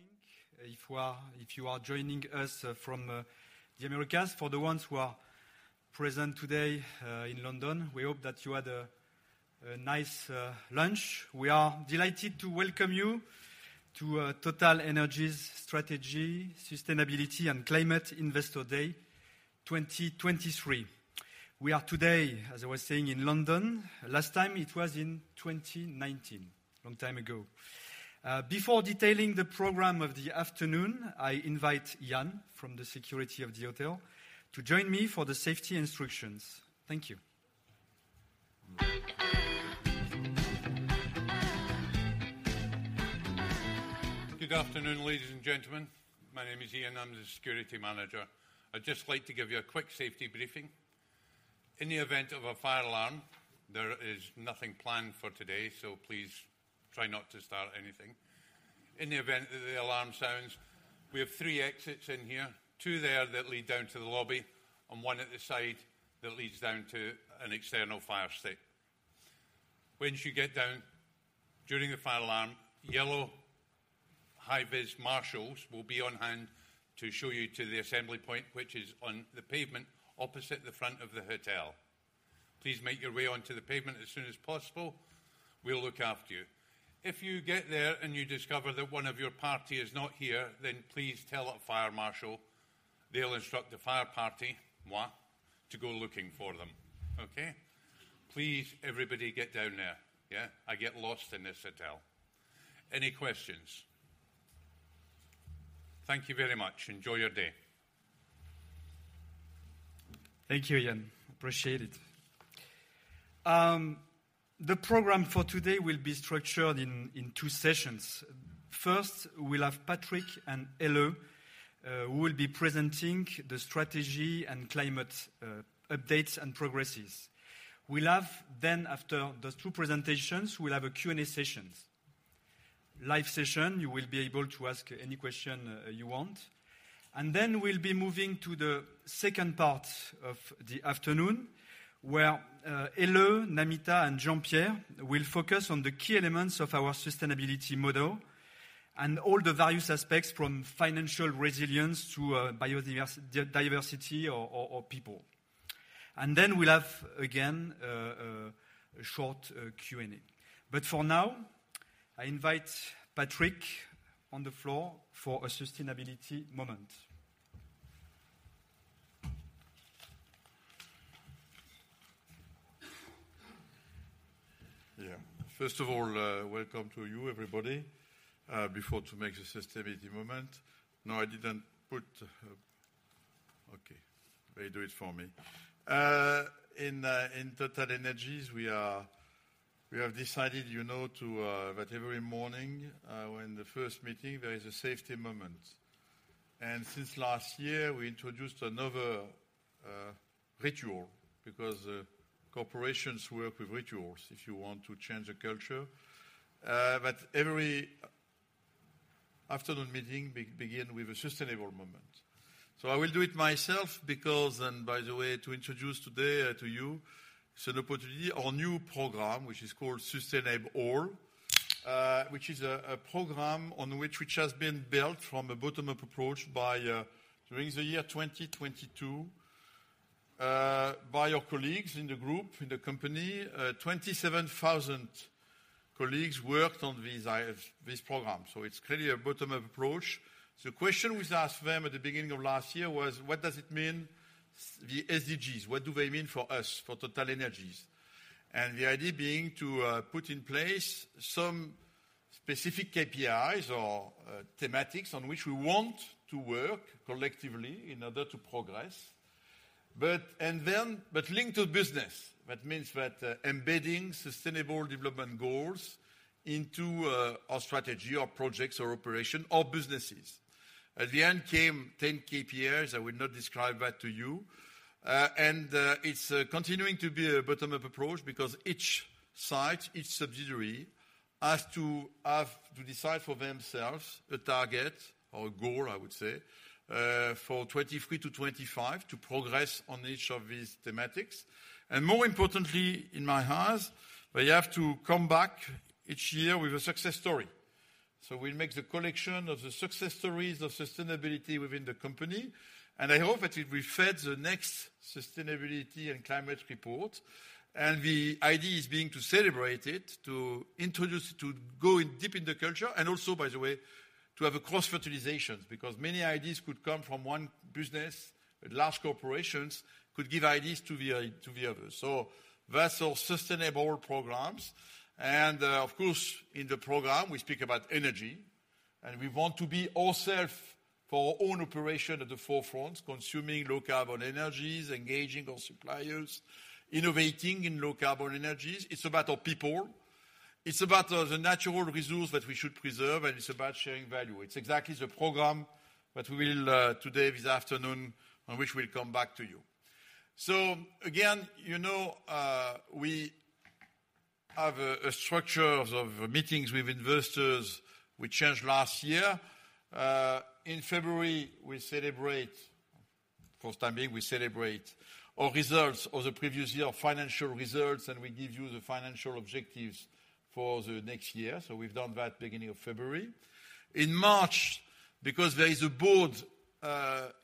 Good morning, if you are joining us from the Americas. For the ones who are present today in London, we hope that you had a nice lunch. We are delighted to welcome you to TotalEnergies Strategy, Sustainability and Climate Investor Day 2023. We are today, as I was saying, in London. Last time it was in 2019, long time ago. Before detailing the program of the afternoon, I invite Ian from the security of the hotel to join me for the safety instructions. Thank you. Good afternoon, ladies and gentlemen. My name is Ian, I'm the security manager. I'd just like to give you a quick safety briefing. In the event of a fire alarm, there is nothing planned for today, so please try not to start anything. In the event that the alarm sounds, we have three exits in here, two there that lead down to the lobby, and 1 at the side that leads down to an external fire escape. Once you get down during the fire alarm, yellow high-vis marshals will be on hand to show you to the assembly point which is on the pavement opposite the front of the hotel. Please make your way onto the pavement as soon as possible. We'll look after you. If you get there and you discover that 1 of your party is not here, then please tell a fire marshal. They'll instruct a fire party, moi, to go looking for them. Okay? Please, everybody get down there. Yeah? I get lost in this hotel. Any questions? Thank you very much. Enjoy your day. Thank you, Ian. Appreciate it. The program for today will be structured in two sessions. First, we'll have Patrick and Helle who will be presenting the strategy and climate updates and progresses. We'll have then after those two presentations, we'll have a Q&A sessions. Live session, you will be able to ask any question you want. Then we'll be moving to the second part of the afternoon, where Helle, Namita, and Jean-Pierre will focus on the key elements of our sustainability model and all the various aspects from financial resilience to biodiversity or people. Then we'll have again a short Q&A. For now, I invite Patrick on the floor for a sustainability moment. Yeah. First of all, welcome to you, everybody. Before to make the sustainability moment. No, I didn't put - okay. They do it for me. In TotalEnergies, we are, we have decided, you know, to that every morning, when the first meeting, there is a safety moment. Since last year, we introduced another ritual because corporations work with rituals if you want to change the culture. That every afternoon meeting begin with a sustainable moment. I will do it myself because, and by the way, to introduce today, to you, it's an opportunity, our new program, which is called Sustainab'ALL, which is a program on which has been built from a bottom-up approach by during the year 2022, by your colleagues in the group, in the company. 27,000 colleagues worked on this program, so it's clearly a bottom-up approach. The question we asked them at the beginning of last year was: what does it mean, the SDGs? What do they mean for us, for TotalEnergies? The idea being to put in place some specific KPIs or thematics on which we want to work collectively in order to progress. Linked to business, that means that embedding sustainable development goals into our strategy or projects or operation or businesses. At the end came 10 KPIs. I will not describe that to you. It's continuing to be a bottom-up approach because each site, each subsidiary has to decide for themselves a target or goal, I would say, for 2023-2025 to progress on each of these thematics. More importantly in my eyes, they have to come back each year with a success story. We'll make the collection of the success stories of sustainability within the company, and I hope that it will fed the next sustainability and climate report. The idea is being to celebrate it, to introduce, to go in deep in the culture, and also, by the way, to have a cross-fertilizations, because many ideas could come from one business. Large corporations could give ideas to the others. That's our Sustainab'ALL programs. Of course, in the program, we speak about energy, and we want to be ourself for our own operation at the forefront, consuming low carbon energies, engaging our suppliers, innovating in low carbon energies. It's about our people. It's about the natural resource that we should preserve, and it's about sharing value. It's exactly the program that we will today, this afternoon on which we'll come back to you. Again, you know, we have a structure of meetings with investors we changed last year. In February, for the time being, we celebrate our results of the previous year, financial results, and we give you the financial objectives for the next year. We've done that beginning of February. In March, because there is a board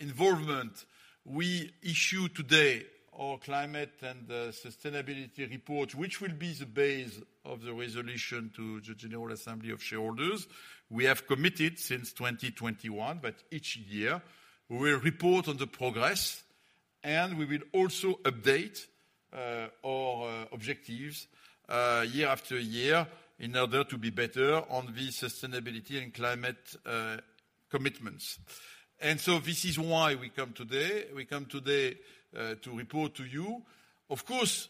involvement, we issue today our climate and sustainability report, which will be the base of the resolution to the general assembly of shareholders. We have committed since 2021 that each year we will report on the progress, and we will also update our objectives year after year in order to be better on the sustainability and climate commitments. This is why we come today. We come today to report to you. Of course,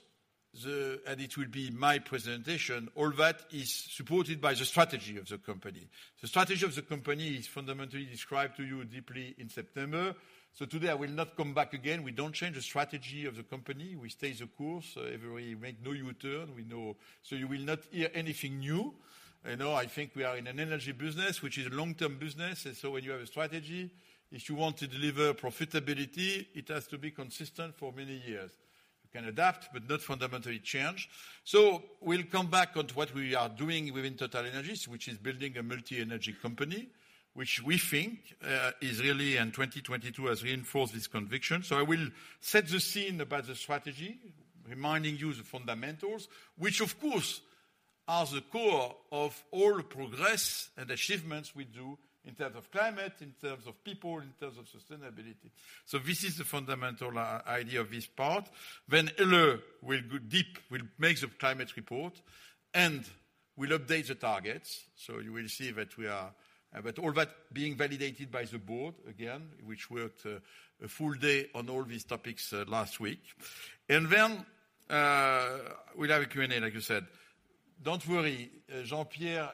and it will be my presentation, all that is supported by the strategy of the company. The strategy of the company is fundamentally described to you deeply in September. Today I will not come back again. We don't change the strategy of the company. We stay the course. Everybody make no U-turn. We know. You will not hear anything new. You know, I think we are in an energy business, which is long-term business. When you have a strategy, if you want to deliver profitability, it has to be consistent for many years. You can adapt, but not fundamentally change. We'll come back on to what we are doing within TotalEnergies, which is building a multi-energy company, which we think is really, and 2022 has reinforced this conviction. I will set the scene about the strategy, reminding you the fundamentals, which of course, are the core of all progress and achievements we do in terms of climate, in terms of people, in terms of sustainability. This is the fundamental idea of this part. Helle will go deep, will make the climate report, and will update the targets. You will see that all that being validated by the board again, which worked a full day on all these topics last week. Then we'll have a Q&A, like you said. Don't worry, Jean-Pierre,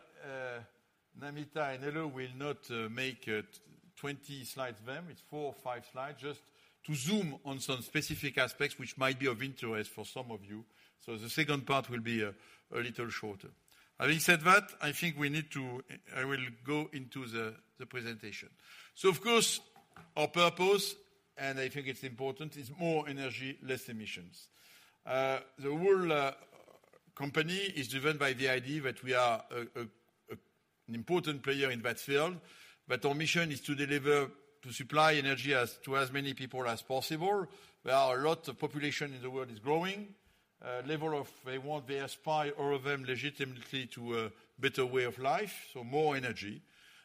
Namita, and Helle will not make 20 slides then. It's four or five slides just to zoom on some specific aspects which might be of interest for some of you. The second part will be a little shorter. Having said that, I will go into the presentation. Of course, our purpose, and I think it's important, is more energy, less emissions. The whole company is driven by the idea that we are an important player in that field, but our mission is to deliver, to supply energy as to as many people as possible. There are a lot of population in the world is growing. level of they want, they aspire all of them legitimately to a better way of life, so more energy.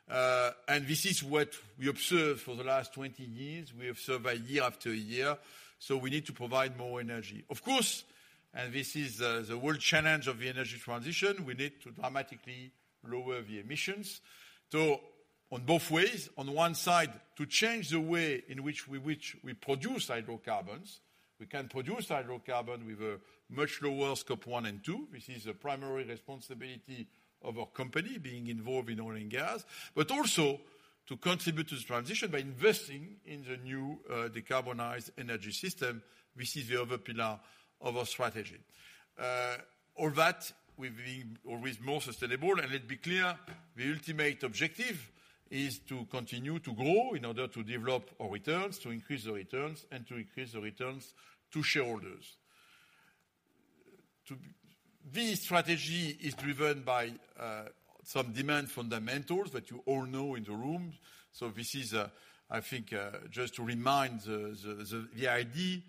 This is what we observe for the last 20 years. We observe year after year, we need to provide more energy. Of course, this is, the world challenge of the energy transition, we need to dramatically lower the emissions. On both ways, on the one side, to change the way in which we produce hydrocarbons. We can produce hydrocarbon with a much lower Scope 1 and 2. This is a primary responsibility of our company being involved in oil and gas. Also to contribute to the transition by investing in the new, decarbonized energy system. This is the other pillar of our strategy. All that with being always more sustainable. Let's be clear, the ultimate objective is to continue to grow in order to develop our returns, to increase our returns, and to increase our returns to shareholders. This strategy is driven by some demand fundamentals that you all know in the room. This is, I think, just to remind the idea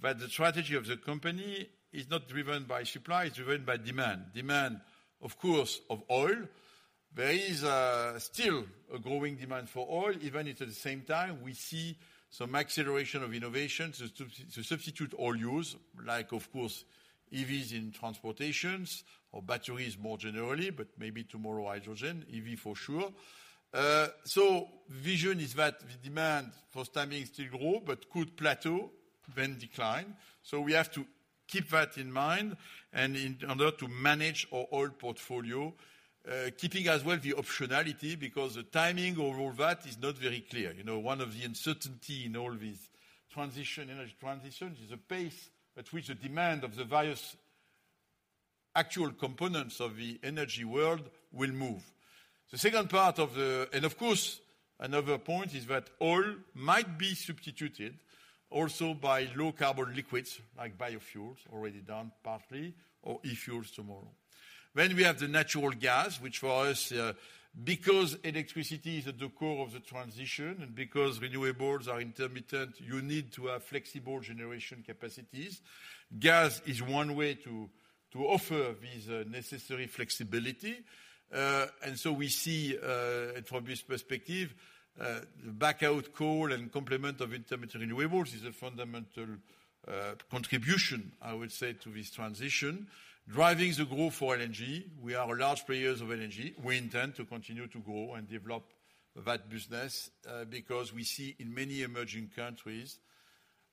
that the strategy of the company is not driven by supply, it's driven by demand. Demand, of course, of oil. There is still a growing demand for oil, even if at the same time, we see some acceleration of innovation to substitute oil use, like of course, EVs in transportations or batteries more generally, but maybe tomorrow, hydrogen, EV for sure. Vision is that the demand for the time being still grow, but could plateau, then decline. We have to keep that in mind and in order to manage our oil portfolio, keeping as well the optionality, because the timing of all that is not very clear. You know, one of the uncertainty in all this transition, energy transition is the pace at which the demand of the various actual components of the energy world will move. Of course, another point is that oil might be substituted also by low carbon liquids like biofuels, already done partly, or eFuels tomorrow. We have the natural gas, which for us, because electricity is at the core of the transition and because renewables are intermittent, you need to have flexible generation capacities. Gas is one way to offer this necessary flexibility. We see, from this perspective, back out coal and complement of intermittent renewables is a fundamental contribution, I would say, to this transition. Driving the growth for LNG, we are large players of LNG. We intend to continue to grow and develop that business, because we see in many emerging countries,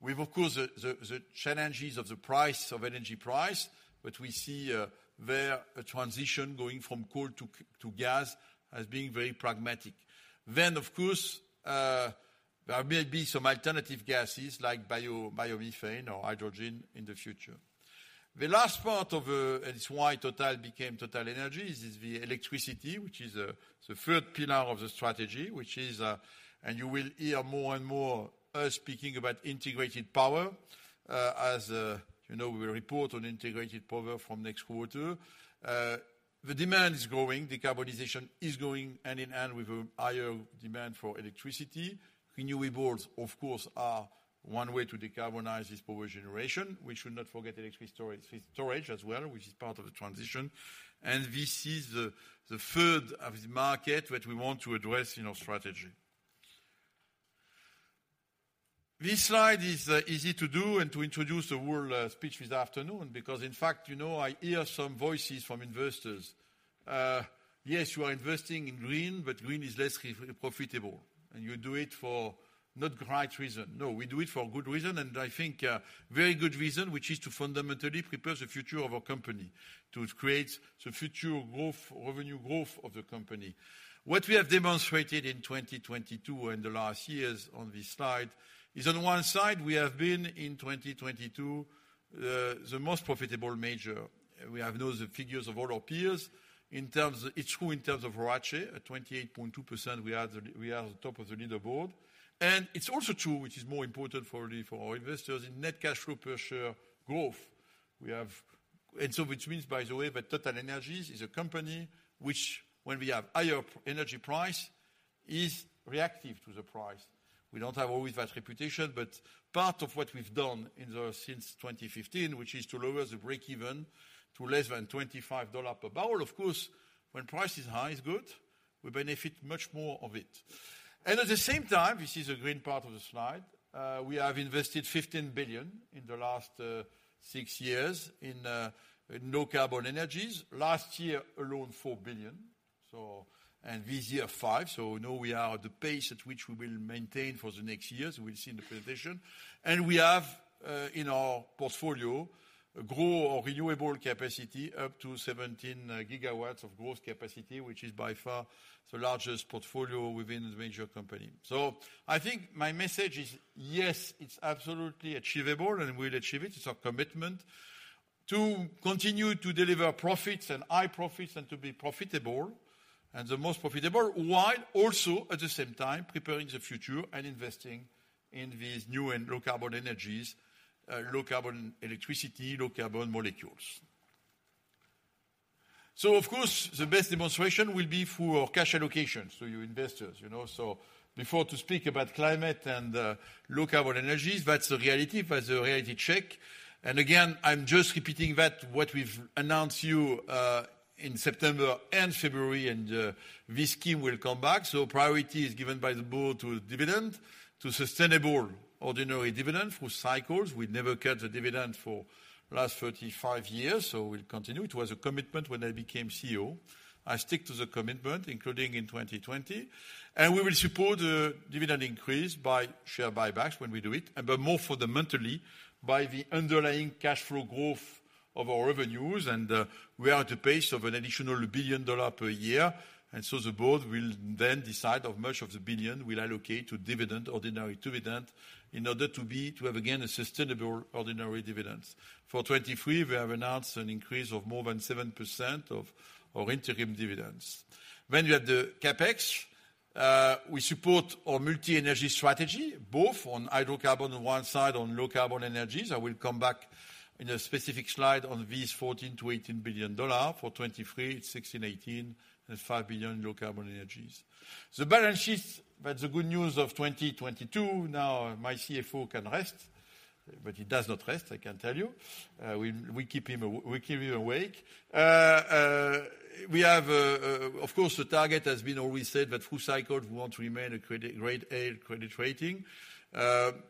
we've of course, the, the challenges of the price of energy price, but we see there a transition going from coal to gas as being very pragmatic. Of course, there may be some alternative gases like biomethane or hydrogen in the future. The last part of, and it's why Total became TotalEnergies is the electricity, which is the third pillar of the strategy, which is, and you will hear more and more us speaking about integrated power, as, you know, we report on integrated power from next quarter. The demand is growing, decarbonization is growing, in hand with a higher demand for electricity. Renewables, of course, are one way to decarbonize this power generation. We should not forget electricity storage as well, which is part of the transition. This is the third of the market that we want to address in our strategy. This slide is easy to do and to introduce the whole speech this afternoon because in fact, you know, I hear some voices from investors. Yes, you are investing in green, but green is less profitable, and you do it for not the right reason. We do it for a good reason, and I think a very good reason, which is to fundamentally prepare the future of our company, to create the future growth, revenue growth of the company. What we have demonstrated in 2022 and the last years on this slide is on one side, we have been in 2022, the most profitable major. We have now the figures of all our peers. It's true in terms of ROACE. At 28.2%, we are the top of the leaderboard. It's also true, which is more important for our investors, in net cash flow per share growth. Which means, by the way, that TotalEnergies is a company which when we have higher energy price is reactive to the price. We don't have always that reputation, but part of what we've done since 2015, which is to lower the break even to less than $25 per barrel. Of course, when price is high, it's good. We benefit much more of it. At the same time, this is a green part of the slide, we have invested $15 billion in the last, 6 years in low carbon energies. Last year alone, $4 billion. This year, $5 billion. Now we are at the pace at which we will maintain for the next years. We'll see in the presentation. We have, in our portfolio, grow our renewable capacity up to 17 gigawatts of growth capacity, which is by far the largest portfolio within the major company. I think my message is, yes, it's absolutely achievable and we'll achieve it. It's our commitment to continue to deliver profits and high profits and to be profitable and the most profitable, while also at the same time preparing the future and investing in these new and low carbon energies, low carbon electricity, low carbon molecules. Of course, the best demonstration will be through our cash allocations. You investors, you know. Before to speak about climate and low carbon energies, that's the reality. That's the reality check. Again, I'm just repeating that what we've announced you in September and February, and this scheme will come back. Priority is given by the board to dividend, to sustainable ordinary dividend through cycles. We never cut the dividend for last 35 years, so we'll continue. It was a commitment when I became CEO. I stick to the commitment, including in 2020. We will support a dividend increase by share buybacks when we do it, and by more fundamentally by the underlying cash flow growth of our revenues. We are at a pace of an additional $1 billion per year. The board will then decide how much of the $1 billion we'll allocate to dividend, ordinary dividend, in order to have again a sustainable ordinary dividends. For 2023, we have announced an increase of more than 7% of our interim dividends. We have the CapEx. We support our multi energy strategy, both on hydrocarbon on one side, on low carbon energies. I will come back in a specific slide on these $14 billion-$18 billion. For 2023, it's $16 billion, $18 billion and $5 billion low carbon energies. The balance sheet, that's the good news of 2022. Now my CFO can rest, but he does not rest, I can tell you. We keep him awake. We have, of course, the target has been always said that through cycles, we want to remain a credit grade A credit rating.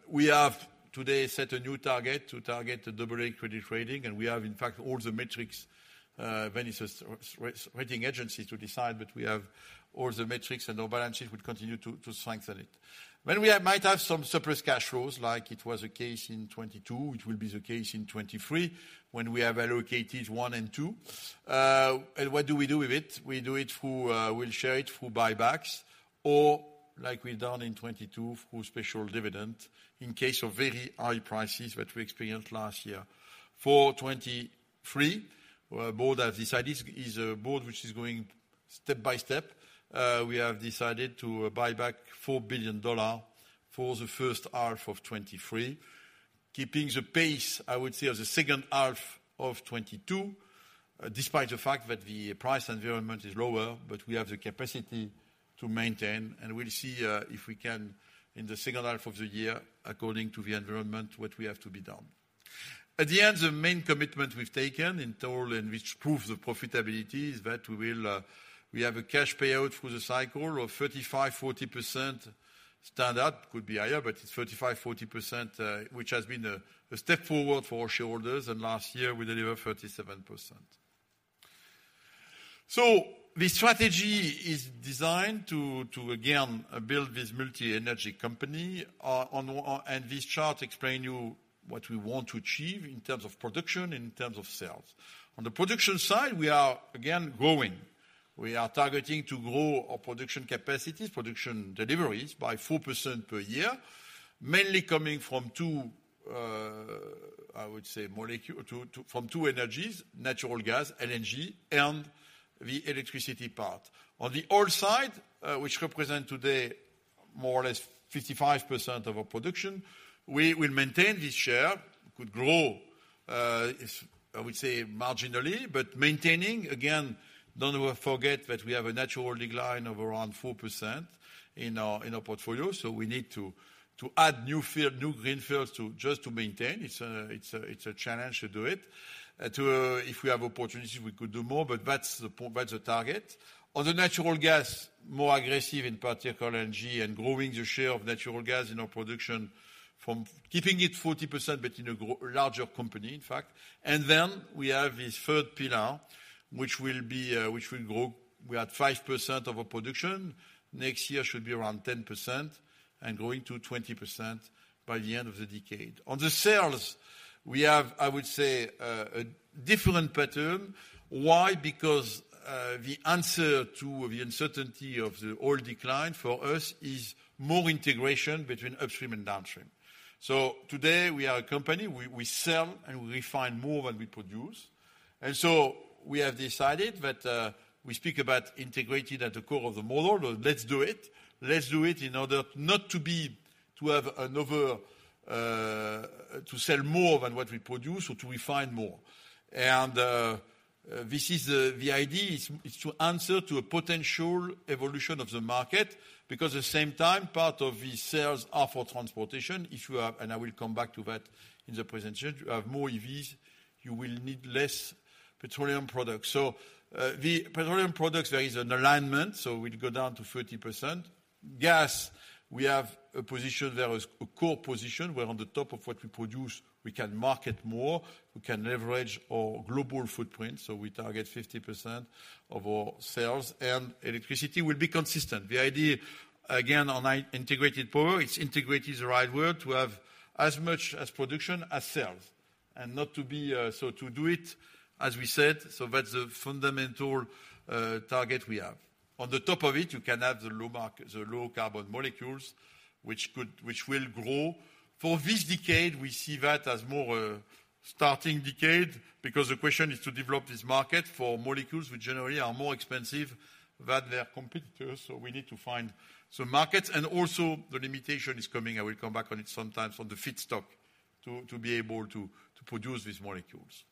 We have today set a new target to target a double A credit rating, and we have, in fact, all the metrics, when it's a rating agency to decide, but we have all the metrics and our balance sheet would continue to strengthen it. When we might have some surplus cash flows, like it was the case in 22, which will be the case in 23, when we have allocated 1 and 2. What do we do with it? We do it through, we'll share it through buybacks or like we've done in 22 through special dividend in case of very high prices that we experienced last year. For 2023, our board have decided, is a board which is going step by step, we have decided to buy back $4 billion for the first half of 2023. Keeping the pace, I would say, of the second half of 2022, despite the fact that the price environment is lower, but we have the capacity to maintain, and we'll see, if we can, in the second half of the year, according to the environment, what we have to be done. At the end, the main commitment we've taken in total and which proves the profitability is that we will, we have a cash payout through the cycle of 35%-40% stand up. Could be higher, but it's 35%-40%, which has been a step forward for our shareholders. Last year, we delivered 37%. The strategy is designed to again build this multi-energy company. This chart explain you what we want to achieve in terms of production, in terms of sales. On the production side, we are again growing. We are targeting to grow our production capacities, production deliveries by 4% per year, mainly coming from two, I would say molecule, from two energies, natural gas, LNG, and the electricity part. On the oil side, which represent today more or less 55% of our production, we will maintain this share, could grow, I would say marginally but maintaining, again don't forget that we have a natural decline of around 4% in our portfolio, so we need to add new field, new greenfields to, just to maintain. It's a challenge to do it. To if we have opportunities, we could do more, but that's the point, that's the target. On the natural gas, more aggressive in particular LNG and growing the share of natural gas in our production from keeping it 40% but in a larger company in fact. Then we have this third pillar, which will be which will grow. We're at 5% of our production. Next year should be around 10% and growing to 20% by the end of the decade. On the sales, we have, I would say, a different pattern. Why? Because the answer to the uncertainty of the oil decline for us is more integration between upstream and downstream. Today we are a company. We sell and we refine more than we produce. We have decided that we speak about integrated at the core of the model. Let's do it in order not to be, to have another to sell more than what we produce or to refine more. This is the idea is to answer to a potential evolution of the market because at the same time, part of the sales are for transportation. If you have, and I will come back to that in the presentation, you have more EVs, you will need less petroleum products. The petroleum products, there is an alignment, so we'll go down to 30%. Gas, we have a position. There is a core position where on the top of what we produce, we can market more, we can leverage our global footprint. We target 50% of our sales, and electricity will be consistent. The idea, again, on integrated power, it's integrated is the right word, to have as much as production as sales and not to be, so to do it as we said. That's the fundamental target we have. On the top of it, you can have the low carbon molecules which could, which will grow. For this decade, we see that as more a starting decade because the question is to develop this market for molecules which generally are more expensive than their competitors. We need to find some markets and also the limitation is coming. I will come back on it sometimes on the feedstock to be able to produce these molecules.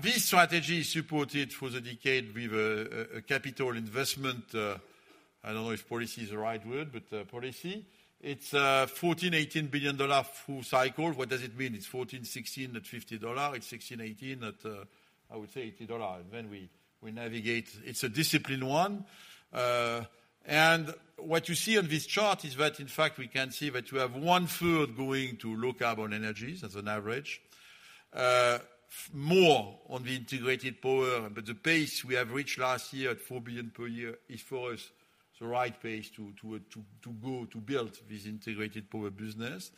This strategy is supported through the decade with a capital investment, I don't know if policy is the right word, but policy. It's $14 billion-$18 billion full cycle. What does it mean? It's $14 billion-$16 billion at $50. It's $16 billion-$18 billion at I would say $80. We navigate. It's a disciplined one. What you see on this chart is that in fact we can see that we have one third going to low carbon energies as an average. More on the integrated power, but the pace we have reached last year at $4 billion per year is for us the right pace to go to build this integrated power business.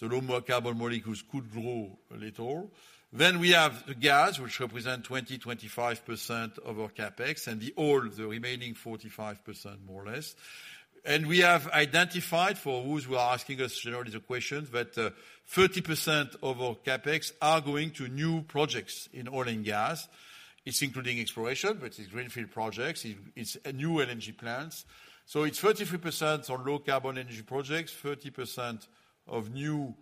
Low more carbon molecules could grow a little. We have gas, which represent 20-25% of our CapEx and the oil, the remaining 45% more or less. We have identified for those who are asking us generally the questions that 30% of our CapEx are going to new projects in oil and gas. It's including exploration but it's greenfield projects. It's new LNG plants. It's 33% on low carbon energy projects, 30% of new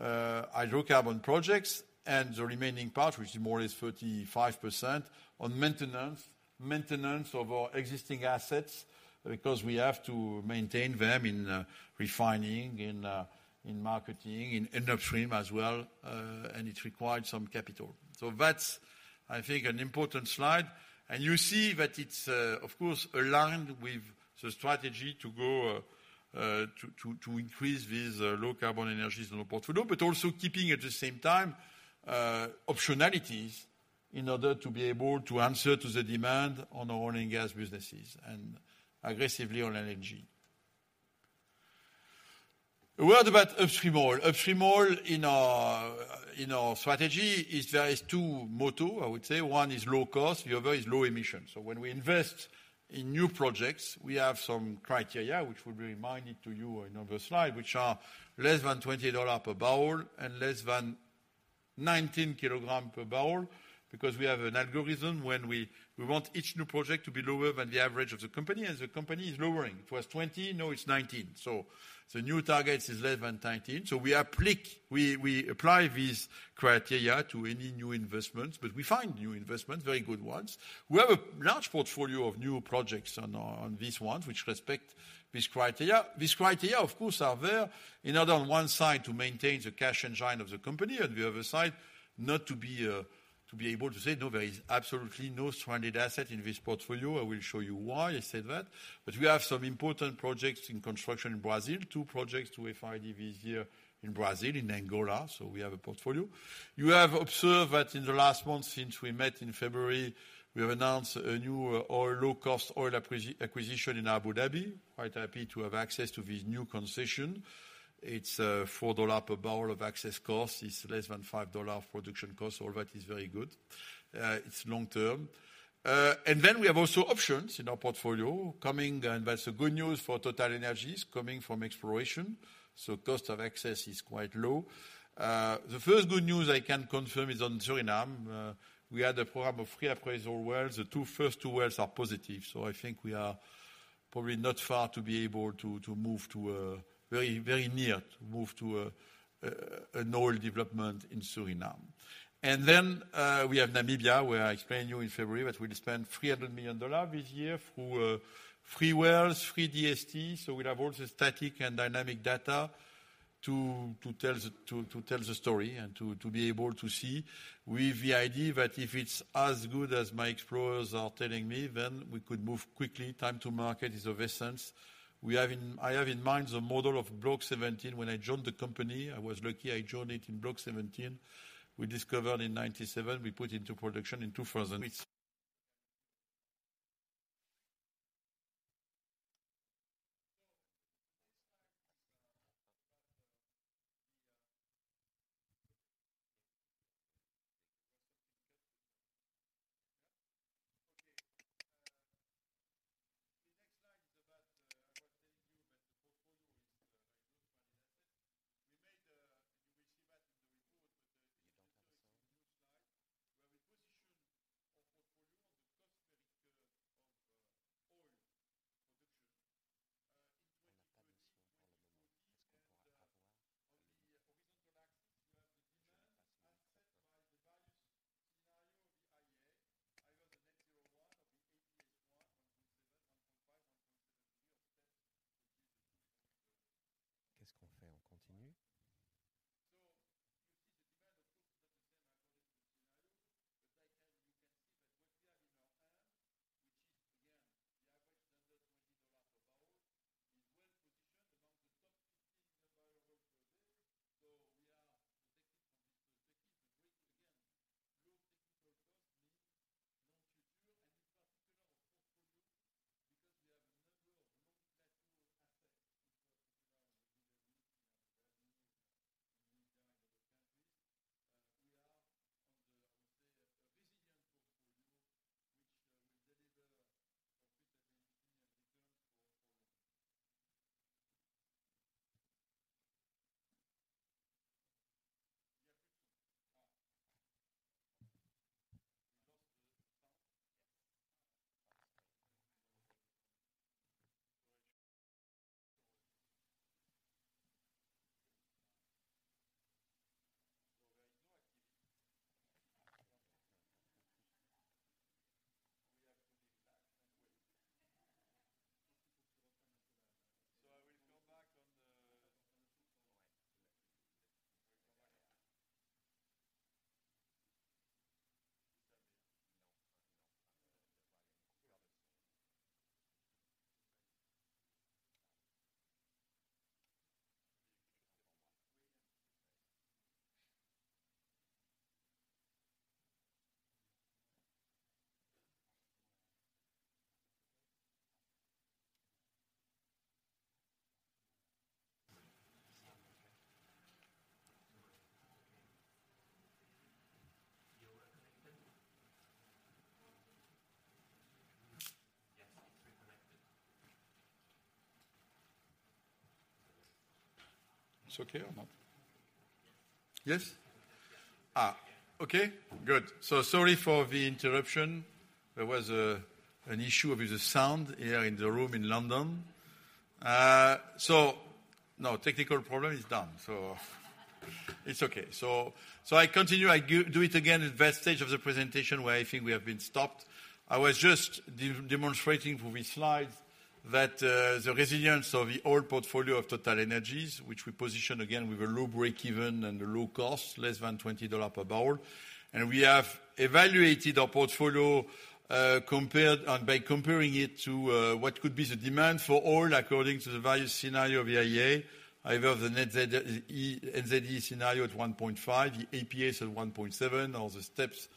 hydrocarbon projects, and the remaining part, which is more or less 35% on maintenance of our existing assets, because we have to maintain them in refining, in marketing, in upstream as well, and it requires some capital. That's, I think, an important slide. You see that it's, of course, aligned with the strategy to grow, to increase these low carbon energies in our portfolio, but also keeping at the same time, optionalities in order to be able to answer to the demand on our oil and gas businesses and aggressively on LNG. A word about upstream oil. Upstream oil in our strategy is there is two motto, I would say. One is low cost, the other is low emissions. When we invest in new projects, we have some criteria which will be reminded to you on another slide, which are less than $20 per barrel and less than 19 kilogram per barrel because we have an algorithm when we want each new project to be lower than the average of the company, and the company is lowering. It was 20, now it's 19. The new target is less than 19. We apply these criteria to any new investments. We find new investments, very good ones. We have a large portfolio of new projects on these ones which respect these criteria. These criteria, of course, are there in order on one side to maintain the cash engine of the company, on the other side not to be able to say, "No, there is absolutely no stranded asset in this portfolio." I will show you why I said that. We have some important projects in construction in Brazil, two projects to FID this year in Brazil, in Angola. We have a portfolio. You have observed that in the last month since we met in February, we have announced a new oil, low cost oil acquisition in Abu Dhabi. Quite happy to have access to this new concession. It's $4 per barrel of access cost. It's less than $5 production cost. All that is very good. It's long-term. We have also options in our portfolio coming, that's the good news for TotalEnergies coming from exploration. Cost of access is quite low. The first good news I can confirm is on Suriname. We had a program of reappraisal wells. The first 2 wells are positive. I think we are probably not far to be able to move to a very near, to move to an oil development in Suriname. We have Namibia where I explained to you in February that we'll spend $300 million this year through three wells, three DSTs. We'll have all the static and dynamic data to tell the story and to be able to see with the idea that if it's as good as my explorers are telling me, we could move quickly. Time to market is of essence. I have in mind the model of Block XVII. When I joined the company, I was lucky, I joined it in Block XVII. We discovered in 1997, we put into production in 2000. It's okay or not? Yes? Okay. Good. Sorry for the interruption. There was an issue with the sound here in the room in London. No technical problem. It's done. It's okay. I continue. I do it again at that stage of the presentation where I think we have been stopped. I was just demonstrating with slides that the resilience of the oil portfolio of TotalEnergies, which we position again with a low break-even and low cost, less than $20 per barrel. We have evaluated our portfolio, compared by comparing it to what could be the demand for oil according to the various scenario of IEA. I have the NZE scenario at 1.5, the APS at 1.7, or the steps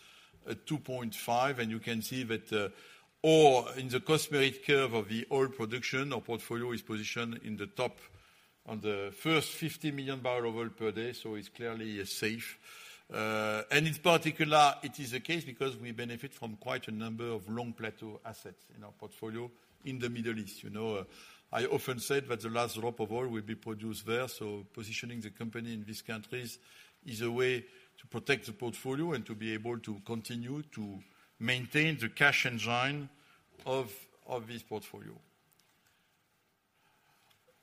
at 2.5. You can see that, or in the cost merit curve of the oil production, our portfolio is positioned in the top on the first 50 million barrel oil per day. It's clearly safe. In particular, it is the case because we benefit from quite a number of long plateau assets in our portfolio in the Middle East. You know, I often said that the last drop of oil will be produced there. Positioning the company in these countries is a way to protect the portfolio and to be able to continue to maintain the cash engine of this portfolio.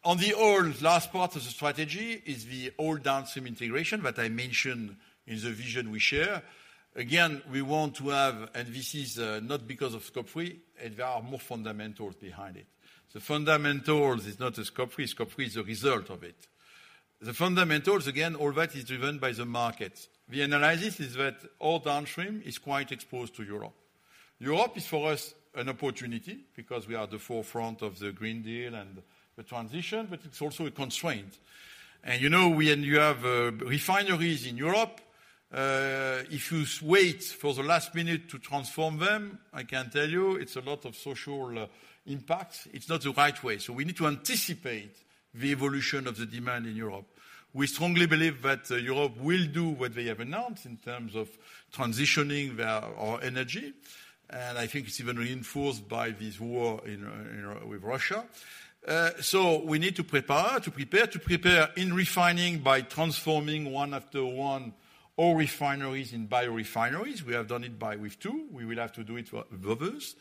On the oil, last part of the strategy is the oil downstream integration that I mentioned in the vision we share. Again, we want to have - this is not because of Scope 3, and there are more fundamentals behind it. The fundamentals is not a Scope 3. Scope 3 is a result of it. The fundamentals, again all that is driven by the markets. The analysis is that oil downstream is quite exposed to Europe. Europe is, for us, an opportunity because we are at the forefront of the Green Deal and the transition, but it's also a constraint. You know, when you have refineries in Europe, if you wait for the last minute to transform them, I can tell you it's a lot of social impact. It's not the right way. We need to anticipate the evolution of the demand in Europe. We strongly believe that Europe will do what they have announced in terms of transitioning their oil energy. I think it's even reinforced by this war with Russia. We need to prepare in refining by transforming one after one oil refineries in biorefineries. We have done it by with two. We will have to do it with others.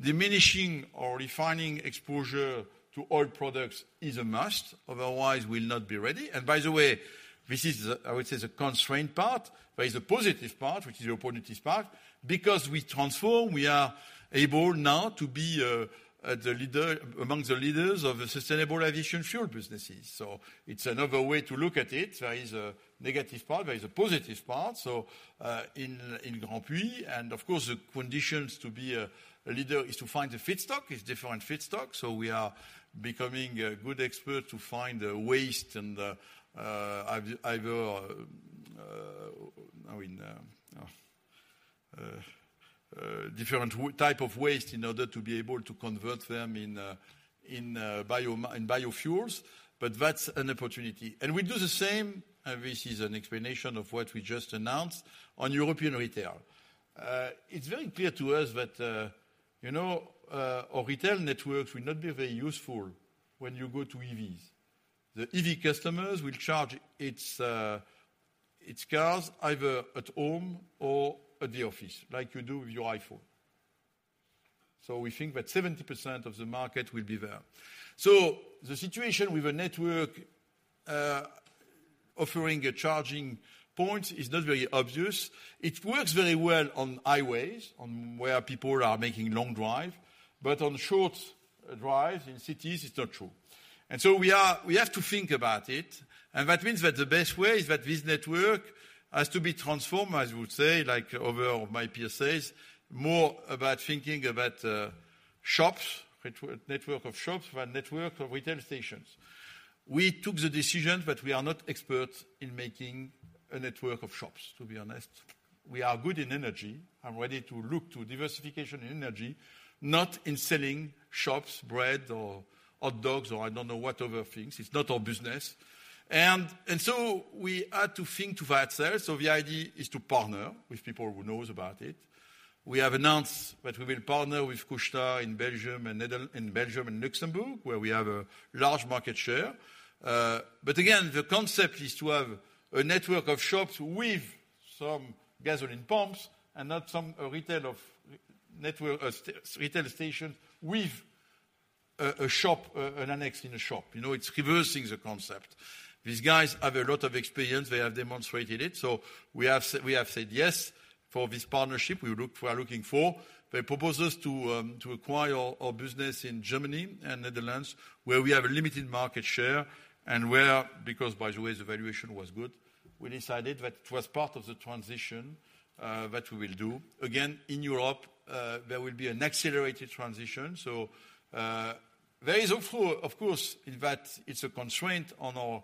Diminishing or refining exposure to oil products is a must, otherwise we'll not be ready. By the way, this is I would say, the constraint part. There is a positive part, which is the opportunities part. We transform, we are able now to be among the leaders of the sustainable aviation fuel businesses. It's another way to look at it. There is a negative part, there is a positive part. In Grandpuits, and of course, the conditions to be a leader is to find a feedstock. It's different feedstock. we are becoming a good expert to find the waste and the, I mean, different type of waste in order to be able to convert them in biofuels. That's an opportunity. we do the same, and this is an explanation of what we just announced, on European retail. It's very clear to us that, you know, our retail networks will not be very useful when you go to EVs. The EV customers will charge its cars either at home or at the office, like you do with your iPhone. we think that 70% of the market will be there. The situation with a network offering a charging point is not very obvious. It works very well on highways, on where people are making long drive, but on short drives in cities, it's not true. We have to think about it, and that means that the best way is that this network has to be transformed, I would say, like other of my PSAs, more about thinking about shops, network of shops than network of retail stations. We took the decision, but we are not experts in making a network of shops, to be honest. We are good in energy and ready to look to diversification in energy, not in selling shops, bread or hot dogs, or I don't know whatever things. It's not our business. We had to think to that sale. The idea is to partner with people who knows about it. We have announced that we will partner with Couche-Tard in Belgium and Luxembourg, where we have a large market share. Again, the concept is to have a network of shops with some gasoline pumps and not some retail station with a shop, an annex in a shop. You know, it's reversing the concept. These guys have a lot of experience. They have demonstrated it. We have said yes for this partnership. We are looking for. They propose us to acquire our business in Germany and Netherlands, where we have a limited market share and where, because by the way, the valuation was good, we decided that it was part of the transition that we will do. Again, in Europe, there will be an accelerated transition. There is hope for, of course, in that it's a constraint on our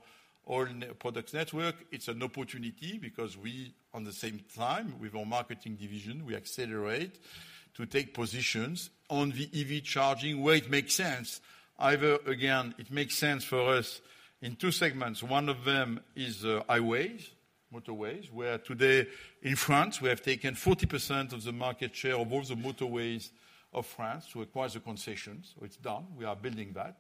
oil products network. It's an opportunity because we, on the same time, with our marketing division, we accelerate to take positions on the EV charging where it makes sense. Either, again, it makes sense for us in 2 segments. One of them is highways, motorways, where today in France, we have taken 40% of the market share of all the motorways of France to acquire the concessions. It's done. We are building that.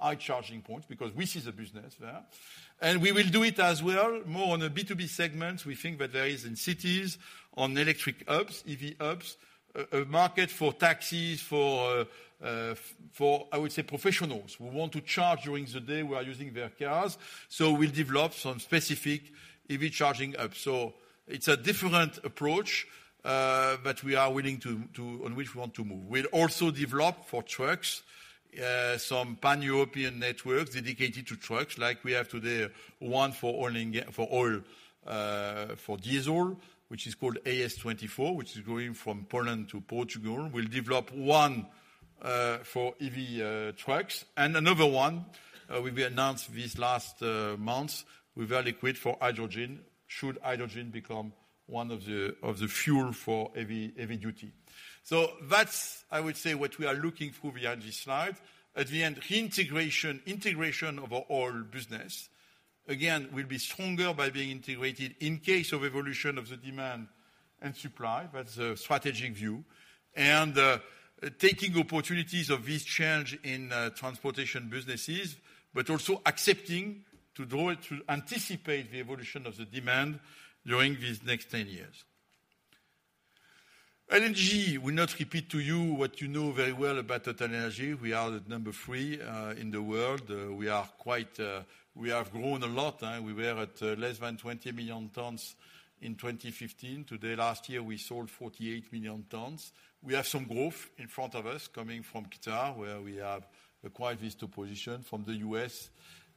high charging points because we see the business there. We will do it as well more on a B2B segment. We think that there is in cities on electric hubs, EV hubs, a market for taxis, for, I would say, professionals who want to charge during the day who are using their cars. We'll develop some specific EV charging hubs. It's a different approach, but we are willing to move. We'll also develop for trucks, some pan-European networks dedicated to trucks like we have today, one for oil, for diesel, which is called AS24, which is going from Poland to Portugal. We'll develop one for EV trucks and another one will be announced this last months with Air Liquide for hydrogen, should hydrogen become one of the fuel for EV duty. That's, I would say, what we are looking through behind this slide. At the end, reintegration, integration of our oil business. Again, we'll be stronger by being integrated in case of evolution of the demand and supply. That's a strategic view. Taking opportunities of this change in transportation businesses, but also accepting to do it, to anticipate the evolution of the demand during these next 10 years. LNG, we not repeat to you what you know very well about TotalEnergies. We are the number three in the world. We are quite, we have grown a lot. We were at less than 20 million tons in 2015. Today, last year, we sold 48 million tons. We have some growth in front of us coming from Qatar, where we have acquired this to position from the U.S.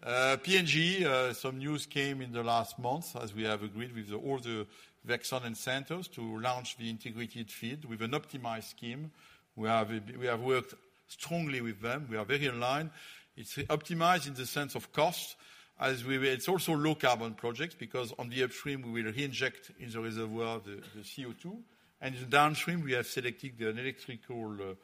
PNG, some news came in the last month as we have agreed with all the Exxon and Santos to launch the integrated FEED with an optimized scheme. We have worked strongly with them. We are very aligned. It's optimized in the sense of cost. It's also low carbon projects because on the upstream, we will reinject in the reservoir the CO2. The downstream, we have selected an electrical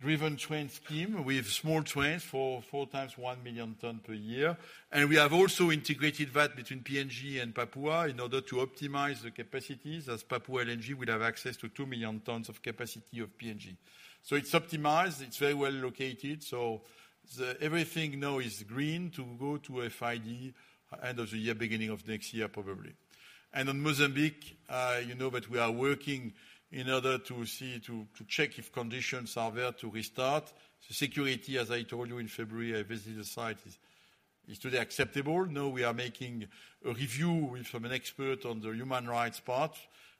driven train scheme. We have small trains for 4 times 1 million tons per year. We have also integrated that between PNG and Papua in order to optimize the capacities, as Papua LNG will have access to 2 million tons of capacity of PNG. It's optimized, it's very well located, everything now is green to go to FID end of the year, beginning of next year, probably. On Mozambique, you know that we are working in order to see, to check if conditions are there to restart. The security, as I told you in February, I visited the site, is today acceptable. We are making a review with some expert on the human rights part.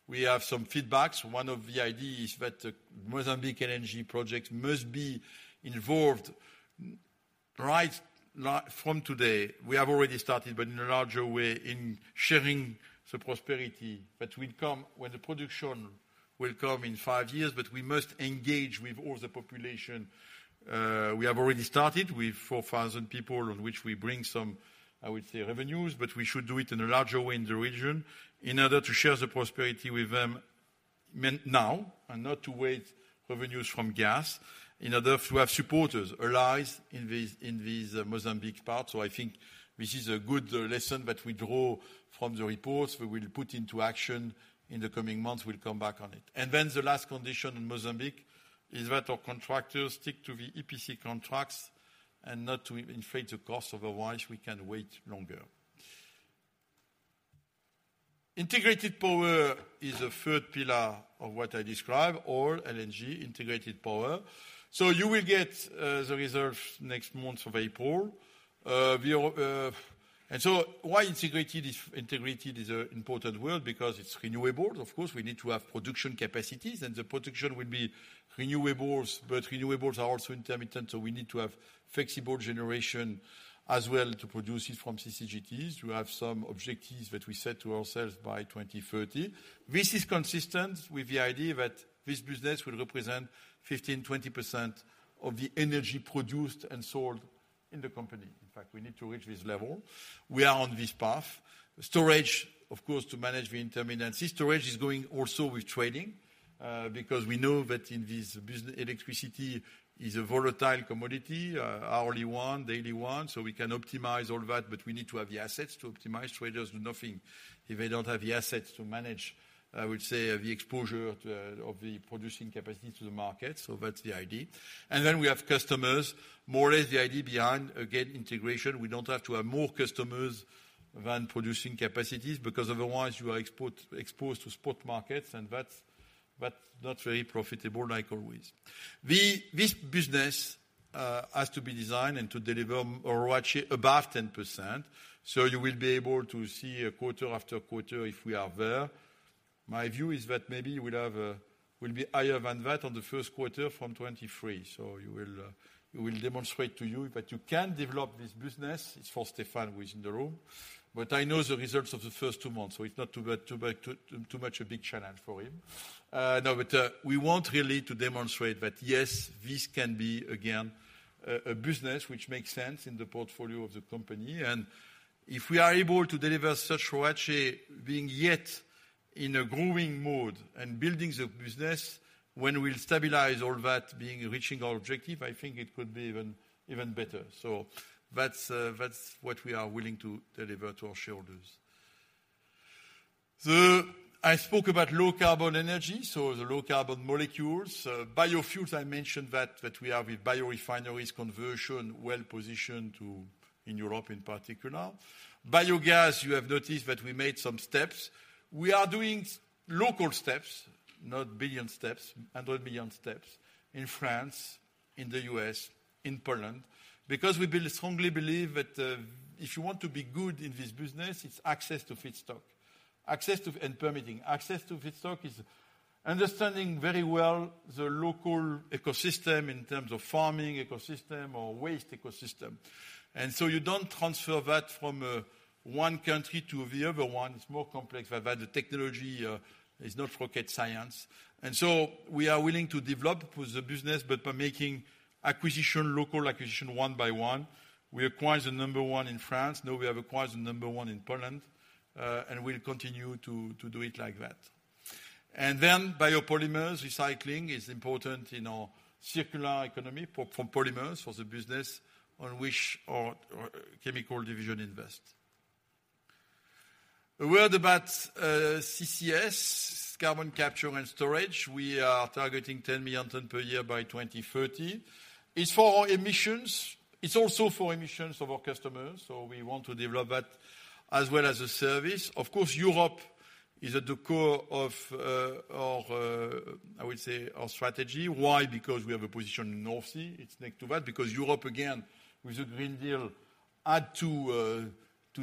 We have some feedbacks. One of the idea is that Mozambique LNG project must be involved right now, from today. We have already started, but in a larger way in sharing the prosperity that will come when the production will come in 5 years, but we must engage with all the population. We have already started with 4,000 people on which we bring some, I would say, revenues, but we should do it in a larger way in the region in order to share the prosperity with them now and not to wait revenues from gas, in order to have supporters allies in these, in these Mozambique part. I think this is a good lesson that we draw from the reports we will put into action in the coming months. We'll come back on it. The last condition in Mozambique is that our contractors stick to the EPC contracts and not to inflate the costs, otherwise we can wait longer. Integrated power is a third pillar of what I described, oil, LNG, integrated power. You will get the results next month of April. We are. Why integrated is an important word because it's renewable. Of course, we need to have production capacities, and the production will be renewables. Renewables are also intermittent, so we need to have flexible generation as well to produce it from CCGTs. We have some objectives that we set to ourselves by 2030. This is consistent with the idea that this business will represent 15%-20% of the energy produced and sold in the company. In fact, we need to reach this level. We are on this path. Storage, of course, to manage the intermittency. Storage is going also with trading, because we know that in this business, electricity is a volatile commodity, hourly one, daily one, so we can optimize all that. We need to have the assets to optimize. Traders do nothing if they don't have the assets to manage, I would say, the exposure to, of the producing capacity to the market. That's the idea. Then we have customers. More or less the idea behind again, integration. We don't have to have more customers than producing capacities because otherwise you are export-exposed to spot markets and that's not very profitable like always. This business has to be designed and to deliver a ROACE above 10%. You will be able to see quarter after quarter if we are there. My view is that maybe we'll have a, we'll be higher than that on the 1st quarter from 2023. You will, we will demonstrate to you that you can develop this business. It's for Stéphane, who is in the room. I know the results of the first two months, so it's not too bad, too much a big challenge for him. No, but we want really to demonstrate that yes, this can be again a business which makes sense in the portfolio of the company. If we are able to deliver such ROACE being yet in a growing mode and building the business, when we'll stabilize all that being, reaching our objective, I think it could be even better. That's what we are willing to deliver to our shareholders. I spoke about low carbon energy, so the low carbon molecules. Biofuels, I mentioned that we are with biorefineries conversion well-positioned to, in Europe in particular. Biogas, you have noticed that we made some steps. We are doing local stees, not billion steps, 100 million steps in France, in the US, in Poland, because we strongly believe that if you want to be good in this business, it's access to feedstock. Access to and permitting. Access to feedstock is understanding very well the local ecosystem in terms of farming ecosystem or waste ecosystem. You don't transfer that from one country to the other one. It's more complex than that. The technology is not rocket science. We are willing to develop with the business, but by making acquisition, local acquisition one by one. We acquired the number one in France, now we have acquired the number one in Poland, and we'll continue to do it like that. Biopolymers, recycling is important in our circular economy for, from polymers for the business on which our chemical division invest. A word about CCS, carbon capture and storage. We are targeting 10 million ton per year by 2030. It's for our emissions. It's also for emissions of our customers. We want to develop that as well as a service. Europe is at the core of our, I would say our strategy. Why? We have a position in North Sea. It's next to that. Europe again, with the Green Deal, had to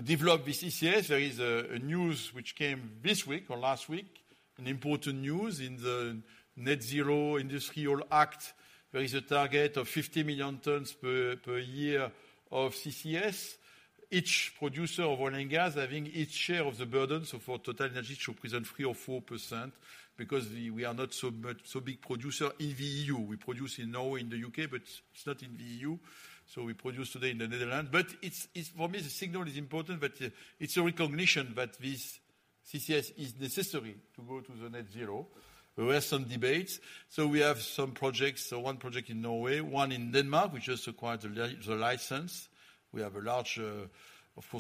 develop the CCS. There is a news which came this week or last week, an important news in the Net-Zero Industry Act. There is a target of 50 million tons per year of CCS. Each producer of oil and gas having its share of the burden. For TotalEnergies should present 3% or 4% because we are not so much, so big producer in the EU. We produce in Norway and the UK, but it's not in the EU. We produce today in the Netherlands. It's for me, the signal is important, but it's a recognition that this CCS is necessary to go to the net zero. There were some debates. We have some projects. One project in Norway, one in Denmark, which just acquired the license. We have a large, of course,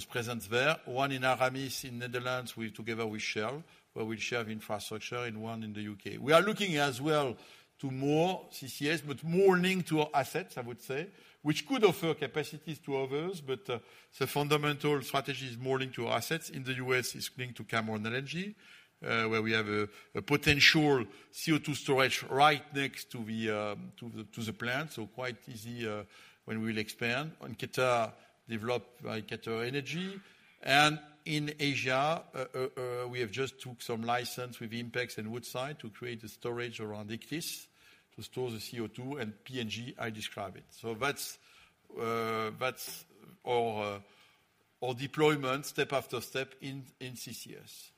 presence there. One in Aramis in Netherlands with, together with Shell, where we share infrastructure, and one in the UK. We are looking as well to more CCS, but more linked to our assets, I would say, which could offer capacities to others. The fundamental strategy is more linked to our assets. In the U.S., it's linked to Cameron LNG, where we have a potential CO2 storage right next to the plant, so quite easy when we'll expand. On Qatar, developed by QatarEnergy. In Asia, we have just took some license with INPEX and Woodside to create a storage around Ichthys to store the CO2 and PNG, I describe it. That's our deployment step after step in CCS.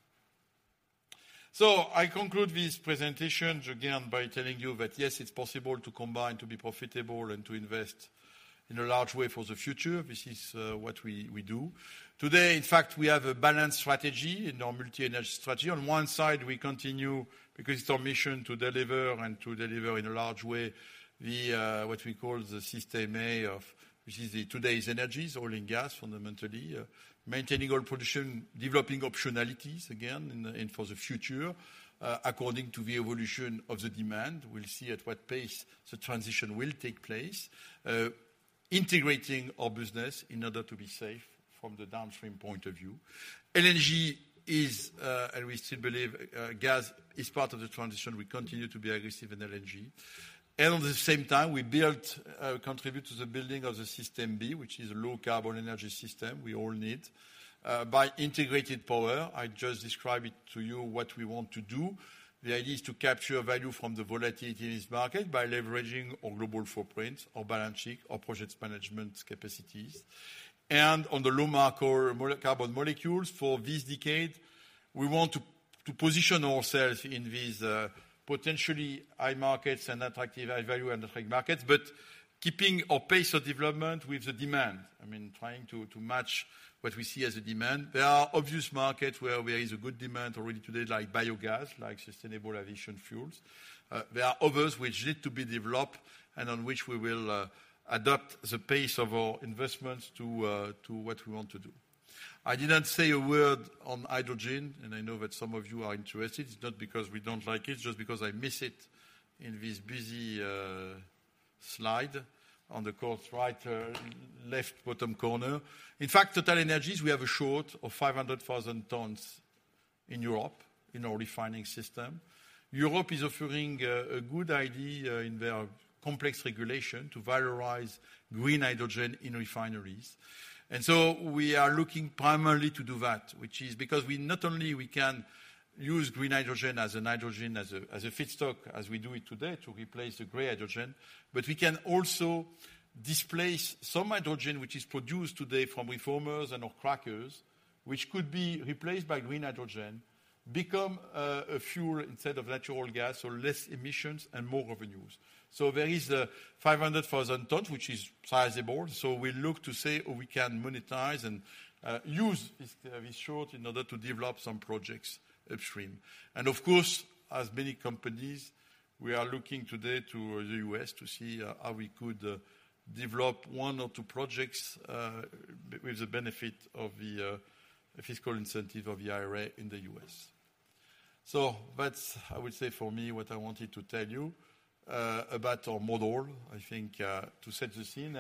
I conclude this presentation again by telling you that, yes, it's possible to combine, to be profitable and to invest in a large way for the future. This is what we do. Today, in fact, we have a balanced strategy in our multi-energy strategy. On one side, we continue, because it's our mission, to deliver and to deliver in a large way the what we call the system A of which is the today's energies, oil and gas, fundamentally. Maintaining oil production, developing optionalities again, in for the future, according to the evolution of the demand. We'll see at what pace the transition will take place. Integrating our business in order to be safe from the downstream point of view. LNG is, and we still believe, gas is part of the transition. We continue to be aggressive in LNG. At the same time, we build, contribute to the building of the system B, which is low carbon energy system we all need. By integrated power, I just described it to you what we want to do. The idea is to capture value from the volatility in this market by leveraging our global footprint, our balancing, our projects management capacities. On the low marker carbon molecules for this decade, we want to position ourselves in these potentially high markets and attractive high value and attractive markets. Keeping our pace of development with the demand, I mean, trying to match what we see as a demand. There are obvious markets where there is a good demand already today, like biogas, like sustainable aviation fuels. There are others which need to be developed and on which we will adapt the pace of our investments to what we want to do. I didn't say a word on hydrogen, and I know that some of you are interested. It's not because we don't like it's just because I miss it in this busy slide on the calls right, left bottom corner. In fact, TotalEnergies, we have a short of 500,000 tons in Europe in our refining system. Europe is offering a good idea in their complex regulation to valorize green hydrogen in refineries. We are looking primarily to do that, which is because we not only we can use green hydrogen as a feedstock, as we do it today, to replace the gray hydrogen, but we can also displace some hydrogen which is produced today from reformers and our crackers, which could be replaced by green hydrogen, become a fuel instead of natural gas, so less emissions and more revenues. There is 500,000 tons, which is sizable. We look to see how we can monetize and use this this short in order to develop some projects upstream. Of course, as many companies, we are looking today to the U.S. to see how we could develop one or two projects with the benefit of the fiscal incentive of the IRA in the U.S. That's, I would say for me, what I wanted to tell you about our model, I think, to set the scene.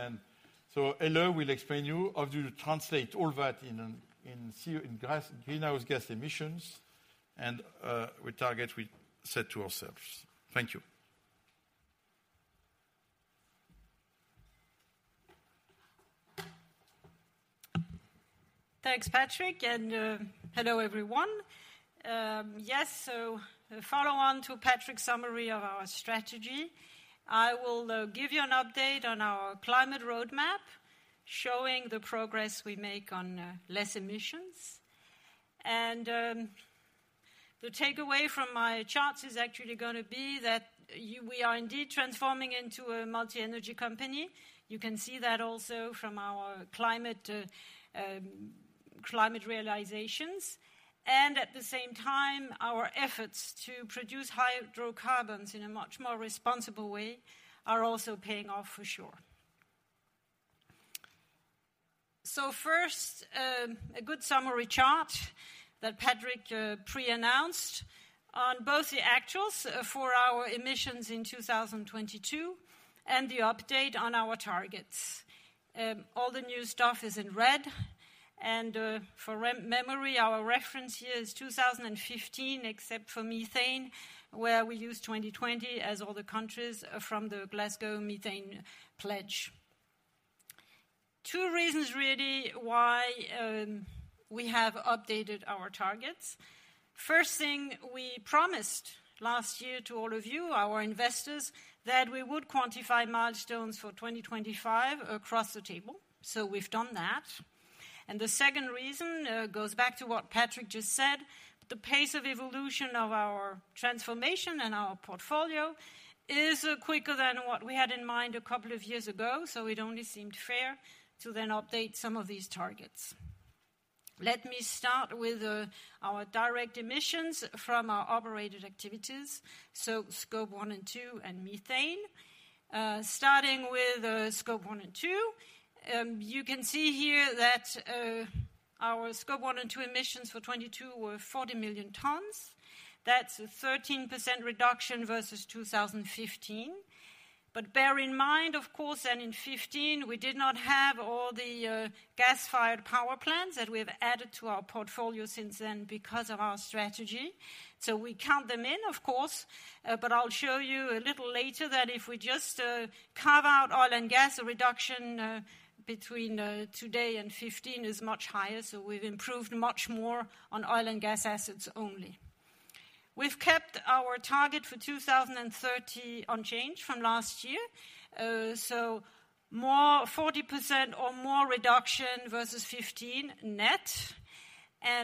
Helen will explain to you how do you translate all that in greenhouse gas emissions and what target we set to ourselves. Thank you. Thanks, Patrick, and hello, everyone. Follow on to Patrick's summary of our strategy. I will give you an update on our climate roadmap, showing the progress we make on less emissions. The takeaway from my charts is actually gonna be that we are indeed transforming into a multi-energy company. You can see that also from our climate realizations. At the same time, our efforts to produce hydrocarbons in a much more responsible way are also paying off for sure. First, a good summary chart that Patrick pre-announced on both the actuals for our emissions in 2022 and the update on our targets. All the new stuff is in red. For memory, our reference here is 2015, except for methane, where we use 2020 as all the countries from the Glasgow Methane Pledge. Two reasons, really, why we have updated our targets. First thing we promised last year to all of you, our investors, that we would quantify milestones for 2025 across the table. We've done that. The second reason goes back to what Patrick just said. The pace of evolution of our transformation and our portfolio is quicker than what we had in mind a couple of years ago, it only seemed fair to then update some of these targets. Let me start with our direct emissions from our operated activities, Scope 1 and 2 and methane. Starting with Scope 1 and 2, you can see here that our Scope 1 and 2 emissions for 2022 were 40 million tons. That's a 13% reduction versus 2015. Bear in mind, of course, that in 2015, we did not have all the gas-fired power plants that we've added to our portfolio since then because of our strategy. We count them in, of course, but I'll show you a little later that if we just carve out oil and gas, the reduction between today and 2015 is much higher, so we've improved much more on oil and gas assets only. We've kept our target for 2030 unchanged from last year. Forty percent or more reduction versus 2015 net.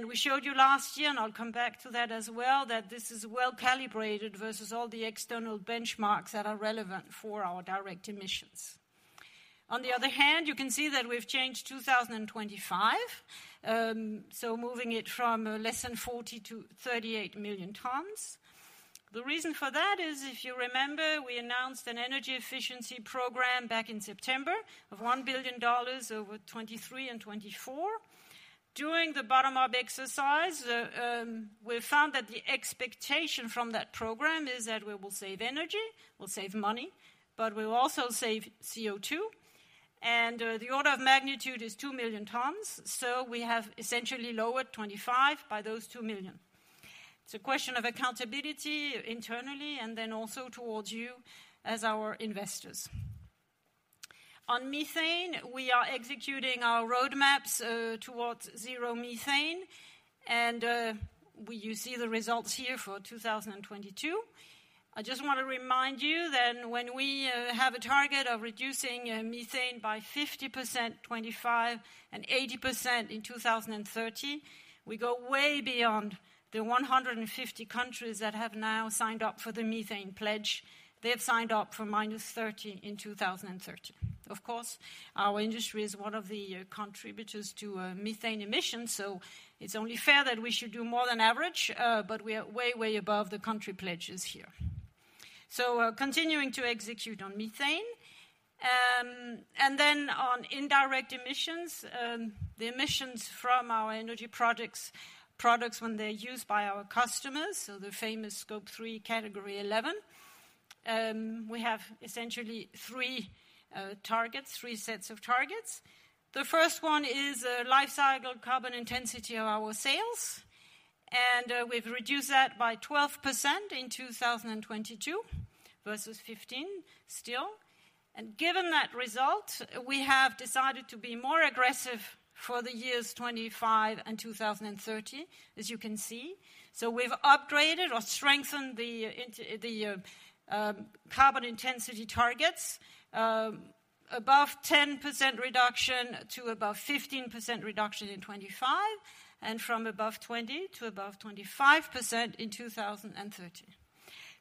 We showed you last year, and I'll come back to that as well, that this is well-calibrated versus all the external benchmarks that are relevant for our direct emissions. On the other hand, you can see that we've changed 2025, so moving it from less than 40 to 38 million tons. The reason for that is, if you remember, we announced an energy efficiency program back in September of $1 billion over 2023 and 2024. During the bottom-up exercise, we found that the expectation from that program is that we will save energy, we'll save money, but we'll also save CO2. The order of magnitude is 2 million tons, so we have essentially lowered 2025 by those 2 million. It's a question of accountability internally and then also towards you as our investors. On methane, we are executing our roadmaps towards zero methane. You see the results here for 2022. I just wanna remind you that when we have a target of reducing methane by 50% 2025 and 80% in 2030, we go way beyond the 150 countries that have now signed up for the Global Methane Pledge. They have signed up for -30% in 2030. Of course, our industry is one of the contributors to methane emissions, it's only fair that we should do more than average, we are way above the country pledges here. Continuing to execute on methane. Then on indirect emissions, the emissions from our energy products when they're used by our customers, so the famous Scope 3, Category 11, we have essentially three targets, three sets of targets. The first one is lifecycle carbon intensity of our sales, and we've reduced that by 12% in 2022 versus 2015 still. Given that result, we have decided to be more aggressive for the years 2025 and 2030, as you can see. We've upgraded or strengthened the carbon intensity targets above 10% reduction to above 15% reduction in 2025, and from above 20 to above 25% in 2030.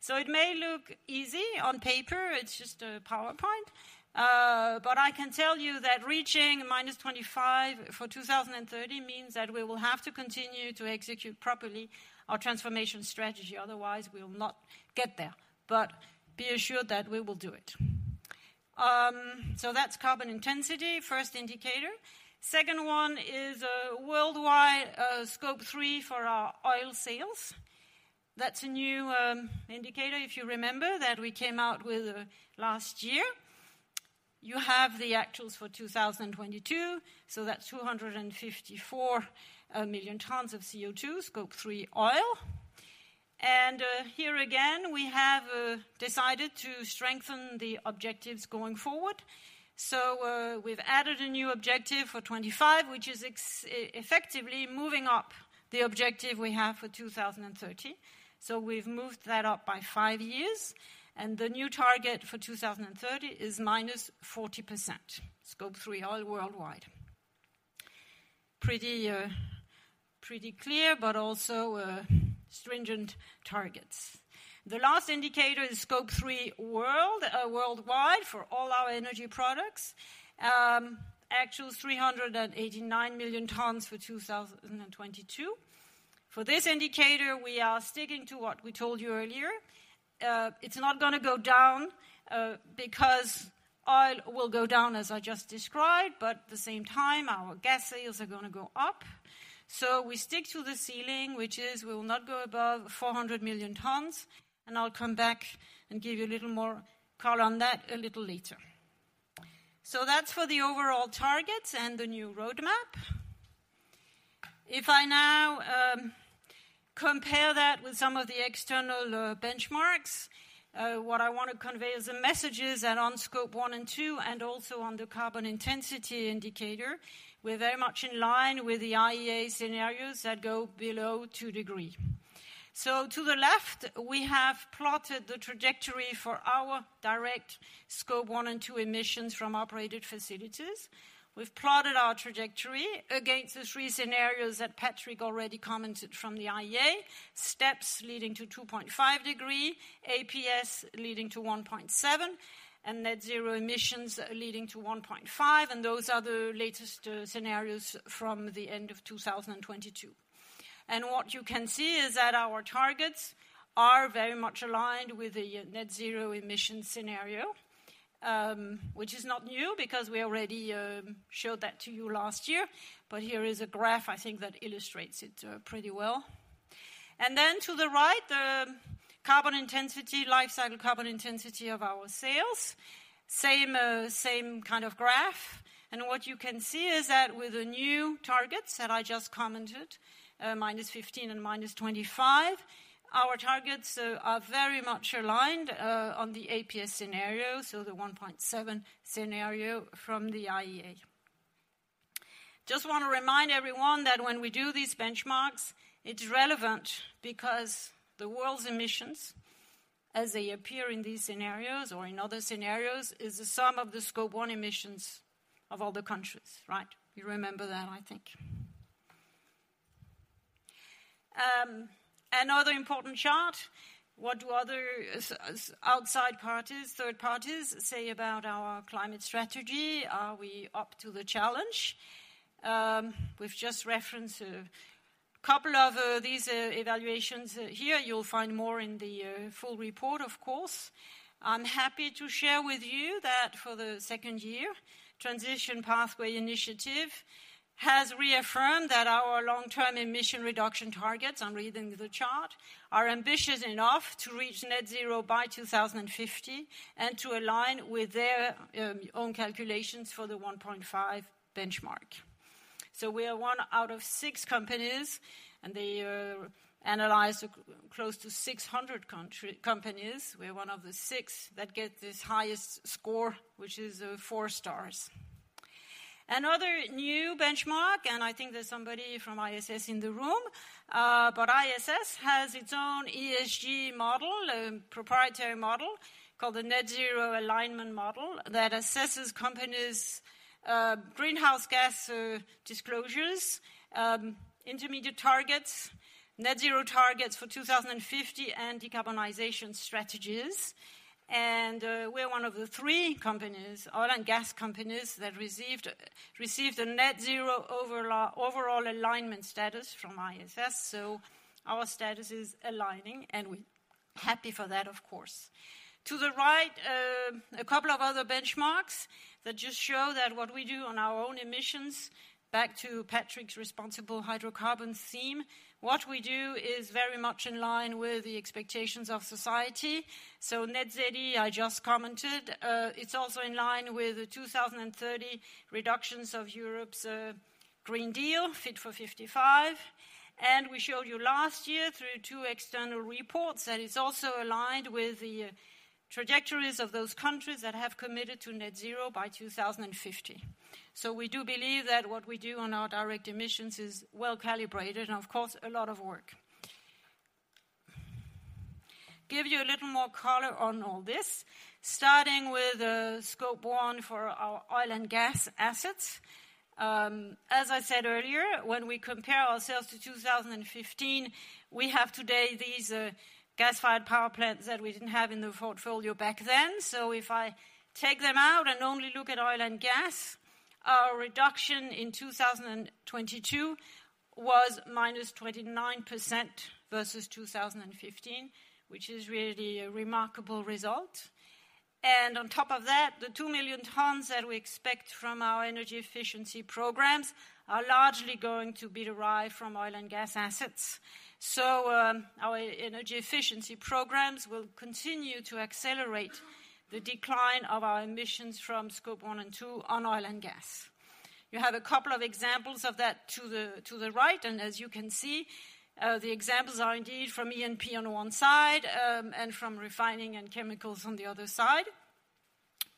It may look easy on paper, it's just a PowerPoint but I can tell you that reaching -25 for 2030 means that we will have to continue to execute properly our transformation strategy, otherwise we will not get there. Be assured that we will do it. That's carbon intensity, first indicator. Second one is, worldwide, Scope 3 for our oil sales. That's a new indicator if you remember, that we came out with last year. You have the actuals for 2022, so that's 254 million tons of CO2, Scope 3 oil. Here again, we have decided to strengthen the objectives going forward. We've added a new objective for 2025, which is effectively moving up the objective we have for 2030. We've moved that up by five years, and the new target for 2030 is -40% Scope 3 oil worldwide. Pretty clear, but also stringent targets. The last indicator is Scope 3 world worldwide for all our energy products. Actuals 389 million tons for 2022. For this indicator, we are sticking to what I told you earlier. It's not gonna go down because oil will go down, as I just described, but at the same time, our gas sales are gonna go up. We stick to the ceiling, which is we will not go above 400 million tons, and I'll come back and give you a little more color on that a little later. That's for the overall targets and the new roadmap. If I now compare that with some of the external benchmarks, what I want to convey as a message is that on Scope 1 and 2, and also on the carbon intensity indicator, we're very much in line with the IEA scenarios that go below two degree. To the left, we have plotted the trajectory for our direct Scope 1 and 2 emissions from operated facilities. We've plotted our trajectory against the 3 scenarios that Patrick already commented from the IEA, steps leading to 2.5 degree, APS leading to 1.7, and Net Zero Emissions leading to 1.5. Those are the latest scenarios from the end of 2022. What you can see is that our targets are very much aligned with the Net Zero Emission scenario, which is not new because we already showed that to you last year. Here is a graph I think that illustrates it pretty well. Then to the right, the carbon intensity, life cycle carbon intensity of our sales. Same kind of graph. What you can see is that with the new targets that I just commented, minus 15 and minus 25, our targets are very much aligned on the APS scenario, so the 1.7 scenario from the IEA. Just wanna remind everyone that when we do these benchmarks, it's relevant because the world's emissions, as they appear in these scenarios or in other scenarios, is the sum of the Scope 1 emissions of all the countries, right? You remember that, I think. Another important chart, what do other outside parties, third parties say about our climate strategy? Are we up to the challenge? We've just referenced a couple of these evaluations here. You'll find more in the full report, of course. I'm happy to share with you that for the second year, Transition Pathway Initiative has reaffirmed that our long-term emission reduction targets, I'm reading the chart, are ambitious enough to reach net zero by 2050 and to align with their own calculations for the 1.5 benchmark. We are one out of six companies, and they analyze close to 600 companies. We're one of the six that get this highest score, which is four stars. Another new benchmark, I think there's somebody from ISS in the room, ISS has its own ESG model, proprietary model called the Net Zero Alignment Model that assesses companies' greenhouse gas disclosures, intermediate targets, net zero targets for 2050, and decarbonization strategies. We're one of the three companies, oil and gas companies, that received a net zero overall alignment status from ISS. Our status is aligning, and we happy for that, of course. To the right, a couple of other benhmarks that just show that what we do on our own emissions back to Patrick's responsible hydrocarbons theme, what we do is very much in line with the expectations of society. Net Zero, I just commented. It's also in line with the 2030 reductions of Europe's Green Deal, Fit for 55. We showed you last year through two external reports that it's also aligned with the trajectories of those countries that have committed to net zero by 2050. We do believe that what we do on our direct emissions is well-calibrated and, of course, a lot of work. Give you a little more color on all this, starting with Scope 1 for our oil and gas assets. As I said earlier, when we compare ourselves to 2015, we have today these gas-fired power plants that we didn't have in the portfolio back then. If I take them out and only look at oil and gas, our reduction in 2022 was -29% versus 2015, which is really a remarkable result. On top of that, the 2 million tons that we expect from our energy efficiency programs are largely going to be derived from oil and gas assets. Our energy efficiency programs will continue to accelerate the decline of our emissions from Scope 1 and 2 on oil and gas. You have a couple of examples of that to the right, and as you can see, the examples are indeed from E&P on one side, and from refining and chemicals on the other side.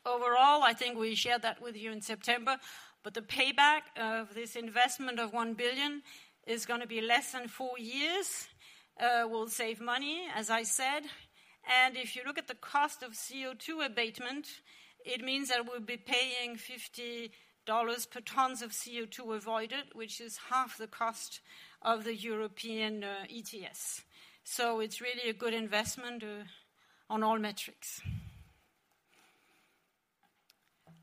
Overall, I think we shared that with you in September, but the payback of this investment of $1 billion is gonna be less than four years. We'll save money, as I said. If you look at the cost of CO2 abatement, it means that we'll be paying $50 per tons of CO2 avoided, which is half the cost of the European ETS. It's really a good investment on all metrics.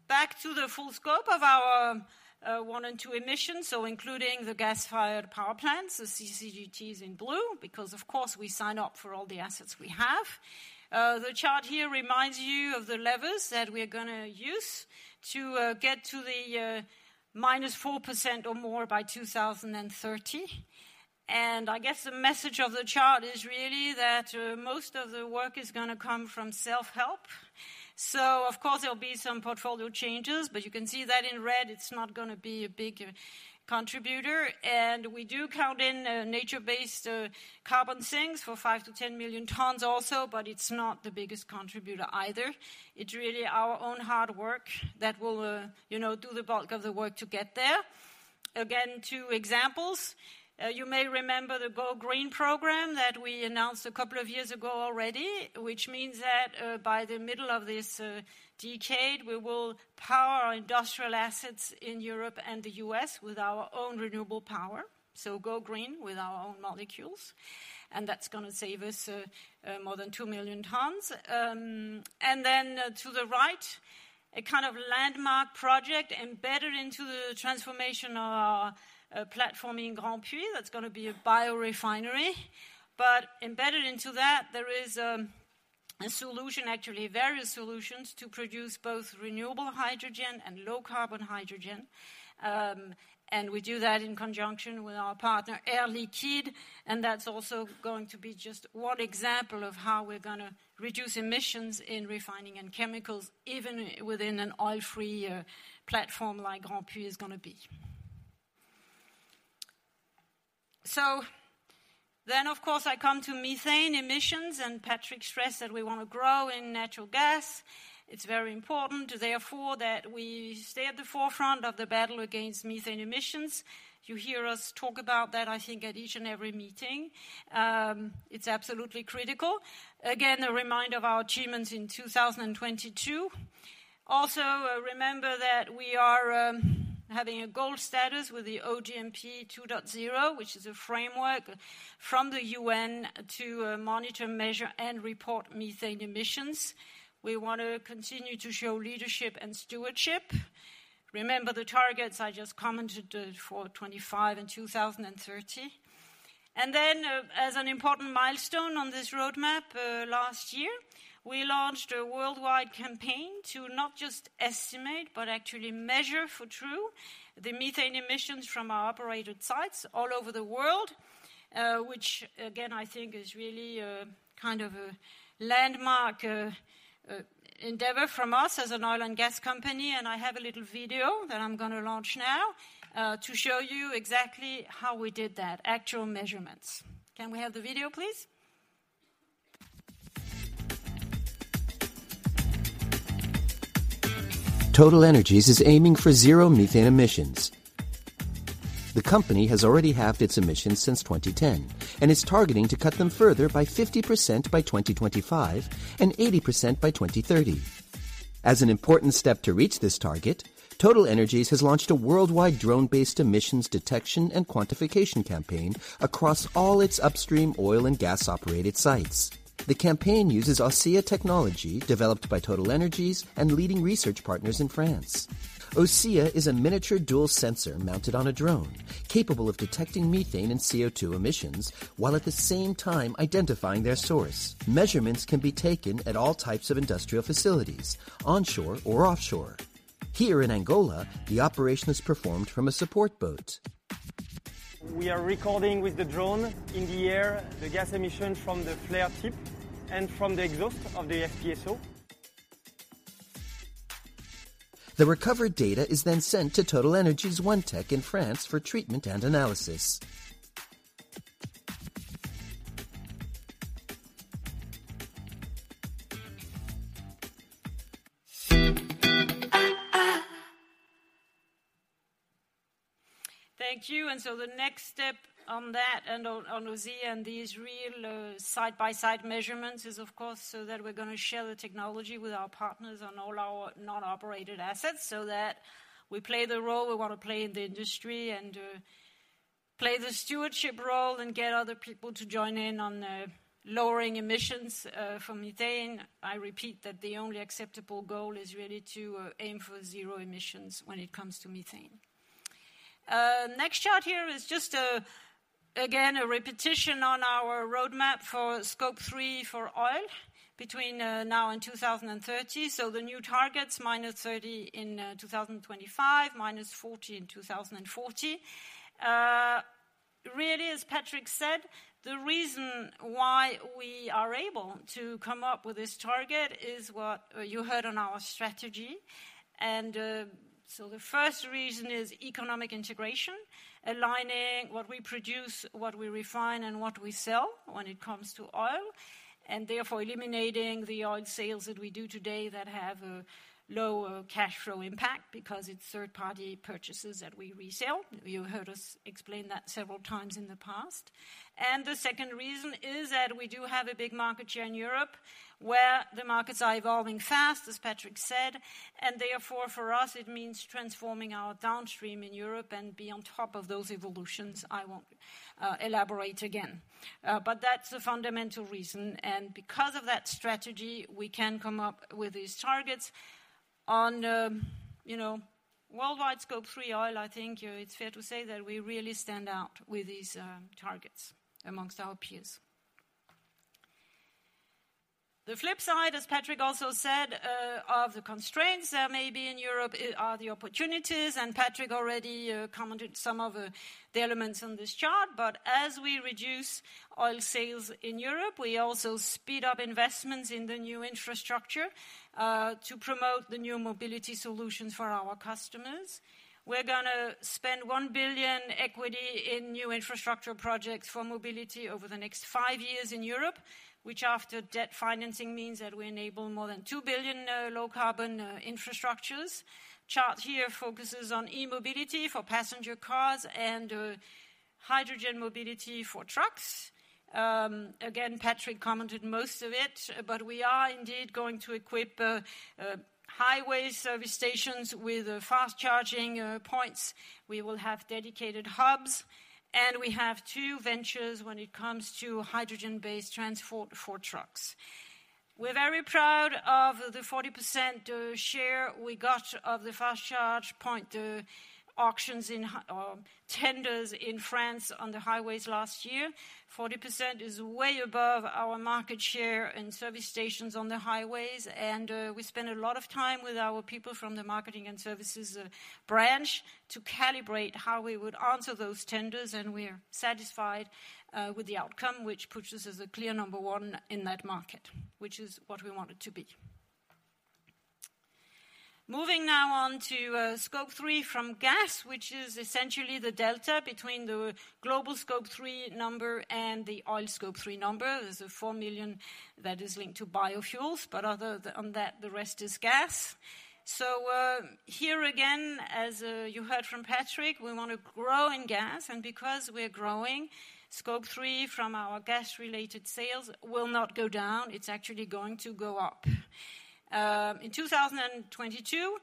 Back to the full scope of our one and two emissions, so including the gas-fired power plants, the CCGTs in blue, because of course, we sign up for all the assets we have. The chart here reminds you of the levers that we're gonna use to get to the -4% or more by 2030. I guess the message of the chart is really that most of the work is gonna come from self-help. Of course, there'll be some portfolio changes, but you can see that in red, it's not gonna be a big contributor. We do count in nature-based carbon sinks for 5-10 million tons also, but it's not the biggest contributor either. It's really our own hard work that will, you know, do the bulk of the work to get there. Again, two examples. You may remember the GoGreen program that we announced a couple of years ago already, which means that by the middle of this decade, we will power our industrial assets in Europe and the U.S. with our own renewable power. GoGreen with our own molecules, and that's gonna save us more than 2 million tons. To the right, a kind of landmark project embedded into the transformation of our platform in Grandpuits, that's gonna be a biorefinery. Embedded into that, there is a solution, actually various solutions, to produce both renewable hydrogen and low carbon hydrogen. We do that in conjunction with our partner, Air Liquide, and that's also going to be just one example of how we're gonna reduce emissions in refining and chemicals, even within an oil-free platform like Grandpuits is gonna be. Of course, I come to methane emissions, and Patrick stressed that we wanna grow in natural gas. It's very important therefore that we stay at the forefront of the battle against methane emissions. You hear us talk about that, I think at each and every meeting. It's absolutely critical. Again, a reminder of our achievements in 2022. Also, remember that we are having a gold status with the OGMP 2.0, which is a framework from the UN to monitor, measure, and report methane emissions. We want to continue to show leadership and stewardship. Remember the targets I just commented, for 25 and 2030. As an important milestone on this roadmap, last year, we launched a worldwide campaign to not just estimate but actually measure for true the methane emissions from our operated sites all over the world, which again, I think is really a kind of a landmark endeavor from us as an oil and gas company. I have a little video that I'm gonna launch now, to show you exactly how we did that, actual measurements. Can we have the video, please? TotalEnergies is aiming for zero methane emissions. The company has already halved its emissions since 2010 and is targeting to cut them further by 50% by 2025 and 80% by 2030. An important step to reach this target, TotalEnergies has launched a worldwide drone-based emissions detection and quantification campaign across all its upstream oil and gas-operated sites. The campaign uses AUSEA technology developed by TotalEnergies and leading research partners in France. AUSEA is a miniature dual sensor mounted on a drone, capable of detecting methane and CO2 emissions, while at the same time identifying their source. Measurements can be taken at all types of industrial facilities, onshore or offshore. Here in Angola, the operation is performed from a support boat. We are recording with the drone in the air the gas emission from the flare tip and from the exhaust of the FPSO. The recovered data is then sent to TotalEnergies OneTech in France for treatment and analysis. Thank you. The next step on that and on AUSEA and these real, side-by-side measurements is, of course, so that we're gonna share the technology with our partners on all our non-operated assets, so that we play the role we wanna play in the industry and play the stewardship role and get other people to join in on lowering emissions from methane. I repeat that the only acceptable goal is really to aim for zero emissions when it comes to methane. Next chart here is just again, a repetition on our roadmap for Scope 3 for oil between now and 2030. The new targets, minus 30% in 2025, minus 40% in 2040. Really, as Patrick said, the reason why we are able to come up with this target is what you heard on our strategy. The first reason is economic integration, aligning what we produce, what we refine, and what we sell when it comes to oil, and therefore eliminating the oil sales that we do today that have a low cash flow impact because it's third-party purchases that we resell. You heard us explain that several times in the past. The second reason is that we do have a big market share in Europe, where the markets are evolving fast, as Patrick said, and therefore for us it means transforming our downstream in Europe and be on top of those evolutions. I won't elaborate again. That's the fundamental reason, and because of that strategy, we can come up with these targets. On, you know, worldwide Scope 3 oil, I think it's fair to say that we really stand out with these targets amongst our peers. The flip side, as Patrick also said, of the constraints maybe in Europe, are the opportunities. Patrick already commented some of the elements on this chart. As we reduce oil sales in Europe, we also speed up investments in the new infrastructure to promote the new mobility solutions for our customers. We're going to spend 1 billion equity in new infrastructure projects for mobility over the next 5 years in Europe, which after debt financing means that we enable more than 2 billion low carbon infrastructures. Chart here focuses on e-mobility for passenger cars and hydrogen mobility for trucks. Again, Patrick commented most of it. We are indeed going to equip highway service stations with fast charging points. We will have dedicated hubs. We have two ventures when it comes to hydrogen-based transport for trucks. We're very proud of the 40% share we got of the fast charge point auctions in tenders in France on the highways last year. 40% is way above our market share in service stations on the highways. We spent a lot of time with our people from the marketing and services branch to calibrate how we would answer those tenders, and we're satisfied with the outcome, which puts us as a clear number one in that market, which is what we wanted to be. Moving now on to Scope 3 from gas, which is essentially the delta between the global Scope 3 number and the oil Scope 3 number. There's a 4 million that is linked to biofuels, but other than that, the rest is gas. Here again, as you heard from Patrick, we wanna grow in gas, and because we're growing, Scope 3 from our gas-related sales will not go down. It's actually going to go up. In 2022,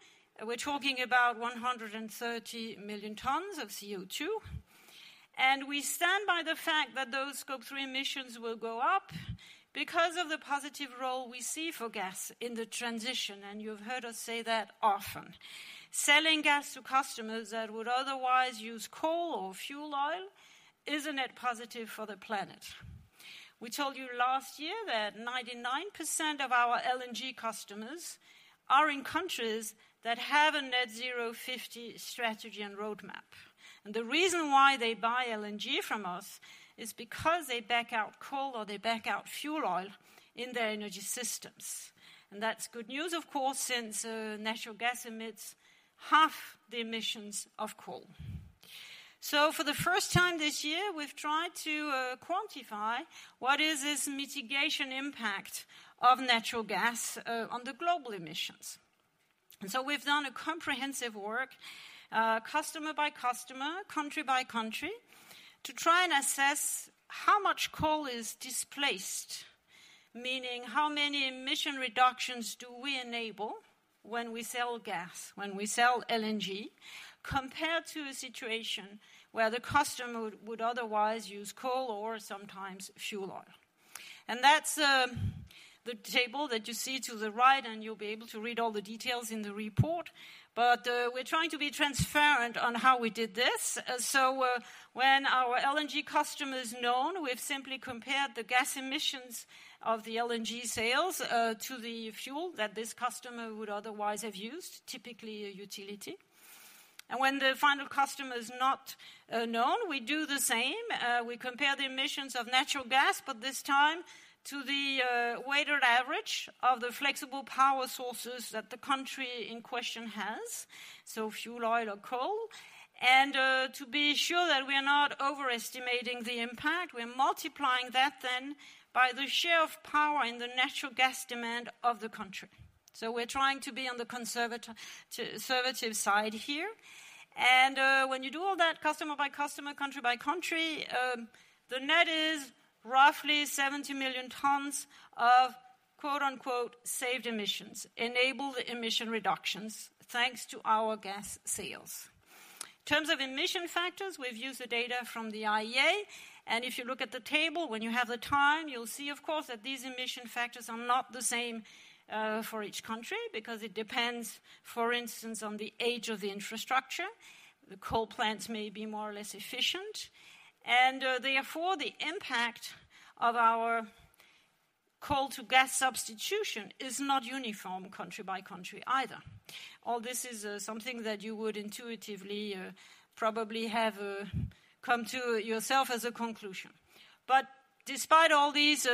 we're talking about 130 million tons of CO2, and we stand by the fact that those Scope 3 emissions will go up because of the positive role we see for gas in the transition, and you've heard us say that often. Selling gas to customers that would otherwise use coal or fuel oil is a net positive for the planet. We told you last year that 99% of our LNG customers are in countries that have a net zero 50 strategy and roadmap. The reason why they buy LNG from us is because they back out coal or they back out fuel oil in their energy systems. That's good news of course since natural gas emits half the emissions of coal. For the first time this year, we've tried to quantify what is this mitigation impact of natural gas on the global emissions. We've done a comprehensive work customer by customer, country by country, to try and assess how much coal is displaced, meaning how many emission reductions do we enable when we sell gas, when we sell LNG, compared to a situation where the customer would otherwise use coal or sometimes fuel oil. That's the table that you see to the right, and you'll be able to read all the details in the report. We're trying to be transparent on how we did this. When our LNG customer is known, we've simply compared the gas emissions of the LNG sales to the fuel that this customer would otherwise have used, typically a utility. When the final customer is not known, we do the same. We compare the emissions of natural gas, but this time to the weighted average of the flexible power sources that the country in question has, so fuel oil or coal. To be sure that we are not overestimating the impact, we are multiplying that then by the share of power in the natural gas demand of the country. We're trying to be on the conservative side here. When you do all that customer by customer, country by country, the net is roughly 70 million tons of, quote unquote, "saved emissions," enabled emission reductions, thanks to our gas sales. In terms of emission factors, we've used the data from the IEA, and if you look at the table when you have the time, you'll see of course that these emission factors are not the same for each country because it depends, for instance, on the age of the infrastructure. The coal plants may be more or less efficient. Therefore, the impact of our coal to gas substitution is not uniform country by country either. All this is something that you would intuitively probably have come to yourself as a conclusion. Despite all these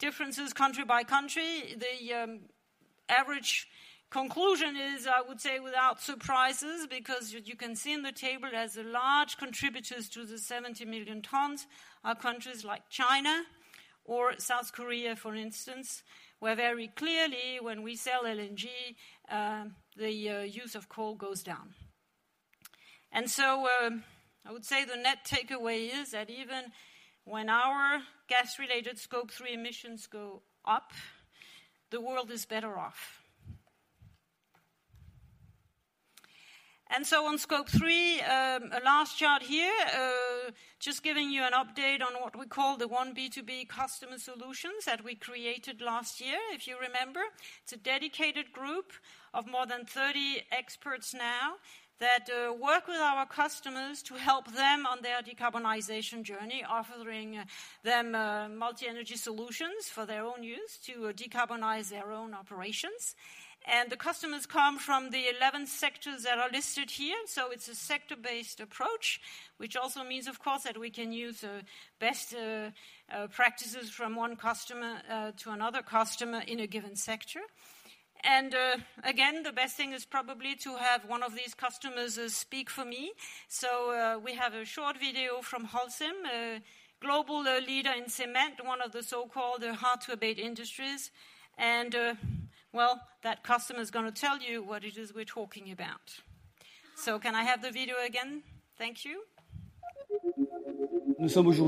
differences country by country, the average conclusion is, I would say, without surprises, because you can see in the table as the large contributors to the 70 million tons are countries like China or South Korea, for instance, where very clearly when we sell LNG, the use of coal goes down. I would say the net takeaway is that even when our gas-related Scope 3 emissions go up, the world is better off. On Scope 3, a last chart here, just giving you an update on what we call the One B2B customer solutions that we created last year. If you remember, it's a dedicated group of more than 30 experts now that work with our customers to help them on their decarbonization journey, offering them multi-energy solutions for their own use to decarbonize their own operations. The customers come from the 11 sectors that are listed here, so it's a sector-based approach, which also means, of course, that we can use best practices from one customer to another customer in a given sector. Again, the best thing is probably to have one of these customers speak for me. We have a short video from Holcim, a global leader in cement, one of the so-called hard-to-abate industries. Well, that customer is gonna tell you what it is we're talking about. Can I have the video again? Thank you. C'est l'essence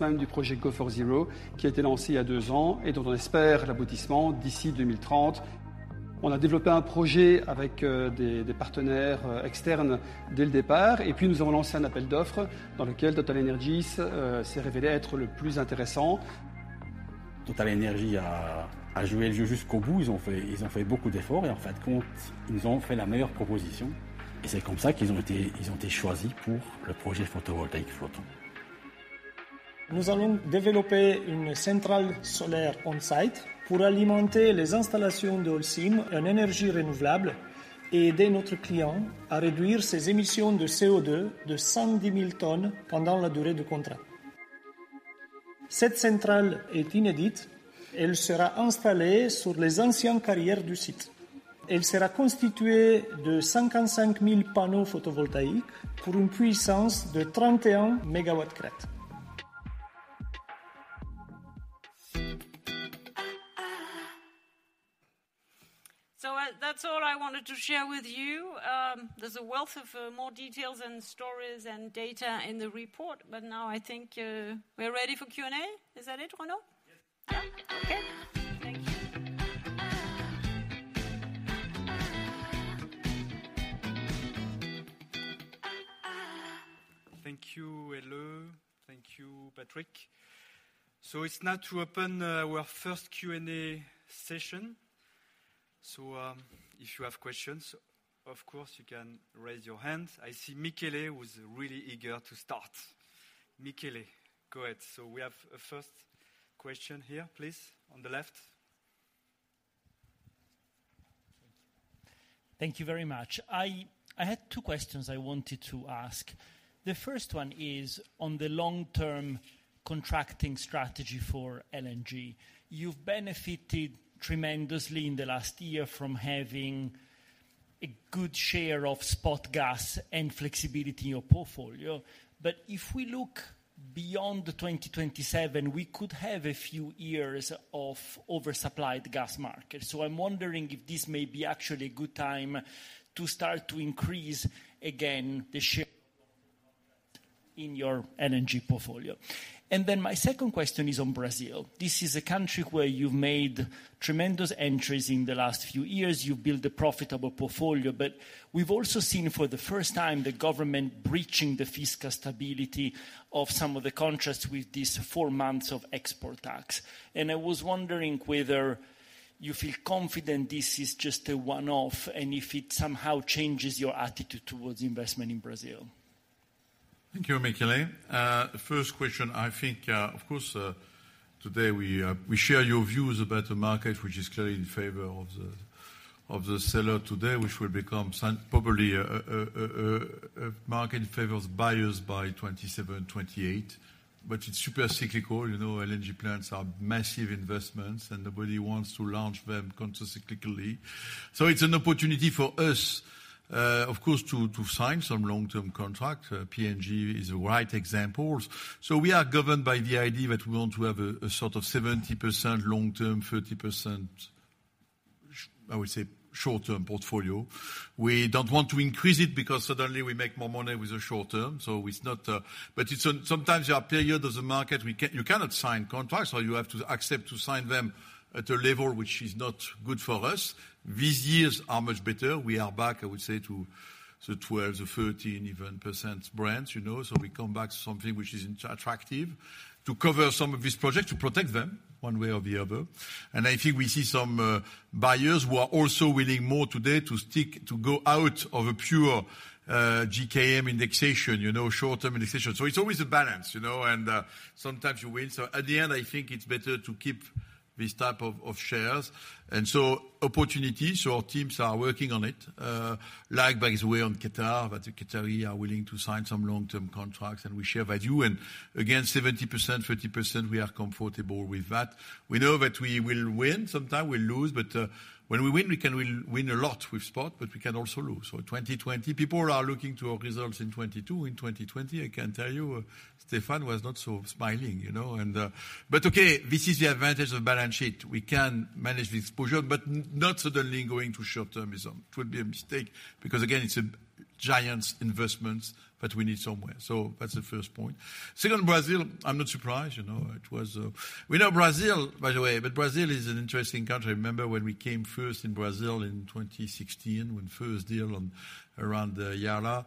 même du projet Go4Zero qui a été lancé il y a deux ans et dont on espère l'aboutissement d'ici 2030. On a développé un projet avec des partenaires externes dès le départ. Puis, nous avons lancé un appel d'offres dans lequel TotalEnergies s'est révélé être le plus intéressant. TotalEnergies a joué le jeu jusqu'au bout. Ils ont fait beaucoup d'efforts et en fin de compte, ils nous ont fait la meilleure proposition. C'est comme ça qu'ils ont été choisis pour le projet photovoltaïque flottant. Nous allons développer une centrale solaire on site pour alimenter les installations de Holcim en énergie renouvelable et aider notre client à réduire ses émissions de CO2 de 110,000 tonnes pendant la durée du contrat. Cette centrale est inédite. Elle sera installée sur les anciennes carrières du site. Elle sera constituée de 55,000 panneaux photovoltaïques pour une puissance de 31 mégawatts crête. That's all I wanted to share with you. There's a wealth of more details and stories and data in the report, but now I think we're ready for Q&A. Is that it, Renaud? Yes. Yeah. Okay. Thank you. Thank you, Helle. Thank you, Patrick. It's now to open, our first Q&A session. If you have questions, of course, you can raise your hands. I see Michele was really eager to start. Michele, go ahead. We have a first question here, please, on the left. Thank you very much. I had two questions I wanted to ask. The first one is on the long-term contracting strategy for LNG. You've benefited tremendously in the last year from having a good share of spot gas and flexibility in your portfolio. If we look beyond 2027, we could have a few years of oversupplied gas market. I'm wondering if this may be actually a good time to start to increase again the share in your LNG portfolio. My second question is on Brazil. This is a country where you've made tremendous entries in the last few years. You built a profitable portfolio, but we've also seen for the first time the government breaching the fiscal stability of some of the contracts with these four months of export tax. I was wondering whether you feel confident this is just a one-off and if it somehow changes your attitude towards investment in Brazil? Thank you, Michele. The first question, I think of course, today we share your views about the market, which is clearly in favor of the seller today, which will become probably a market in favor of buyers by 2027, 2028. It's super cyclical. You know, LNG plants are massive investments, and nobody wants to launch them countercyclically. It's an opportunity for us, of course, to sign some long-term contract. PNG is the right examples. We are governed by the idea that we want to have a sort of 70% long-term, 30% I would say short-term portfolio. We don't want to increase it because suddenly we make more money with the short term. It's not. It's sometimes there are periods of the market you cannot sign contracts, or you have to accept to sign them at a level which is not good for us. These years are much better. We are back, I would say, to the 12, the 13 even % brands, you know. We come back to something which is attractive to cover some of these projects, to protect them one way or the other. I think we see some buyers who are also willing more today to stick, to go out of a pure JKM indexation, you know, short-term indexation. It's always a balance, you know, and sometimes you win. At the end, I think it's better to keep this type of shares. Opportunities, our teams are working on it, like by the way on Qatar, that the Qatari are willing to sign some long-term contracts, and we share value. Again, 70%, 30%, we are comfortable with that. We know that we will win, sometimes we lose, but when we win, we can win a lot with spot, but we can also lose. 2020, people are looking to our results in 2022. In 2020, I can tell you, Stéphane was not so smiling, you know. Okay, this is the advantage of balance sheet. We can manage the exposure, but not suddenly going to short-term is, it would be a mistake because again, it's a giant investments that we need somewhere. That's the first point. Second, Brazil, I'm not surprised, you know. We know Brazil, by the way. Brazil is an interesting country. Remember when we came first in Brazil in 2016, when first deal on around Iara,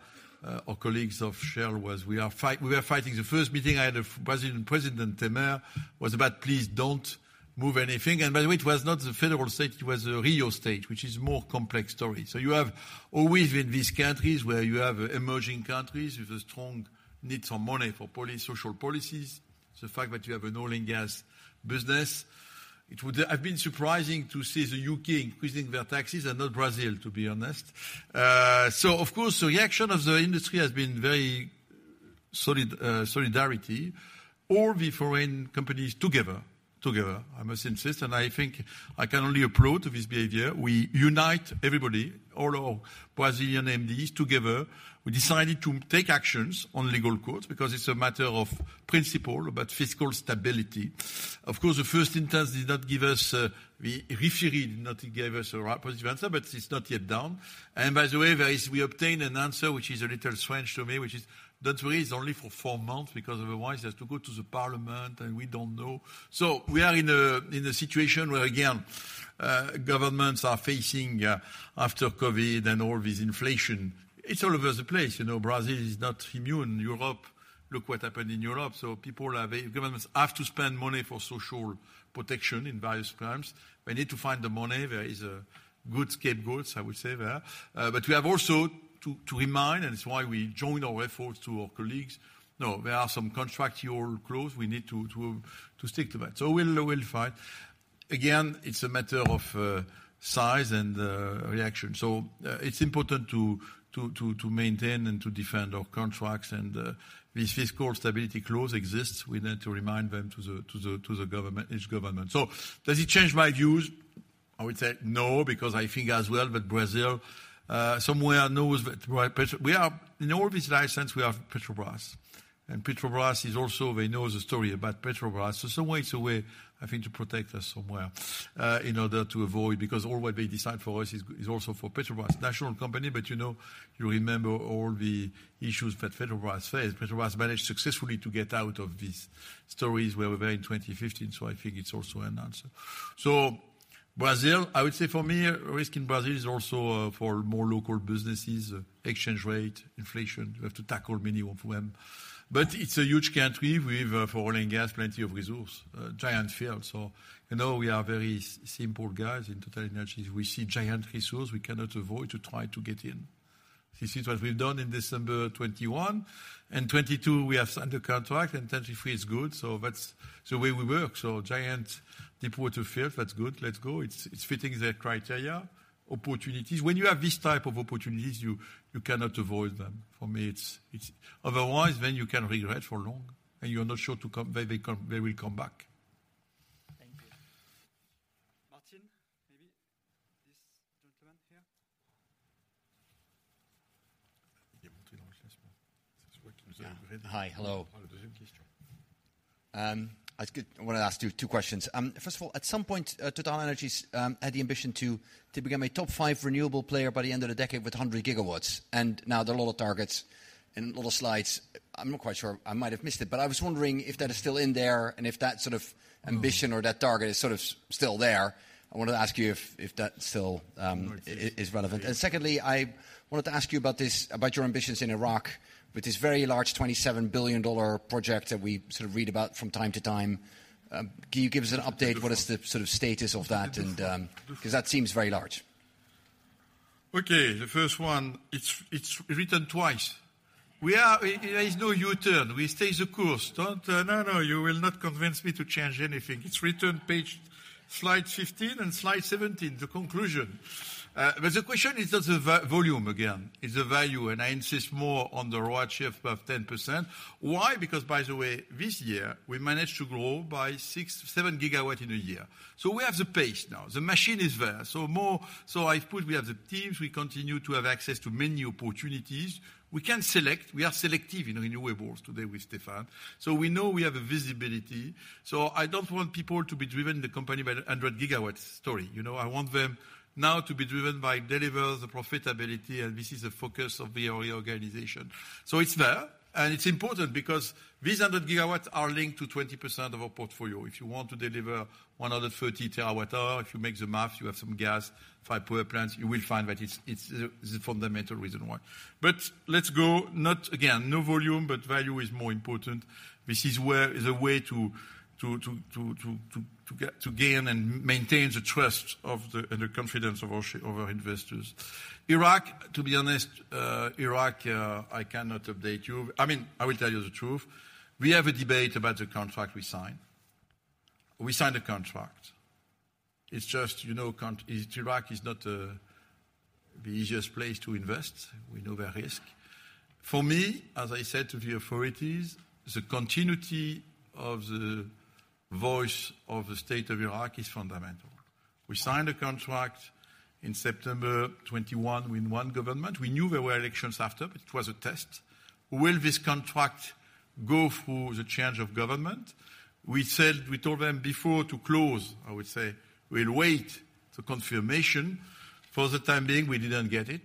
our colleagues of Shell was, we were fighting. The first meeting I had of Brazilian President Temer was about, please don't move anything. By the way, it was not the federal state, it was the Rio state, which is more complex story. You have always in these countries where you have emerging countries with a strong need some money for social policies. The fact that you have an oil and gas business, it would have been surprising to see the UK increasing their taxes and not Brazil, to be honest. Of course, the reaction of the industry has been very solid solidarity. All the foreign companies together, I must insist, I think I can only applaud this behavior. We unite everybody, all our Brazilian MDs together. We decided to take actions on legal courts, because it's a matter of principle about fiscal stability. Of course, the first intent did not give us the referee did not give us a positive answer, it's not yet done. By the way, We obtained an answer, which is a little strange to me, which is, "Don't worry, it's only for 4 months, because otherwise it has to go to the parliament, and we don't Brazil, I would say for me, risk in Brazil is also, for more local businesses, exchange rate, inflation. We have to tackle many of them. It's a huge country. We've, for oil and gas, plenty of resource, giant fields. You know, we are very simple guys in TotalEnergies. We see giant resource, we cannot avoid to try to get in. This is what we've done in December 2021, and 2022 we have signed a contract, and 2023 is good. That's the way we work. Giant deep water field, that's good. Let's go. It's fitting the criteria, opportunities. When you have these type of opportunities, you cannot avoid them. For me, it's - otherwise, you can regret for long, and you're not sure to come, they come, they will come back. Thank you. Martin, maybe this gentleman here. Hi. Hello. I wanna ask two questions. First of all, at some point, TotalEnergies had the ambition to become a top five renewable player by the end of the decade with 100 gigawatts. Now there are a lot of targets and a lot of slides. I'm not quite sure, I might have missed it, but I was wondering if that is still in there and if that sort of ambition or that target is still there. I wanted to ask you if that still is relevant. Secondly, I wanted to ask you about your ambitions in Iraq with this very large $27 billion project that we sort of read about from time to time. Can you give us an update? What is the sort of status of that and, 'cause that seems very large? Okay. The first one, it's written twice. We are, there is no U-turn. We stay the course. Don't, no, you will not convince me to change anything. It's written page, slide 15 and slide 17, the conclusion. But the question is not the volume again, it's the value, and I insist more on the ROACE above 10%. Why? Because by the way, this year, we managed to grow by 6, 7 gigawatt in a year. The machine is there. More, I put we have the teams, we continue to have access to many opportunities. We can select. We are selective in renewables today with Stéphane. We know we have a visibility. I don't want people to be driven the company by the 100 gigawatts story. You know, I want them now to be driven by deliver the profitability. This is the focus of the organization. It's there. It's important because these 100 gigawatts are linked to 20% of our portfolio. If you want to deliver 130 terawatt hour, if you make the math, you have some gas, 5 power plants, you will find that it's the fundamental reason why. Let's go not again, no volume, but value is more important. This is where, the way to get, to gain and maintain the trust of the, and the confidence of our share, of our investors. Iraq, to be honest, Iraq, I cannot update you. I mean, I will tell you the truth. We have a debate about the contract we signed. We signed a contract. It's just, you know, Iraq is not the easiest place to invest. We know the risk. For me, as I said to the authorities, the continuity of the voice of the state of Iraq is fundamental. We signed a contract in September 2021 with 1 government. We knew there were elections after. It was a test. Will this contract go through the change of government? We said, we told them before to close, I would say, we'll wait the confirmation. For the time being, we didn't get it.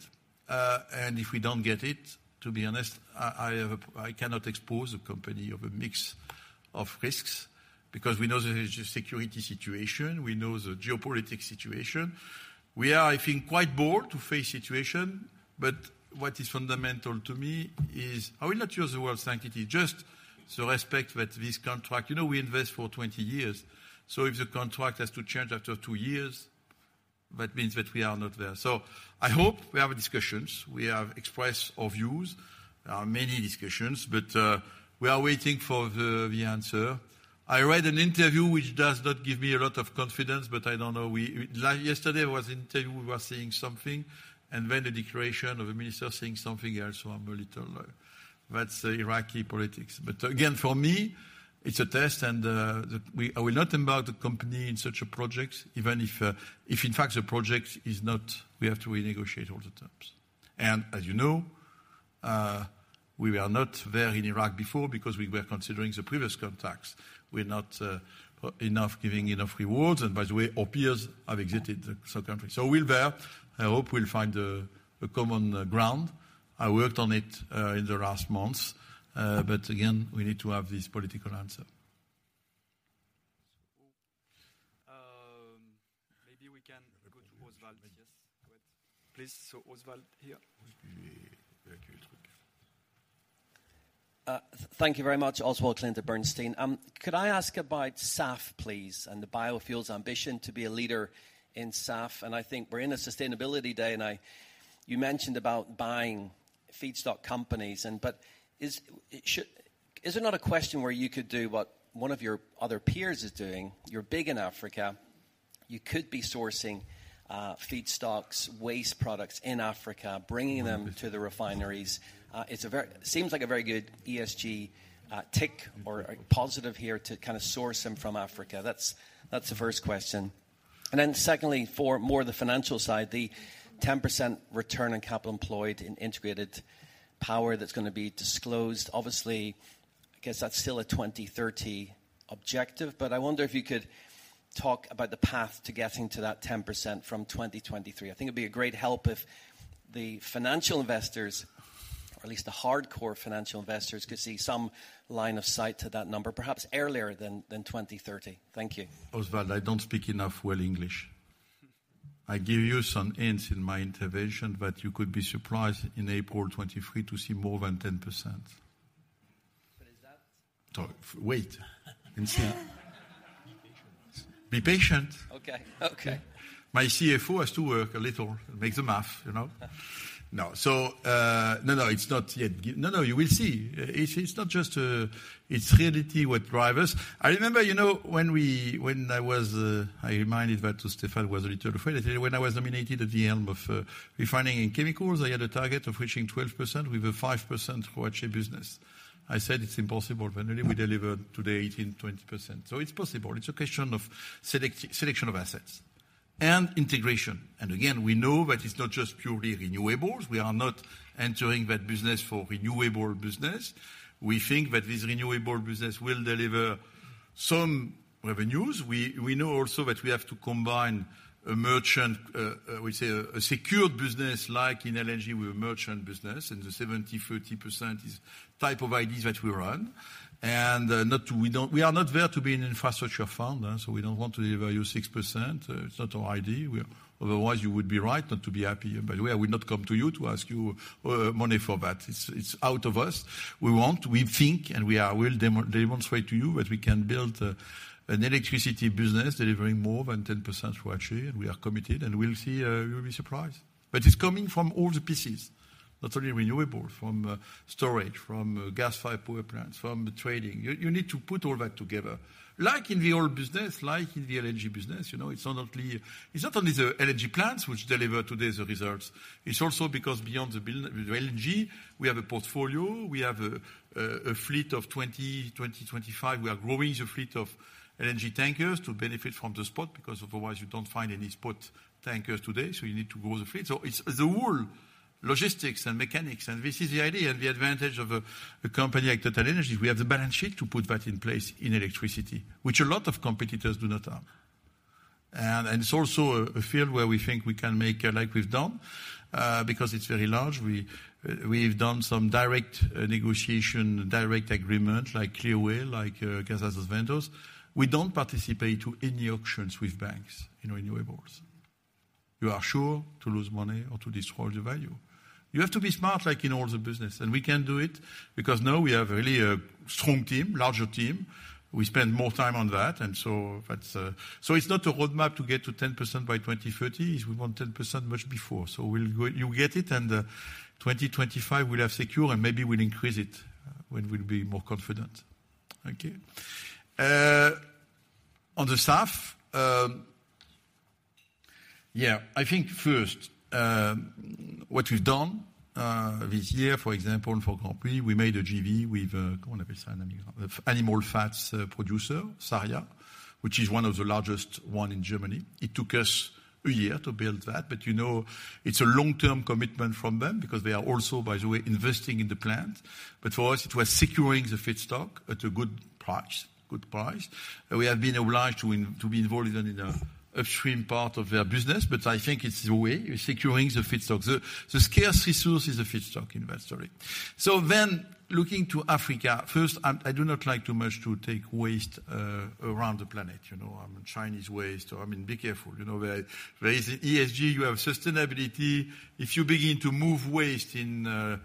If we don't get it, to be honest, I cannot expose a company of a mix of risks, because we know the security situation, we know the geopolitical situation. We are, I think, quite bold to face situation, but what is fundamental to me is, I will not use the word sanctity, just the respect that this contract. You know we invest for 20 years, so if the contract has to change after two years, that means that we are not there. I hope we have discussions. We have expressed our views. There are many discussions. We are waiting for the answer. I read an interview which does not give me a lot of confidence, but I don't know. Yesterday was interview, we were saying something, the declaration of the minister saying something else, so I'm a little. That's Iraqi politics. Again, for me, it's a test and I will not embark the company in such a project, even if in fact the project is not, we have to renegotiate all the terms. As you know, we were not there in Iraq before because we were considering the previous contracts were not enough, giving enough rewards. By the way, our peers have exited some countries. We're there. I hope we'll find a common ground. I worked on it in the last months. Again, we need to have this political answer. Maybe we can go to Oswald. Yes. Go ahead, please. Oswald here. Thank you very much. Oswald Clint at Bernstein. Could I ask about SAF, please, and the biofuels ambition to be a leader in SAF? I think we're in a sustainability day. You mentioned about buying feedstock companies and, Is there not a question where you could do what one of your other peers is doing? You're big in Africa. You could be sourcing feedstocks, waste products in Africa, bringing them to the refineries. Seems like a very good ESG tick or a positive here to kind of source them from Africa. That's the first question. Secondly, for more the financial side, the 10% return on capital employed in integrated power that's going to be disclosed. Obviously, I guess that's still a 2030 objective, but I wonder if you could talk about the path to getting to that 10% from 2023. I think it'd be a great help if the financial investors or at least the hardcore financial investors could see some line of sight to that number, perhaps earlier than 2030. Thank you. Oswald, I don't speak enough well English. I give you some hints in my intervention, but you could be surprised in April 2023 to see more than 10%. So is that- Wait. Be patient. Okay. Okay. My CFO has to work a little, make the math, you know? No. No, no, it's not yet No, no, you will see. It's, it's not just, it's reality what drive us. I remember, you know, when we, when I was, I reminded that to Stéphane was a little afraid. When I was nominated at the helm of refining and chemicals, I had a target of reaching 12% with a 5% ROACE business. I said it's impossible. Finally, we delivered today 18%-20%. It's possible. It's a question of selection of assets and integration. Again, we know that it's not just purely renewables. We are not entering that business for renewable business. We think that this renewable business will deliver some revenues. We know also that we have to combine a merchant, we say a secured business like in LNG with merchant business, the 70%, 30% is type of ideas that we run. Not we don't, we are not there to be an infrastructure fund, so we don't want to value 6%. It's not our idea. Otherwise, you would be right not to be happy. By the way, I would not come to you to ask you money for that. It's out of us. We want, we think and we will demonstrate to you that we can build an electricity business delivering more than 10% for actually, and we are committed and we'll see. You'll be surprised. It's coming from all the pieces, not only renewable, from storage, from gas-fired power plants, from trading. You need to put all that together. Like in the oil business, like in the LNG business, you know, it's not only the LNG plants which deliver today the results. It's also because beyond the build, the LNG, we have a portfolio, we have a fleet of 20 25. We are growing the fleet of LNG tankers to benefit from the spot, because otherwise you don't find any spot tankers today, so you need to grow the fleet. So it's the whole logistics and mechanics, and this is the idea and the advantage of a company like TotalEnergies. We have the balance sheet to put that in place in electricity, which a lot of competitors do not have. It's also a field where we think we can make like we've done, because it's very large. We've done some direct negotiation, direct agreement like Clearway, like Casa dos Ventos. We don't participate to any auctions with banks in renewables. You are sure to lose money or to destroy the value. You have to be smart like in all the business, we can do it because now we have really a strong team, larger team. We spend more time on that's not a roadmap to get to 10% by 2030. We want 10% much before. You will get it, 2025 we'll have secure maybe we'll increase it when we'll be more confident. Okay. On the SAF, I think first, what we've done this year, for example, for company, we made a JV with animal fats producer, SARIA, which is one of the largest one in Germany. It took us a year to build that. You know, it's a long-term commitment from them because they are also, by the way, investing in the plant. For us, it was securing the feedstock at a good price. Good price. We have been obliged to be involved in a upstream part of their business, but I think it's the way. We're securing the feedstock. The scarce resource is the feedstock inventory. Looking to Africa, first, I'm, I do not like too much to take waste around the planet. You know, I mean, Chinese waste or I mean, be careful. You know, where is ESG, you have sustainability. If you begin to move waste in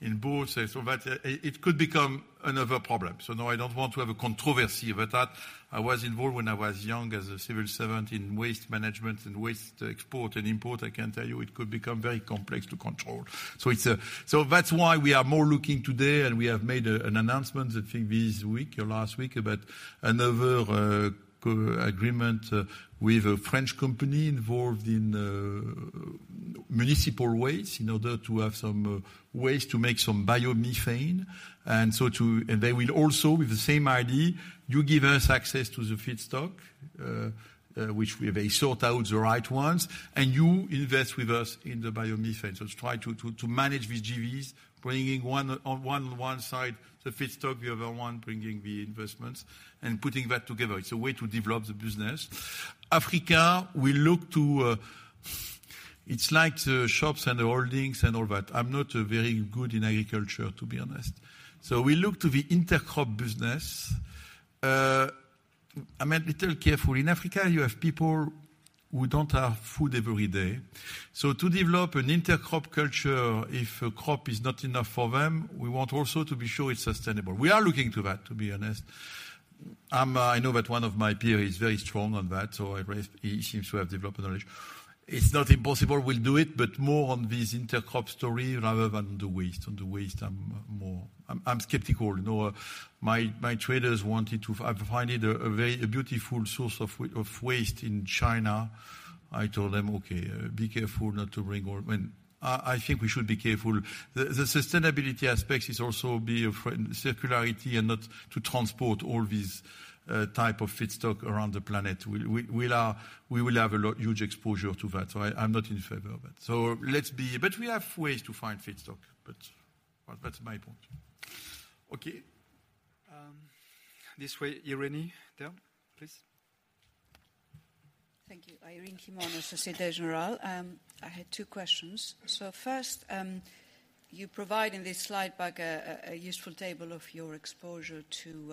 in both, so that it could become another problem. No, I don't want to have a controversy with that. I was involved when I was young as a civil servant in waste management and waste export and import. I can tell you it could become very complex to control. That's why we are more looking today and we have made an announcement, I think, this week or last week about another co-agreement with a French company involved in Municipal waste, in order to have some waste to make some biomethane. They will also, with the same idea, you give us access to the feedstock, which we have a sort out the right ones, and you invest with us in the biomethane. Try to manage these JVs, bringing one side the feedstock, the other one bringing the investments and putting that together. It's a way to develop the business. Africa, we look to, it's like the shops and the holdings and all that. I'm not very good in agriculture, to be honest. We look to the intercrop business. I meant little careful. In Africa, you have people who don't have food every day. To develop an intercrop culture, if a crop is not enough for them, we want also to be sure it's sustainable. We are looking to that, to be honest. I know that one of my peer is very strong on that, he seems to have developed knowledge. It's not impossible, we'll do it, but more on this intercrop story rather than the waste. On the waste, I'm more. I'm skeptical. You know, my traders wanted to. I've find it a very beautiful source of waste in China. I told them, "Okay, be careful not to bring all." I mean, I think we should be careful. The sustainability aspects is also be of circularity and not to transport all these type of feedstock around the planet. We are, we will have a huge exposure to that, so I'm not in favor of it. Let's be. We have ways to find feedstock, but. Well, that's my point. Okay. This way, Irene there, please. Thank you. Irene Himona, Societe Generale. I had two questions. First, you provide in this slide pack a useful table of your exposure to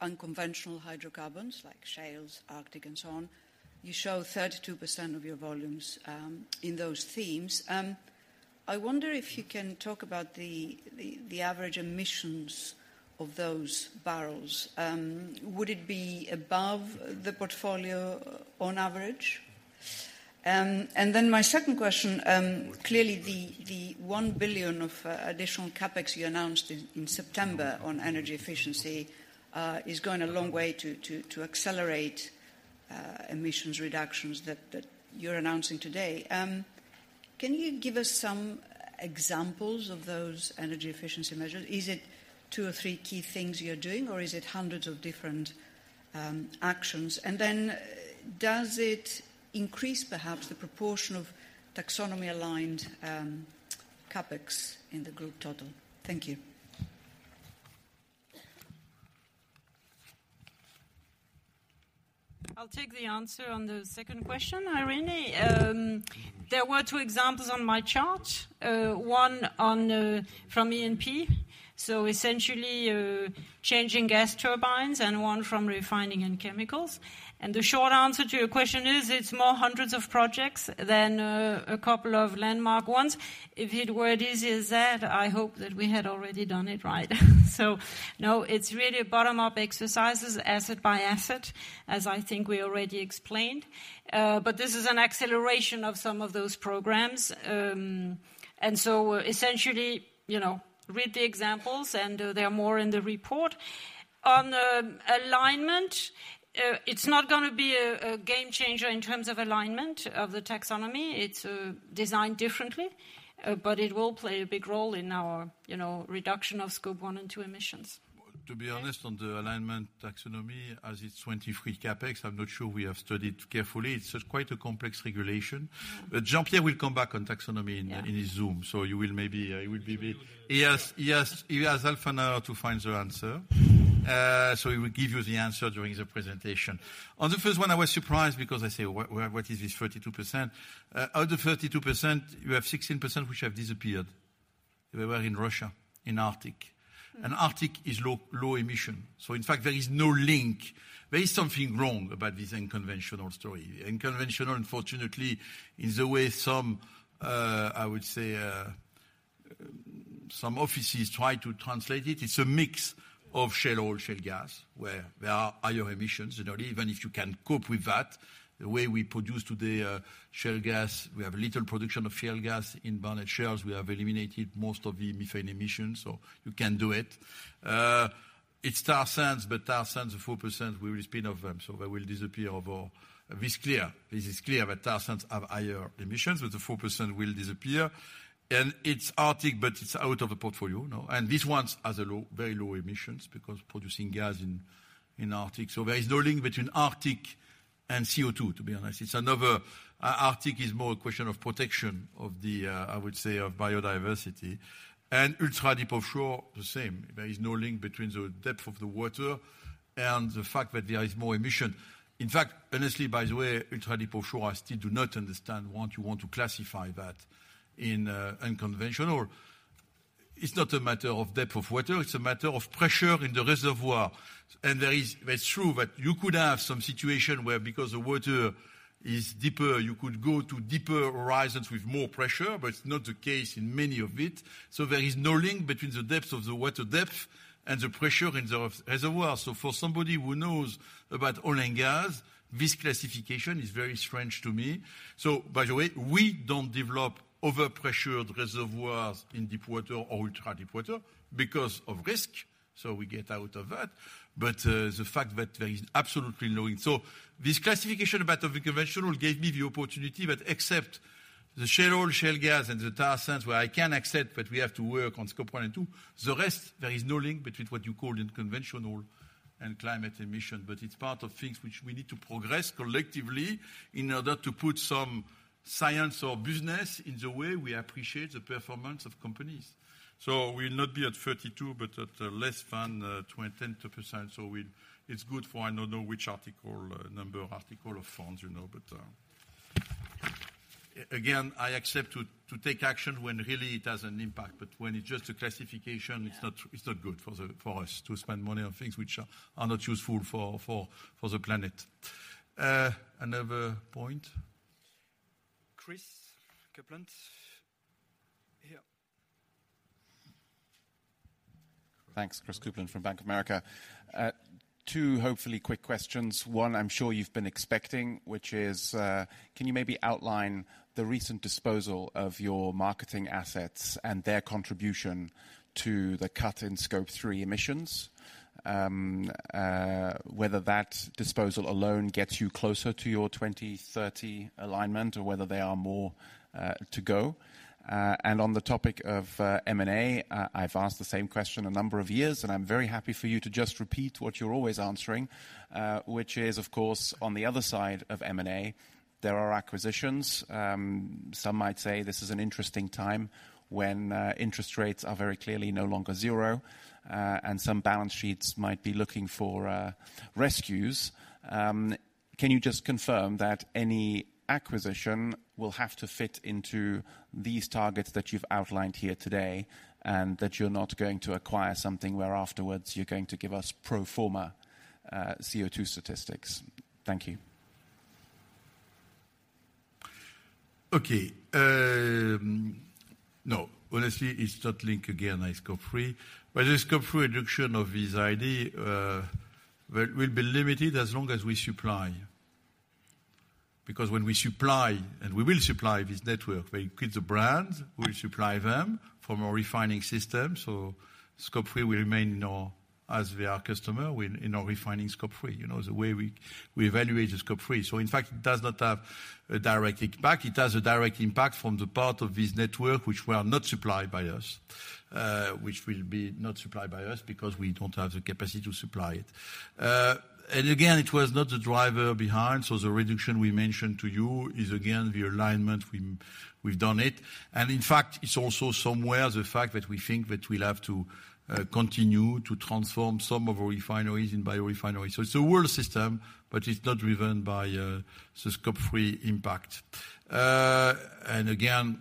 unconventional hydrocarbons like shales, Arctic, and so on. You show 32% of your volumes in those themes. I wonder if you can talk about the average emissions of those barrels. Would it be above the portfolio on average? My second question, clearly the $1 billion of additional CapEx you announced in September on energy efficiency is going a long way to accelerate emissions reductions that you're announcing today. Can you give us some examples of those energy efficiency measures? Is it two or three key things you're doing, or is it hundreds of different actions? Does it increase perhaps the proportion of taxonomy-aligned CapEx in the group total? Thank you. I'll take the answer on the second question, Irene. There were two examples on my chart, one from E&P, so essentially, changing gas turbines and one from refining and chemicals. The short answer to your question is it's more hundreds of projects than a couple of landmark ones. If it were easy as that, I hope that we had already done it right. No, it's really bottom-up exercises, asset by asset, as I think we already explained. This is an acceleration of some of those programs. Essentially, you know, read the examples and they are more in the report. On alignment, it's not going to be a game changer in terms of alignment of the taxonomy. It's designed differently, but it will play a big role in our, you know, reduction of Scope 1 and 2 emissions. To be honest, on the alignment taxonomy as it's 23 CapEx, I'm not sure we have studied carefully. It's quite a complex regulation. Jean-Pierre will come back on taxonomy In his Zoom. You will maybe, it will be bit... He has half an hour to find the answer. He will give you the answer during the presentation. On the first one, I was surprised because I say, "What, what is this 32%?" Out of 32%, you have 16% which have disappeared. They were in Russia, in Arctic. Arctic is low, low emission. In fact, there is no link. There is something wrong about this unconventional story. Unconventional, unfortunately, is the way some, I would say, some offices try to translate it. It's a mix of shale oil, shale gas, where there are higher emissions. You know, even if you can cope with that, the way we produce today, shale gas, we have little production of shale gas in barren shelves. We have eliminated most of the methane emissions, so you can do it. It's tar sands, but tar sands are 4%, we will spin off them. They will disappear over... It's clear. This is clear that tar sands have higher emissions, but the 4% will disappear. It's Arctic, but it's out of the portfolio. No, this one has a low, very low emissions because producing gas in Arctic. There is no link between Arctic and CO2, to be honest. It's another... Arctic is more a question of protection of the, I would say, of biodiversity. Ultra deep offshore, the same. There is no link between the depth of the water and the fact that there is more emission. In fact, honestly, by the way, ultra deep offshore, I still do not understand why you want to classify that in unconventional. It's not a matter of depth of water, it's a matter of pressure in the reservoir. It's true that you could have some situation where because the water is deeper, you could go to deeper horizons with more pressure, but it's not the case in many of it. There is no link between the depth of the water depth and the pressure in the reservoir. For somebody who knows about oil and gas, this classification is very strange to me. By the way, we don't develop over-pressured reservoirs in deepwater or ultra-deepwater because of risk, so we get out of that. The fact that there is absolutely no link. This classification about unconventional gave me the opportunity that except the shale oil, shale gas, and the tar sands, where I can accept that we have to work on Scope 1 and 2, the rest, there is no link between what you call unconventional and climate emission. It's part of things which we need to progress collectively in order to put some science or business in the way we appreciate the performance of companies. We will not be at 32, but at less than 10 to %. It's good for I don't know which article number, article of funds, you know. Again, I accept to take action when really it has an impact. When it's just a classification, it's not, it's not good for us to spend money on things which are not useful for the planet. Another point. Chris Kuplent. Here. Thanks. Chris Kuplent from Bank of America. Two hopefully quick questions. One I'm sure you've been expecting, which is, can you maybe outline the recent disposal of your marketing assets and their contribution to the cut in Scope 3 emissions? Whether that disposal alone gets you closer to your 2030 alignment or whether they are more to go. On the topic of M&A, I've asked the same question a number of years, and I'm very happy for you to just repeat what you're always answering, which is of course, on the other side of M&A, there are acquisitions. Some might say this is an interesting time when interest rates are very clearly no longer zero, and some balance sheets might be looking for rescues. Can you just confirm that any acquisition will have to fit into these targets that you've outlined here today, and that you're not going to acquire something where afterwards you're going to give us pro forma CO2 statistics? Thank you. Okay. No, honestly, it's not linked again, I Scope 3. The Scope 3 reduction of this ID will be limited as long as we supply. When we supply, and we will supply this network, we include the brands, we will supply them from our refining system. Scope 3 will remain now as their customer in our refining Scope 3. You know, the way we evaluate the Scope 3. In fact, it does not have a direct impact. It has a direct impact from the part of this network which were not supplied by us, which will be not supplied by us because we don't have the capacity to supply it. Again, it was not the driver behind. The reduction we mentioned to you is again, the alignment. We've done it. In fact, it's also somewhere the fact that we think that we'll have to continue to transform some of our refineries in biorefinery. It's a whole system, but it's not driven by the Scope 3 impact. Again,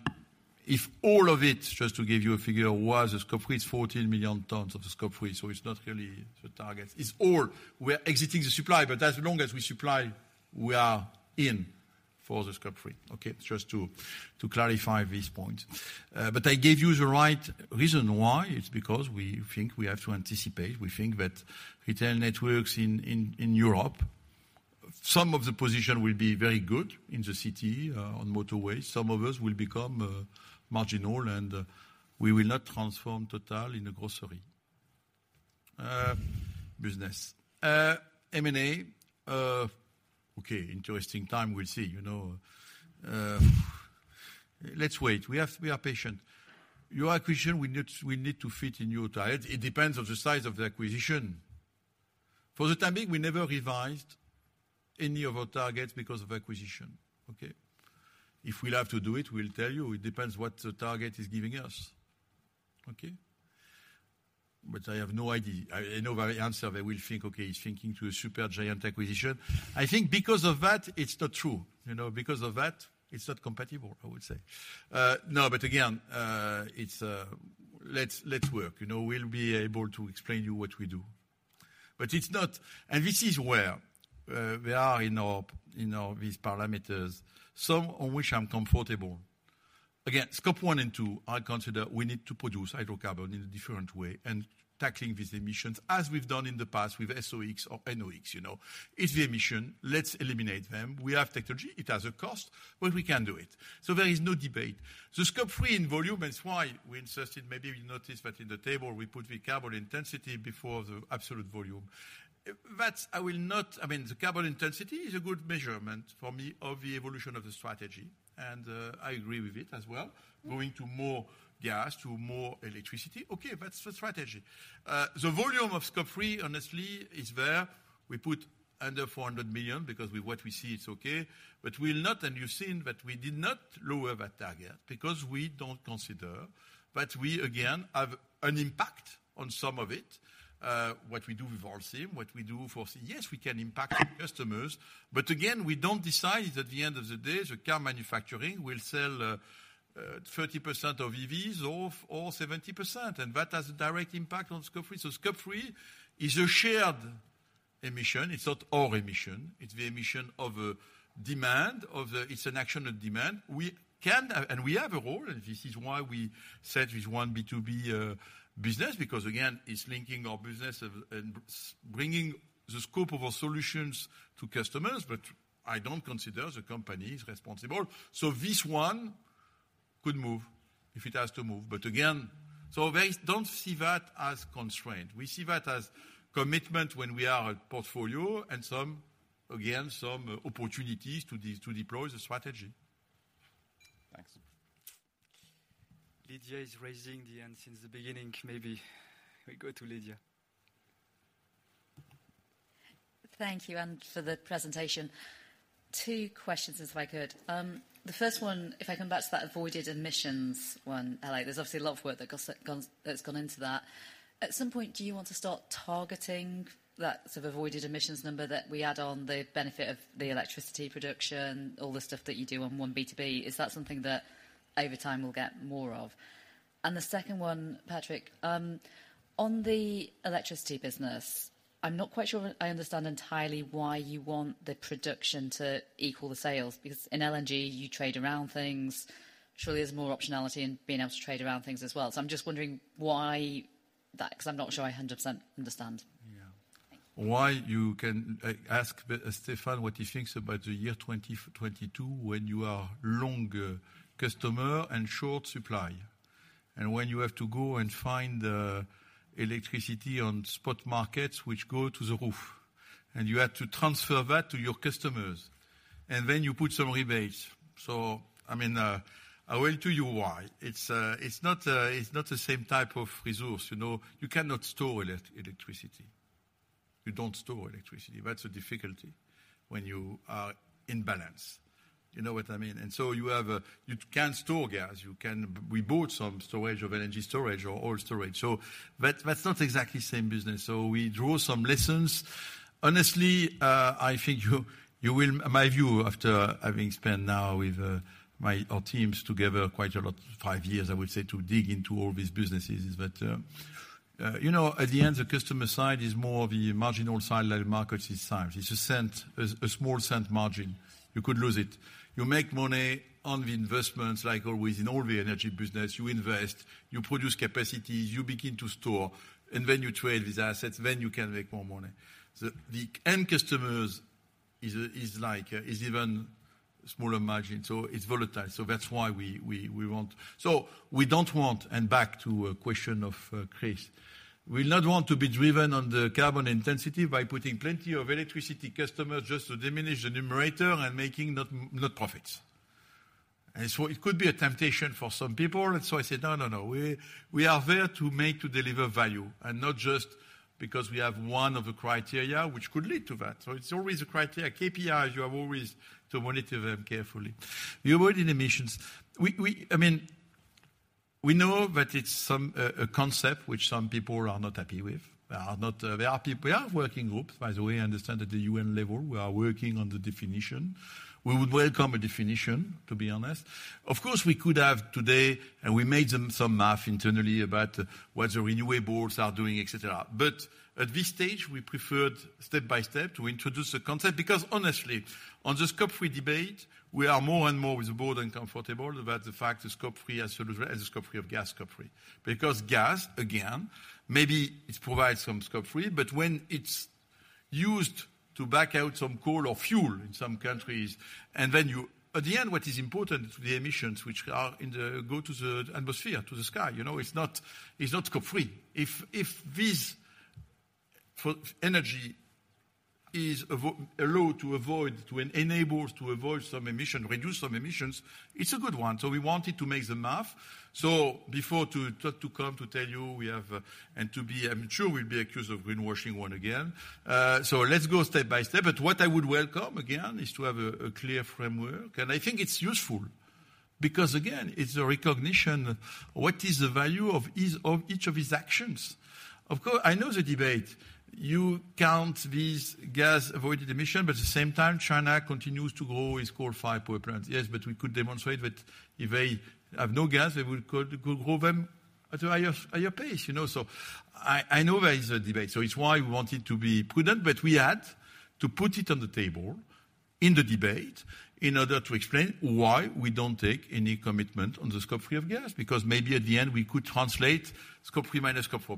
if all of it, just to give you a figure, was the Scope 3, it's 14 million tons of the Scope 3, so it's not really the target. It's all we're exiting the supply, but as long as we supply, we are in for the Scope 3. Okay? Just to clarify this point. I gave you the right reason why. It's because we think we have to anticipate. We think that retail networks in Europe, some of the position will be very good in the city on motorway. Some of us will become marginal and we will not transform Total in a grocery business. M&A, okay, interesting time. We'll see. You know, let's wait. We are patient. Your acquisition, we need to fit in your tires. It depends on the size of the acquisition. For the time being, we never revised any of our targets because of acquisition. Okay? If we'll have to do it, we'll tell you. It depends what the target is giving us. Okay? I have no idea. I know my answer. They will think okay, he's thinking to a super giant acquisition. I think because of that, it's not true. You know, because of that, it's not compatible, I would say. No, but again, let's work. You know, we'll be able to explain to you what we do. It's not. This is where we are in our, these parameters, some on which I'm comfortable. Again, Scope 1 and 2, I consider we need to produce hydrocarbon in a different way and tackling these emissions as we've done in the past with SOx or NOx, you know. It's the emission, let's eliminate them. We have technology, it has a cost, but we can do it. There is no debate. The Scope 3 in volume, that's why we insisted, maybe we noticed that in the table we put the carbon intensity before the absolute volume. That's, I mean, the carbon intensity is a good measurement for me of the evolution of the strategy, and I agree with it as well. Going to more gas, to more electricity. That's the strategy. The volume of Scope 3, honestly, is where we put under $400 million because with what we see it's okay. We'll not, and you've seen that we did not lower that target because we don't consider. We again, have an impact on some of it, what we do with our team. Yes, we can impact the customers, but again, we don't decide at the end of the day, the car manufacturing will sell 30% of EVs or 70%, and that has a direct impact on Scope 3. Scope 3 is a shared emission. It's not our emission. It's the emission of a demand. It's an action of demand. We can and we have a role, and this is why we said with One B2B business, because again, it's linking our business and bringing the scope of our solutions to customers, but I don't consider the company is responsible. This one could move if it has to move. Again. We don't see that as constraint. We see that as commitment when we are at portfolio and some, again, some opportunities to deploy the strategy. Thanks. Lydia is raising the hand since the beginning. Maybe we go to Lydia. Thank you, for the presentation. Two questions, if I could. The first one, if I come back to that avoided emissions one. There's obviously a lot of work that's gone into that. At some point, do you want to start targeting that sort of avoided emissions number that we add on the benefit of the electricity production, all the stuff that you do on One B2B? Is that something that over time we'll get more of? The second one, Patrick, on the electricity business, I'm not quite sure I understand entirely why you want the production to equal the sales, because in LNG, you trade around things. Surely there's more optionality in being able to trade around things as well. I'm just wondering why that, because I'm not sure I 100% understand. Yeah. Thank you. Why you can ask Stéphane what he thinks about the year 2022, when you are long customer and short supply. When you have to go and find electricity on spot markets which go to the roof, and you have to transfer that to your customers, and then you put some rebates. I mean, I will tell you why. It's not the same type of resource. You know? You cannot store electricity. You don't store electricity. That's the difficulty when you are in balance. You know hat I mean? You have - you can store gas, you can - we bought some storage of LNG storage, or oil storage. That's not exactly same business. We draw some lessons. Honestly, I think you will. My view, after having spent now with our teams together quite a lot, five years, I would say, to dig into all these businesses, is that, you know, at the end, the customer side is more the marginal side, like markets this time. It's a cent, a small cent margin. You could lose it. You make money on the investments like always in all the energy business. You invest, you produce capacities, you begin to store, and then you trade these assets, then you can make more money. The end customers is like, is even smaller margin, so it's volatile. That's why we want - we don't want, and back to a question of, Chris, we not want to be driven on the carbon intensity by putting plenty of electricity customers just to diminish the numerator and making not profits. It could be a temptation for some people. I said, "No, no. We are there to make, to deliver value, and not just because we have one of the criteria which could lead to that." It's always a criteria. KPI, you have always to monitor them carefully. The avoided emissions. We, I mean, we know that it's some, a concept which some people are not happy with. There are not. We have working groups, by the way, I understand at the UN level, we are working on the definition. We would welcome a definition, to be honest. Of course, we could have today, and we made them some math internally about what the renewable are doing, et cetera. At this stage, we preferred step by step to introduce a concept because honestly, on the Scope 3 debate, we are more and more with the board uncomfortable about the fact the Scope 3 has solution as the Scope 3 of gas Scope 3. Gas, again, maybe it provides some Scope 3, but when it's used to back out some coal or fuel in some countries, and then. At the end, what is important to the emissions which go to the atmosphere, to the sky, you know, it's not, it's not Scope 3. If this energy is allowed to avoid, enables to avoid some emission, reduce some emissions, it's a good one. We wanted to make the math. Before to come to tell you we have, and to be, I'm sure we'll be accused of greenwashing once again. Let's go step by step. What I would welcome again, is to have a clear framework. I think it's useful because again, it's a recognition what is the value of each of these actions. I know the debate. You count these gas avoided emission, but at the same time, China continues to grow its coal-fired power plants. We could demonstrate that if they have no gas, they will grow them at a higher pace. You know? I know there is a debate, so it's why we wanted to be prudent, but we had to put it on the table in the debate in order to explain why we don't take any commitment on the Scope 3 of gas. Maybe at the end we could translate Scope 3 minus Scope 4.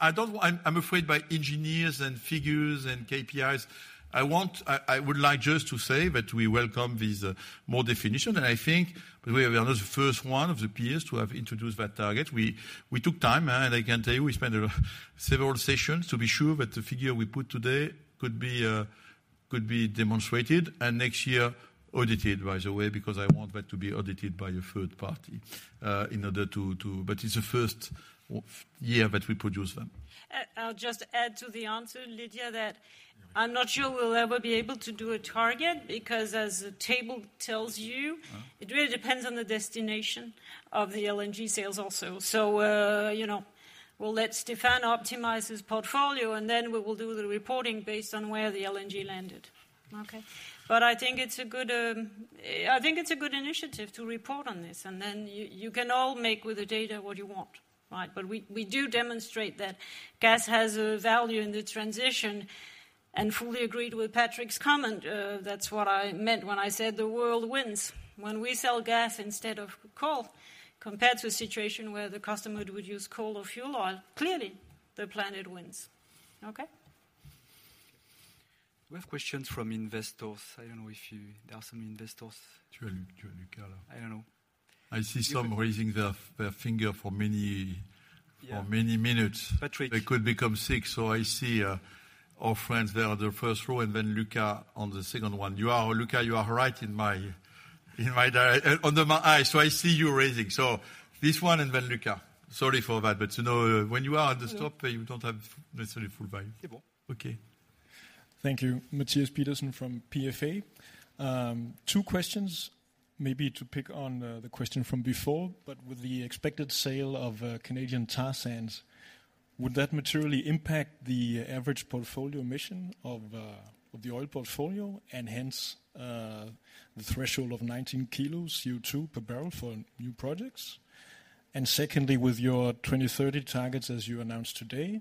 I don't. I'm afraid by engineers and figures and KPIs. I would like just to say that we welcome these more definition, and I think we are not the first one of the peers to have introduced that target. We took time, I can tell you we spent several sessions to be sure that the figure we put today could be demonstrated and next year audited, by the way, because I want that to be audited by a third party. It's the first year that we produce them. I'll just add to the answer, Lydia, that I'm not sure we'll ever be able to do a target because as the table tells you. Uh-huh. It really depends on the destination of the LNG sales also. You know, we'll let Stéphane optimize his portfolio and then we will do the reporting based on where the LNG landed. Okay. I think it's a good initiative to report on this and then you can all make with the data what you want. Right? We do demonstrate that gas has a value in the transition and fully agreed with Patrick's comment, that's what I meant when I said the world wins. When we sell gas instead of coal, compared to a situation where the customer would use coal or fuel oil, clearly the planet wins. Okay? We have questions from investors. There are some investors to Luca. I don't know. I see some raising their finger for many-for many minutes. Patrick. They could become sick. I see our friends there on the first row, and then Luca on the second one. Luca, you are right in my under my eye, I see you raising. This one and then Luca. Sorry for that, but you know when you are at the top, you don't have necessarily full view. C'est bon. Okay. Thank you. Matthias Pedersen from PFA. Two questions. Maybe to pick on the question from before, with the expected sale of Canadian tar sands, would that materially impact the average portfolio emission of the oil portfolio and hence the threshold of 19 kilos CO2 per barrel for new projects? Secondly, with your 2030 targets as you announced today,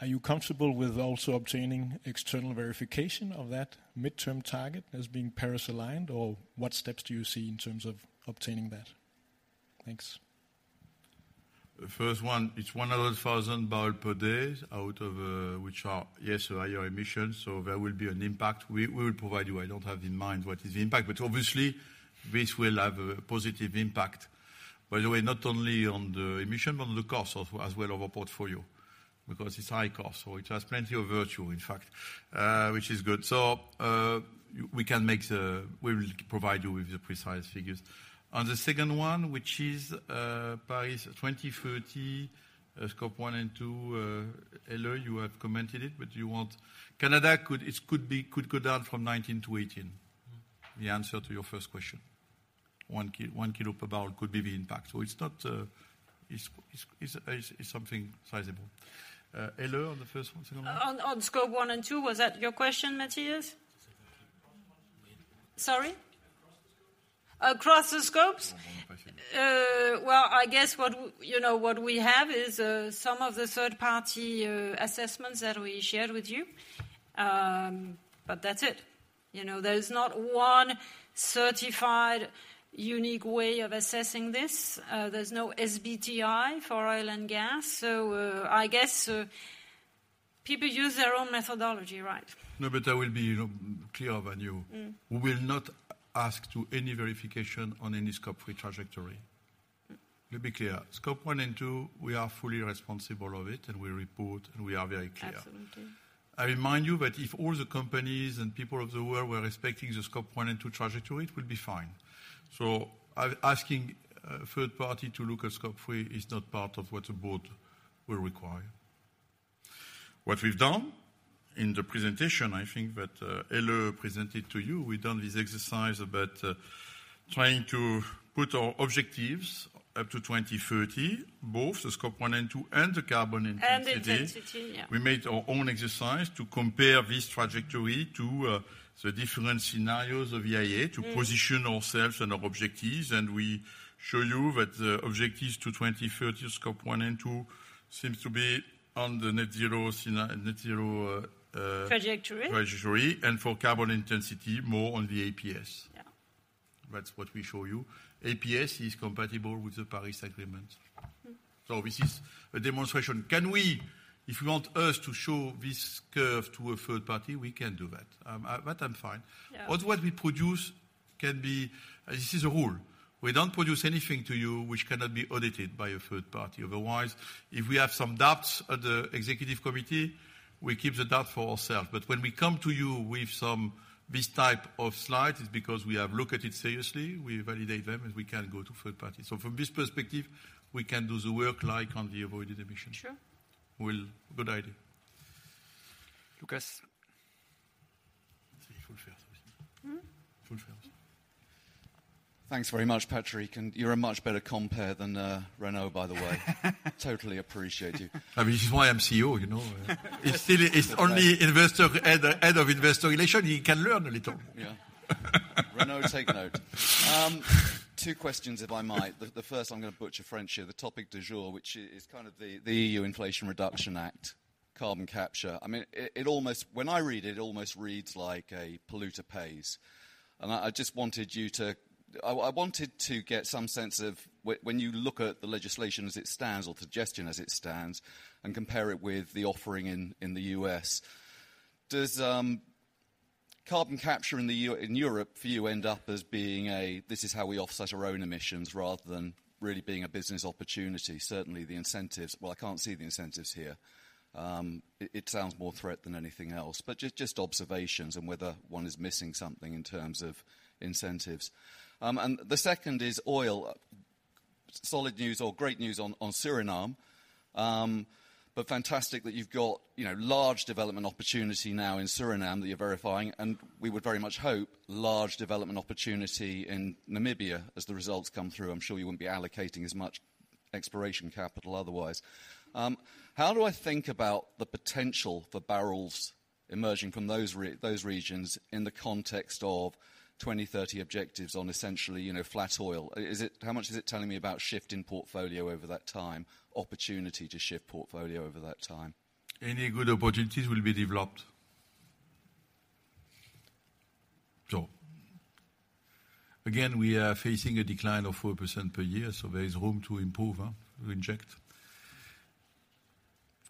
are you comfortable with also obtaining external verification of that midterm target as being Paris-aligned or what steps do you see in terms of obtaining that? Thanks. The first one, it's 100,000 barrel per day out of which are, yes higher emissions. There will be an impact. We will provide you. I don't have in mind what is the impact, obviously this will have a positive impact. By the way, not only on the emission, but on the cost of as well of our portfolio, because it's high cost. It has plenty of virtue, in fact, which is good. We will provide you with the precise figures. On the second one, which is Paris 2030, Scope 1 and 2, Helle you have commented it. Canada could go down from 19 to 18. The answer to your first question. One kilo per barrel could be the impact. It's not, it's something sizable. Helle, on the first one, second one? On Scope 1 and 2. Was that your question, Matthias? Across the scopes maybe. Sorry. Across the scopes? Well, I guess what you know, what we have is some of the third-party assessments that we shared with you. That's it. You know, there's not one certified unique way of assessing this. There's no SBTI for oil and gas. I guess people use their own methodology, right? I will be, you know, clear with you. Mm-hmm. We will not ask to any verification on any Scope 3 trajectory. Let me be clear. Scope 1 and 2, we are fully responsible of it and we report and we are very clear. Absolutely. I remind you that if all the companies and people of the world were respecting the Scope 1 and 2 trajectory, it would be fine. Asking a third party to look at Scope 3 is not part of what a board will require. What we've done in the presentation, I think that Helle presented to you, we've done this exercise about trying to put our objectives up to 2030, both the Scope 1 and 2 and the carbon intensity. Intensity, yeah. We made our own exercise to compare this trajectory to, the different scenarios of IEA to position ourselves and our objectives, and we show you that the objectives to 2030 Scope 1 and 2 seems to be on the Net Zero. Tra.jectory Trajectory. For carbon intensity, more on the APS. Yeah. That's what we show you. APS is compatible with the Paris Agreement. This is a demonstration. Can we, if you want us to show this curve to a third party, we can do that. That I'm fine. Yeah. What we produce can be - this is a rule. We don't produce anything to you which cannot be audited by a third party. If we have some doubts at the executive committee, we keep the doubt for ourselves. When we come to you with some, this type of slide, it's because we have looked at it seriously, we validate them, and we can go to third party. From this perspective, we can do the work like on the avoided emission. Sure. Good idea. Lucas. Hmm. Thanks very much, Patrick, and you're a much better compare than Renaud, by the way. Totally appreciate you. I mean, this is why I'm CEO, you know. He's still, he's only investor head of investor relation. He can learn a little. Yeah. Renaud, take note. Two questions, if I might. The first I'm gonna butcher French here, the topic du jour, which is kind of the EU Inflation Reduction Act, carbon capture. I mean, when I read it almost reads like a polluter pays. I wanted to get some sense of when you look at the legislation as it stands or the suggestion as it stands and compare it with the offering in the US, does carbon capture in Europe for you end up as being a this is how we offset our own emissions rather than really being a business opportunity? Certainly, the incentives. Well, I can't see the incentives here. It sounds more threat than anything else, but just observations on whether one is missing something in terms of incentives. The second is oil. Solid news or great news on Suriname. Fantastic that you've got, you know, large development opportunity now in Suriname that you're verifying, and we would very much hope large development opportunity in Namibia as the results come through. I'm sure you wouldn't be allocating as much exploration capital otherwise. How do I think about the potential for barrels emerging from those regions in the context of 2030 objectives on essentially, you know, flat oil? How much is it telling me about shift in portfolio over that time? Opportunity to shift portfolio over that time? Any good opportunities will be developed. Again, we are facing a decline of 4% per year, there is room to improve, huh? To inject.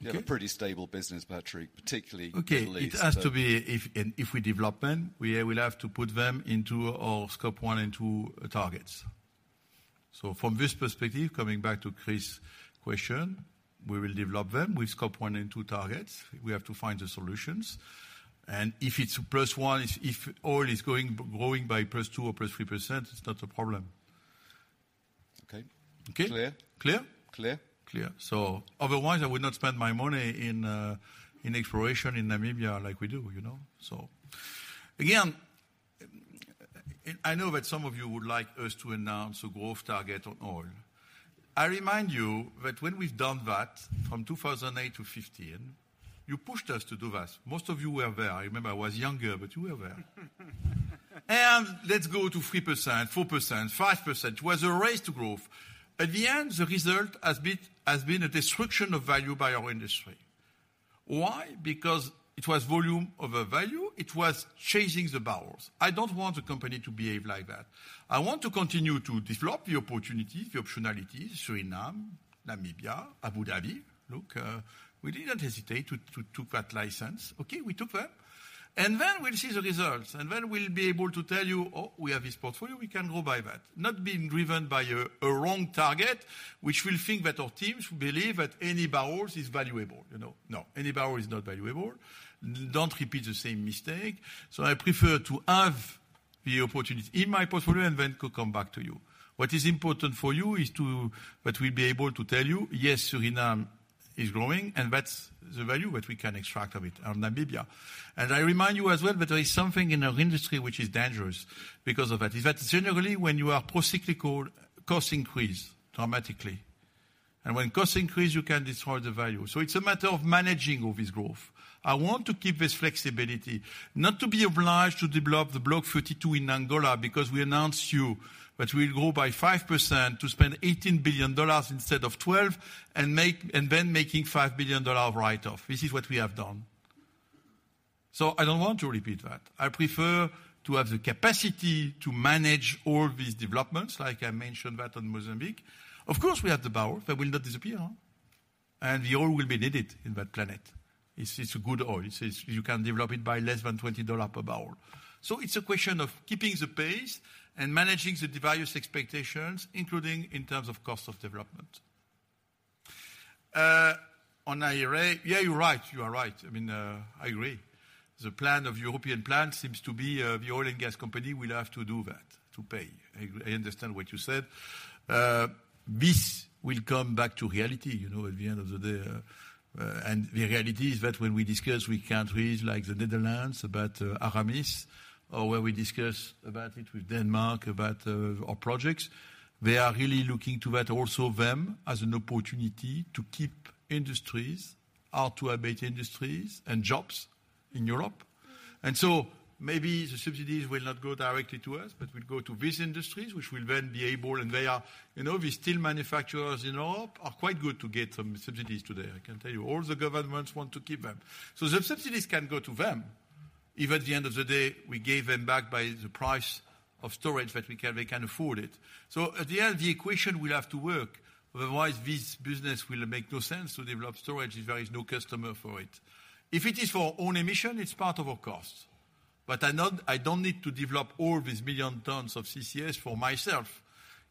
You have a pretty stable business, Patrick, particularly with lease. Okay. It has to be if we development, we will have to put them into our Scope 1 and 2 targets. From this perspective, coming back to Chris' question, we will develop them with Scope 1 and 2 targets. We have to find the solutions. If it's +1, if oil is growing by +2% or +3%, it's not a problem. Okay. Okay? Clear. Clear? Clear. Clear. Otherwise, I would not spend my money in exploration in Namibia like we do, you know? Again, I know that some of you would like us to announce a growth target on oil. I remind you that when we've done that from 2008 to 2015, you pushed us to do that. Most of you were there. I remember I was younger, but you were there. Let's go to 3%, 4%, 5%. It was a race to growth. At the end, the result has been a destruction of value by our industry. Why? Because it was volume over value. It was chasing the barrels. I don't want the company to behave like that. I want to continue to develop the opportunities, the optionalities, Suriname, Namibia, Abu Dhabi. Look, we didn't hesitate to that license. Okay. We took them. We'll see the results, then we'll be able to tell you, "Oh, we have this portfolio. We can go by that." Not being driven by a wrong target, which will think that our teams believe that any barrels is valuable, you know. No, any barrel is not valuable. Don't repeat the same mistake. I prefer to have the opportunity in my portfolio and then come back to you. What is important for you is that we'll be able to tell you, "Yes, Suriname is growing, and that's the value that we can extract of it or Namibia." I remind you as well that there is something in our industry which is dangerous because of that. Is that generally, when you are procyclical, costs increase dramatically. When costs increase, you can destroy the value. It's a matter of managing all this growth. I want to keep this flexibility, not to be obliged to develop the Block 32 in Angola because we announced you that we'll grow by 5% to spend $18 billion instead of $12 billion and make, and then making $5 billion write-off. This is what we have done. I don't want to repeat that. I prefer to have the capacity to manage all these developments, like I mentioned that on Mozambique. Of course, we have the barrel. That will not disappear. And the oil will be needed in that planet. It's a good oil. You can develop it by less than $20 per barrel. It's a question of keeping the pace and managing the various expectations, including in terms of cost of development. On IRA, yeah, you're right. You are right. I mean, I agree. The plan of European plan seems to be, the oil and gas company will have to do that to pay. I understand what you said. This will come back to reality, you know, at the end of the day. The reality is that when we discuss with countries like the Netherlands about Aramis or when we discuss about it with Denmark about our projects, they are really looking to that also them as an opportunity to keep industries, how to abate industries and jobs in Europe. Maybe the subsidies will not go directly to us, but will go to these industries, which will then be able, and they are... You know, the steel manufacturers in Europe are quite good to get some subsidies today, I can tell you. All the governments want to keep them. The subsidies can go to them, if at the end of the day, we gave them back by the price of storage that we can, they can afford it. At the end, the equation will have to work. Otherwise, this business will make no sense to develop storage if there is no customer for it. If it is for own emission, it's part of our costs. But I don't need to develop all these million tons of CCS for myself.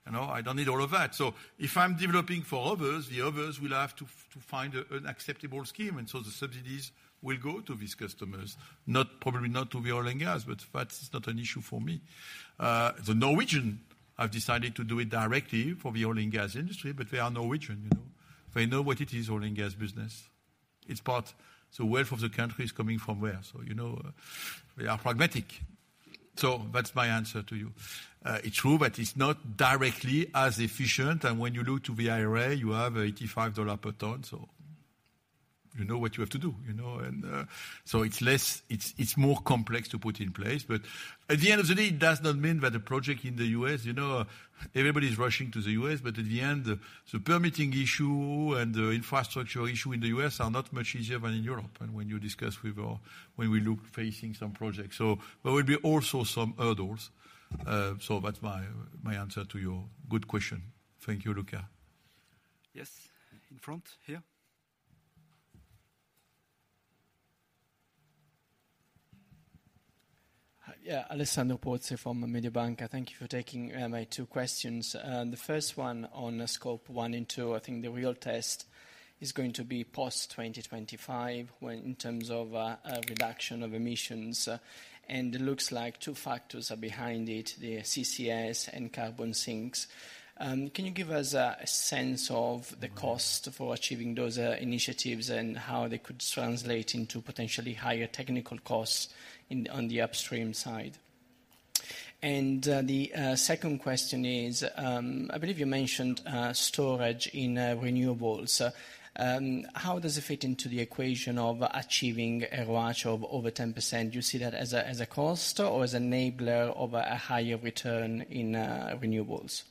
You know, I don't need all of that. If I'm developing for others, the others will have to find a, an acceptable scheme, and so the subsidies will go to these customers, not, probably not to the oil and gas, but that's not an issue for me. The Norwegian have decided to do it directly for the oil and gas industry, they are Norwegian, you know. They know what it is, oil and gas business. It's part, the wealth of the country is coming from where? You know, they are pragmatic. That's my answer to you. It's true that it's not directly as efficient, when you look to the IRA, you have $85 per ton, you know what you have to do, you know? It's more complex to put in place. At the end of the day, it does not mean that a project in the US, you know, everybody's rushing to the US, at the end, the permitting issue and the infrastructure issue in the US are not much easier than in Europe, when you discuss with our - when we look facing some projects. There will be also some hurdles. That's my answer to your good question. Thank you, Luca. Yes, in front here. Hi. Alessandro Pozzi from Mediobanca. Thank you for taking my two questions. The first one on Scope 1 and 2, I think the real test is going to be post 2025 when, in terms of a reduction of emissions. It looks like two factors are behind it, the CCS and carbon sinks. Can you give us a sense of the cost for achieving those initiatives and how they could translate into potentially higher technical costs in, on the upstream side? The second question is, I believe you mentioned storage in renewables. How does it fit into the equation of achieving a ROACE of over 10%? Do you see that as a cost or as enabler of a higher return in renewables?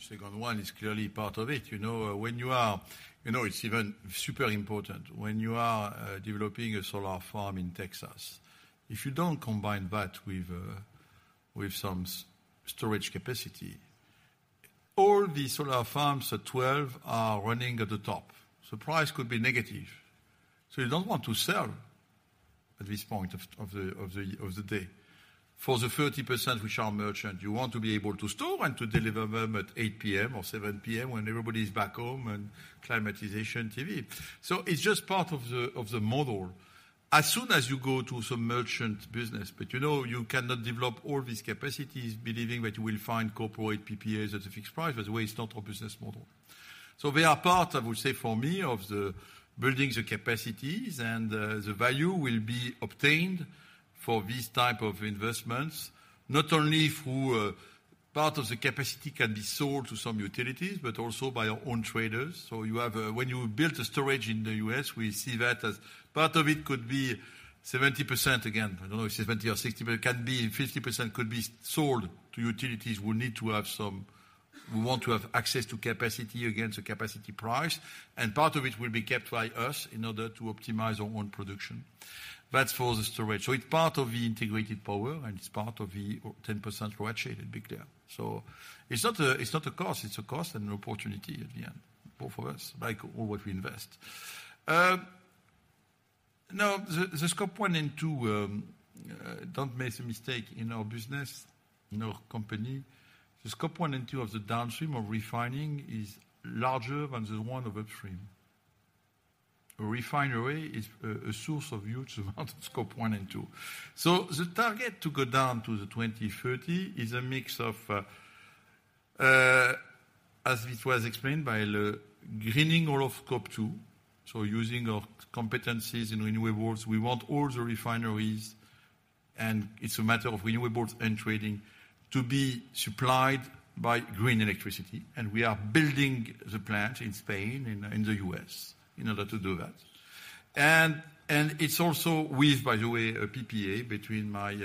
Second one is clearly part of it. You know, when you are. You know, it's even super important. When you are developing a solar farm in Texas, if you don't combine that with some storage capacity, all the solar farms at 12:00 P.M. are running at the top. Price could be negative. You don't want to sell at this point of the day. For the 30% which are merchant, you want to be able to store and to deliver them at 8:00 P.M. or 7:00 P.M. when everybody is back home and climatization TV. It's just part of the model. As soon as you go to some merchant business, you know you cannot develop all these capacities believing that you will find corporate PPAs at a fixed price, by the way, it's not our business model. They are part, I would say, for me, of the building the capacities and the value will be obtained for these type of investments, not only through part of the capacity can be sold to some utilities, but also by our own traders. You have, when you build a storage in the U.S., we see that as part of it could be 70% again. I don't know if 70% or 60%, but it can be 50% could be sold to utilities who need to have some... Who want to have access to capacity against a capacity price, and part of it will be kept by us in order to optimize our own production. That's for the storage. It's part of the integrated power, and it's part of the 10% ratio, to be clear. It's not a cost, it's a cost and an opportunity at the end, both for us, like all what we invest. Now the Scope 1 and 2, don't make a mistake in our business, in our company. The Scope 1 and 2 of the downstream of refining is larger than the one of upstream. A refinery is a source of huge amount of Scope 1 and 2. The target to go down to the 2030 is a mix of, as it was explained by the greening of Scope 2, so using our competencies in renewables, we want all the refineries, and it's a matter of renewables and trading, to be supplied by green electricity. We are building the plant in Spain and the U.S. in order to do that. It's also with, by the way, a PPA between my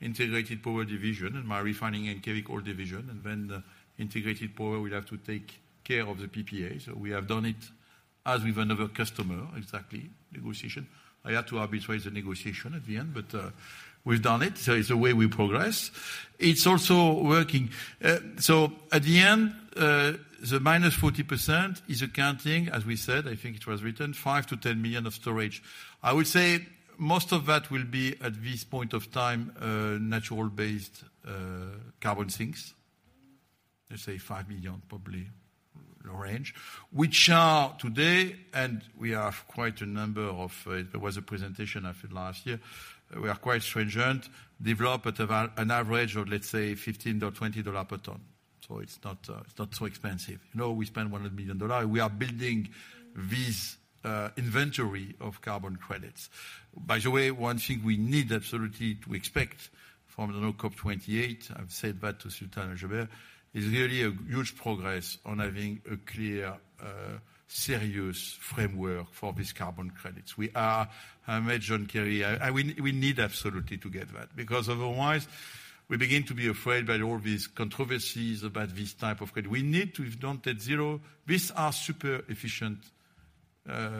integrated power division and my refining and chemical division, and then the integrated power will have to take care of the PPA. We have done it as with another customer, exactly, negotiation. I had to arbitrate the negotiation at the end, but we've done it, so it's the way we progress. It's also working. At the end, the -40% is accounting, as we said, I think it was written, 5 million-10 million of storage. I would say most of that will be at this point of time, natural based, carbon sinks. Let's say 5 million probably range, which are today, and we have quite a number of, there was a presentation, I think, last year. We are quite stringent, develop at about an average of, let's say, $15-$20 per ton. It's not so expensive. You know, we spend $100 million. We are building this inventory of carbon credits. By the way, one thing we need absolutely to expect from the new COP28, I've said that to Sultan Al Jaber, is really a huge progress on having a clear, serious framework for these carbon credits. I met John Kerry. We need absolutely to get that because otherwise we begin to be afraid by all these controversies about this type of credit. We need to adopt at zero. These are super efficient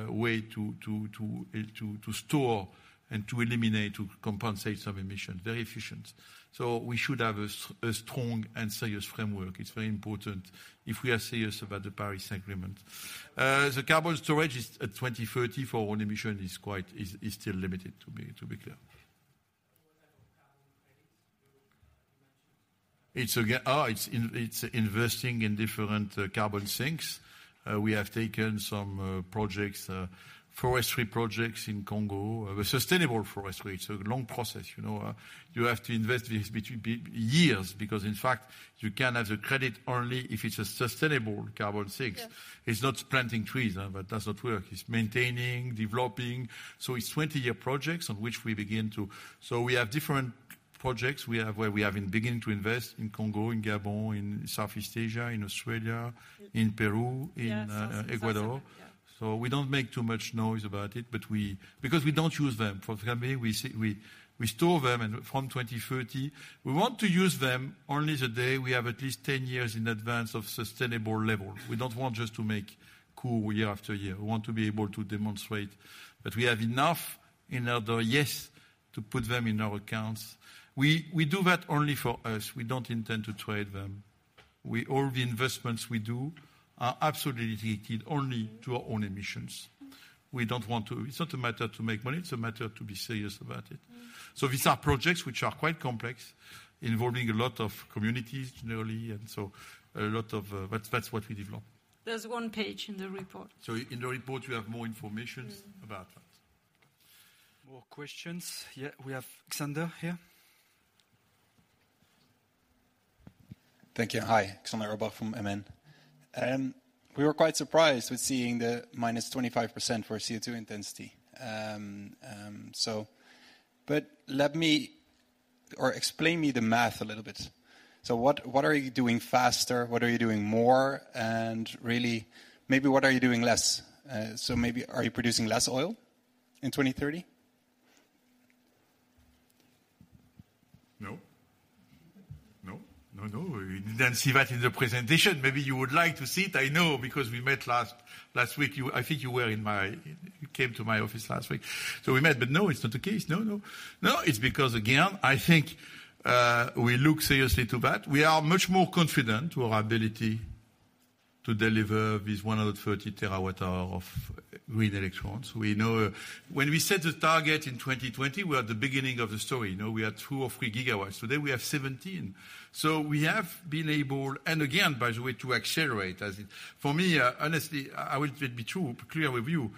way to store and to eliminate, to compensate some emissions. Very efficient. We should have a strong and serious framework. It's very important if we are serious about the Paris Agreement. The carbon storage is at 2030 for our own emission is still limited, to be clear. What type of carbon credits you mentioned? It's investing in different carbon sinks. We have taken some projects, forestry projects in Congo. A sustainable forestry. It's a long process. You know, you have to invest this between years because in fact, you can have the credit only if it's a sustainable carbon sinks. Yes. It's not planting trees, that does not work. It's maintaining, developing. It's 20-year projects on which we begin to. We have different projects. We have where we have been beginning to invest in Congo, in Gabon, in Southeast Asia, in Australia, in Peru. Yeah. South Asia. Yeah. In Ecuador. We don't make too much noise about it, but we. Because we don't use them. For the time being, we store them and from 2030, we want to use them only the day we have at least 10 years in advance of sustainable level. We don't want just to make cool year after year. We want to be able to demonstrate that we have enough in order, yes, to put them in our accounts. We do that only for us. We don't intend to trade them. All the investments we do are absolutely dedicated only to our own emissions. It's not a matter to make money. It's a matter to be serious about it. These are projects which are quite complex, involving a lot of communities generally. That's what we develop. There's one page in the report. In the report, you have more information about that. More questions? Yeah, we have Xander here. Thank you. Hi. Xander Urbach from MN. We were quite surprised with seeing the -25% for CO2 intensity. But let me or explain me the math a little bit. What, what are you doing faster? What are you doing more? Really, maybe what are you doing less? Maybe are you producing less oil in 2030? No, no. We didn't see that in the presentation. Maybe you would like to see it. I know, because we met last week. You, I think you came to my office last week, we met. No, it's not the case. No, no. No, it's because, again, I think, we look seriously to that. We are much more confident to our ability to deliver these 130 terawatt-hour of green electrons. We know. When we set the target in 2020, we are at the beginning of the story. You know, we had 2 or 3 gigawatts. Today we have 17. We have been able, and again by the way, to accelerate as in. For me, honestly, I will just be true, clear with you.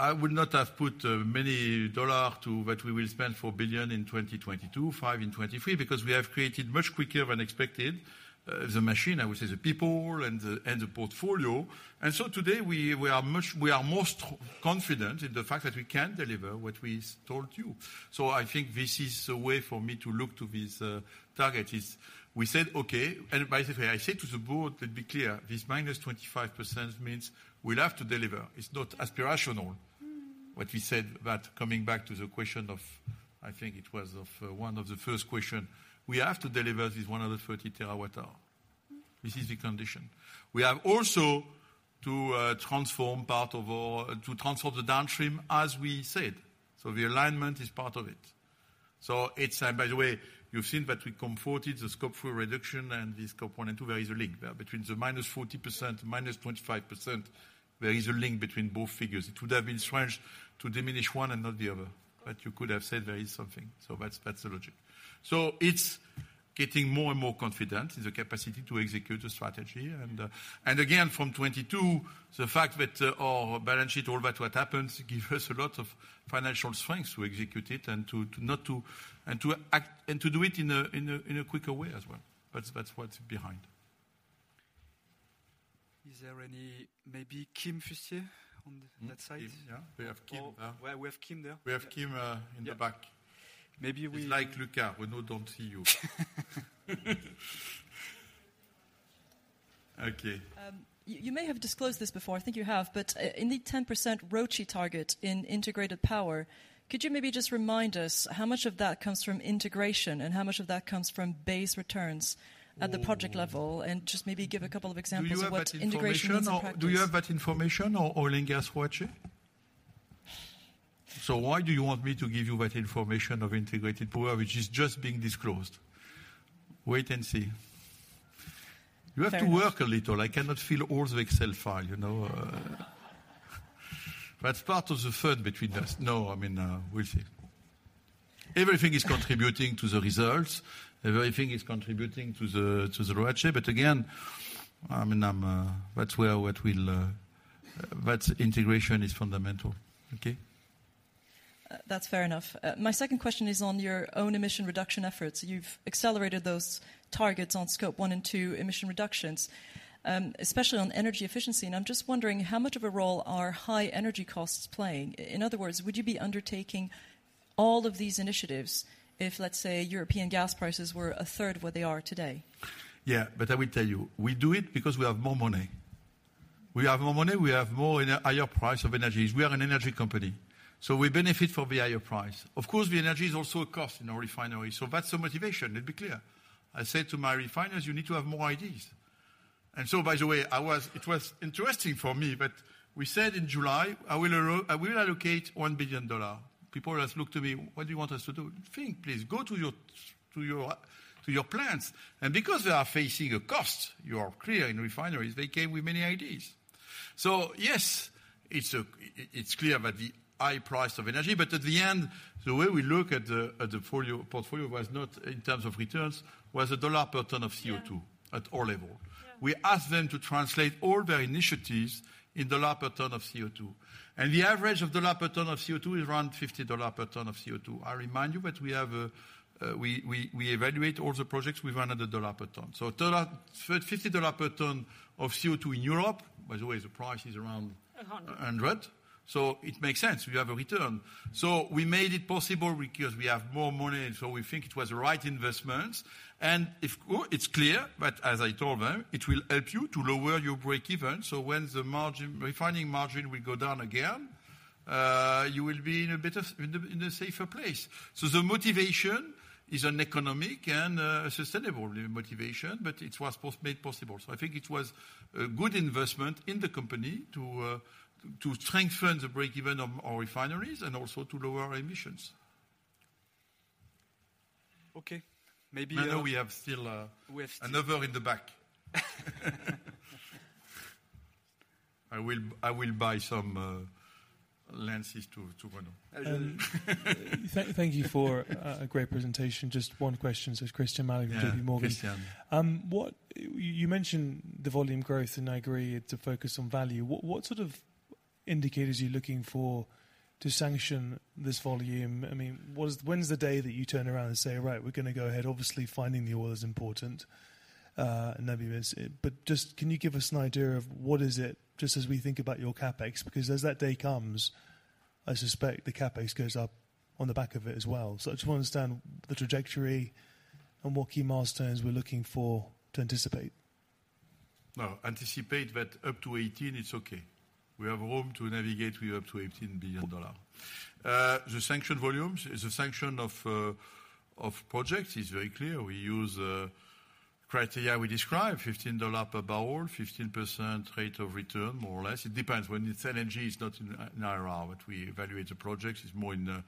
I would not have put many dollars to what we will spend for $ billion in 2022, $5 billion in 2023, because we have created much quicker than expected, the machine, I would say the people and the portfolio. Today, we are much, we are most confident in the fact that we can deliver what we told you. I think this is a way for me to look to this target. Is we said, "Okay." By the way, I said to the board, let's be clear, this minus 25% means we'll have to deliver. It's not aspirational what we said. Coming back to the question of, I think it was of one of the first question, we have to deliver this 130 terawatt-hour. This is the condition. We have also to transform part of our, to transform the downstream, as we said. The alignment is part of it. It's, and by the way, you've seen that we converted the Scope 4 reduction and the Scope 1 and 2, there is a link there between the -40%, -25%. There is a link between both figures. It would have been strange to diminish one and not the other. You could have said there is something. That's the logic. It's getting more and more confident in the capacity to execute the strategy. Again, from 22, the fact that our balance sheet, all that, what happens, give us a lot of financial strength to execute it and to not to, and to act, and to do it in a quicker way as well. That's what's behind. Is there any, maybe Kim Fustier on that side? Yeah. We have Kim. We have Kim there. We have Kim, in the back. Maybe we - It's like Luca, Renaud don't see you. Okay. You may have disclosed this before, I think you have, but in the 10% ROACE target in integrated power, could you maybe just remind us how much of that comes from integration and how much of that comes from base returns at the project level? Just maybe give a couple of examples of what integration is in practice. Do you have that information or, do you have that information on oil and gas ROACE? Why do you want me to give you that information of integrated power which is just being disclosed? Wait and see. Fair enough. You have to work a little. I cannot fill all the Excel file, you know. That's part of the fun between us. I mean, we'll see. Everything is contributing to the results. Everything is contributing to the ROACE. I mean, I'm, that's where that integration is fundamental. Okay? That's fair enough. My second question is on your own emission reduction efforts. You've accelerated those targets on Scope 1 and 2 emission reductions, especially on energy efficiency. I'm just wondering, how much of a role are high energy costs playing? In other words, would you be undertaking all of these initiatives if, let's say, European gas prices were a third of what they are today? Yeah. I will tell you, we do it because we have more money. We have more money, we have more and higher price of energies. We are an energy company, so we benefit from the higher price. Of course, the energy is also a cost in our refinery. That's the motivation. Let's be clear. I said to my refiners, "You need to have more ideas." by the way, I was, it was interesting for me, but we said in July, "I will allocate $1 billion." People just looked to me, "What do you want us to do?" "Think, please. Go to your plants." because they are facing a cost, you are clear in refineries, they came with many ideas. yes, it's a, it's clear about the high price of energy. At the end, the way we look at the portfolio was not in terms of returns, was the dollar per ton of CO2 at all level. We asked them to translate all their initiatives in $ per ton of CO2. The average of $ per ton of CO2 is around $50 per ton of CO2. I remind you that we have we evaluate all the projects with another $ per ton. Total of $50 per ton of CO2 in Europe. By the way, the price is around- 100. 100. It makes sense. We have a return. We made it possible because we have more money. We think it was the right investment. It's clear that, as I told them, it will help you to lower your breakeven. When the margin, refining margin will go down again, you will be in a better, in a safer place. The motivation is an economic and sustainable motivation, but it was made possible. I think it was a good investment in the company to strengthen the breakeven of our refineries and also to lower our emissions. Okay. Maybe we have - Another in the back. I will buy some lenses to Renaud. Thank you for a great presentation. Just one question. It's Christyan Malek with JP Morgan. Yeah, Christyan. What you mentioned the volume growth, and I agree it's a focus on value. What sort of indicators are you looking for to sanction this volume? I mean, when's the day that you turn around and say, "Right, we're going to go ahead." Obviously, finding the oil is important, and that we missed it. Just can you give us an idea of what is it, just as we think about your CapEx? Because as that day comes, I suspect the CapEx goes up on the back of it as well. I just want to understand the trajectory and what key milestones we're looking for to anticipate. Anticipate that up to 18, it's okay. We have room to navigate up to $18 billion. The sanction volumes is a sanction of projects is very clear. We use criteria we describe, $15 per barrel, 15% rate of return, more or less. It depends. When it's LNG, it's not an IRR, but we evaluate the projects. It's more in the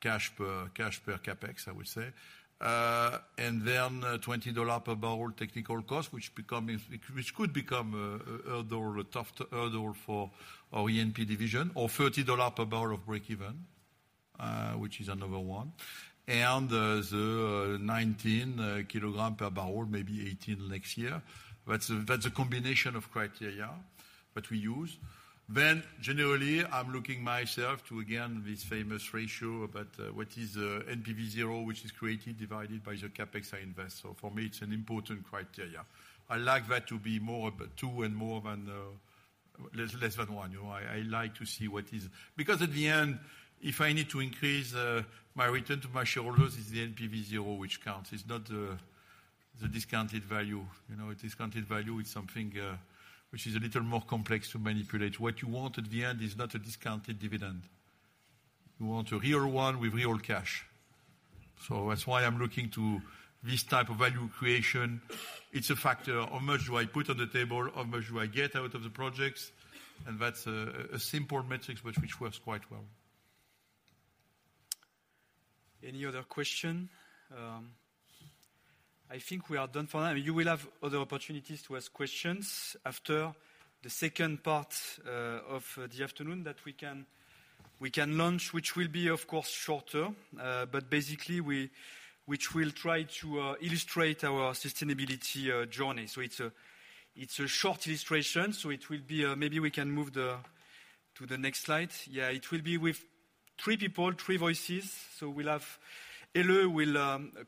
cash per CapEx, I would say. Then $20 per barrel technical cost, which could become a hurdle, a tough hurdle for our E&P division or $30 per barrel of breakeven, which is another one. The 19 kilogram per barrel, maybe 18 next year. That's a combination of criteria that we use. Generally, I'm looking myself to again, this famous ratio about what is NPV0, which is created, divided by the CapEx I invest. For me, it's an important criteria. I like that to be more of two and more than less than one. You know, I like to see what is. Because at the end, if I need to increase my return to my shareholders is the NPV0 which counts. It's not the discounted value. You know, a discounted value is something which is a little more complex to manipulate. What you want at the end is not a discounted dividend. You want a real one with real cash. That's why I'm looking to this type of value creation. It's a factor of how much do I put on the table, how much do I get out of the projects. That's a simple matrix which works quite well. Any other question? I think we are done for now. You will have other opportunities to ask questions after the second part of the afternoon that we can launch, which will be, of course, shorter. But basically, we'll try to illustrate our sustainability journey. It's a short illustration, so it will be, maybe we can move to the next slide. Yeah. It will be with three people, three voices. We'll have Helle will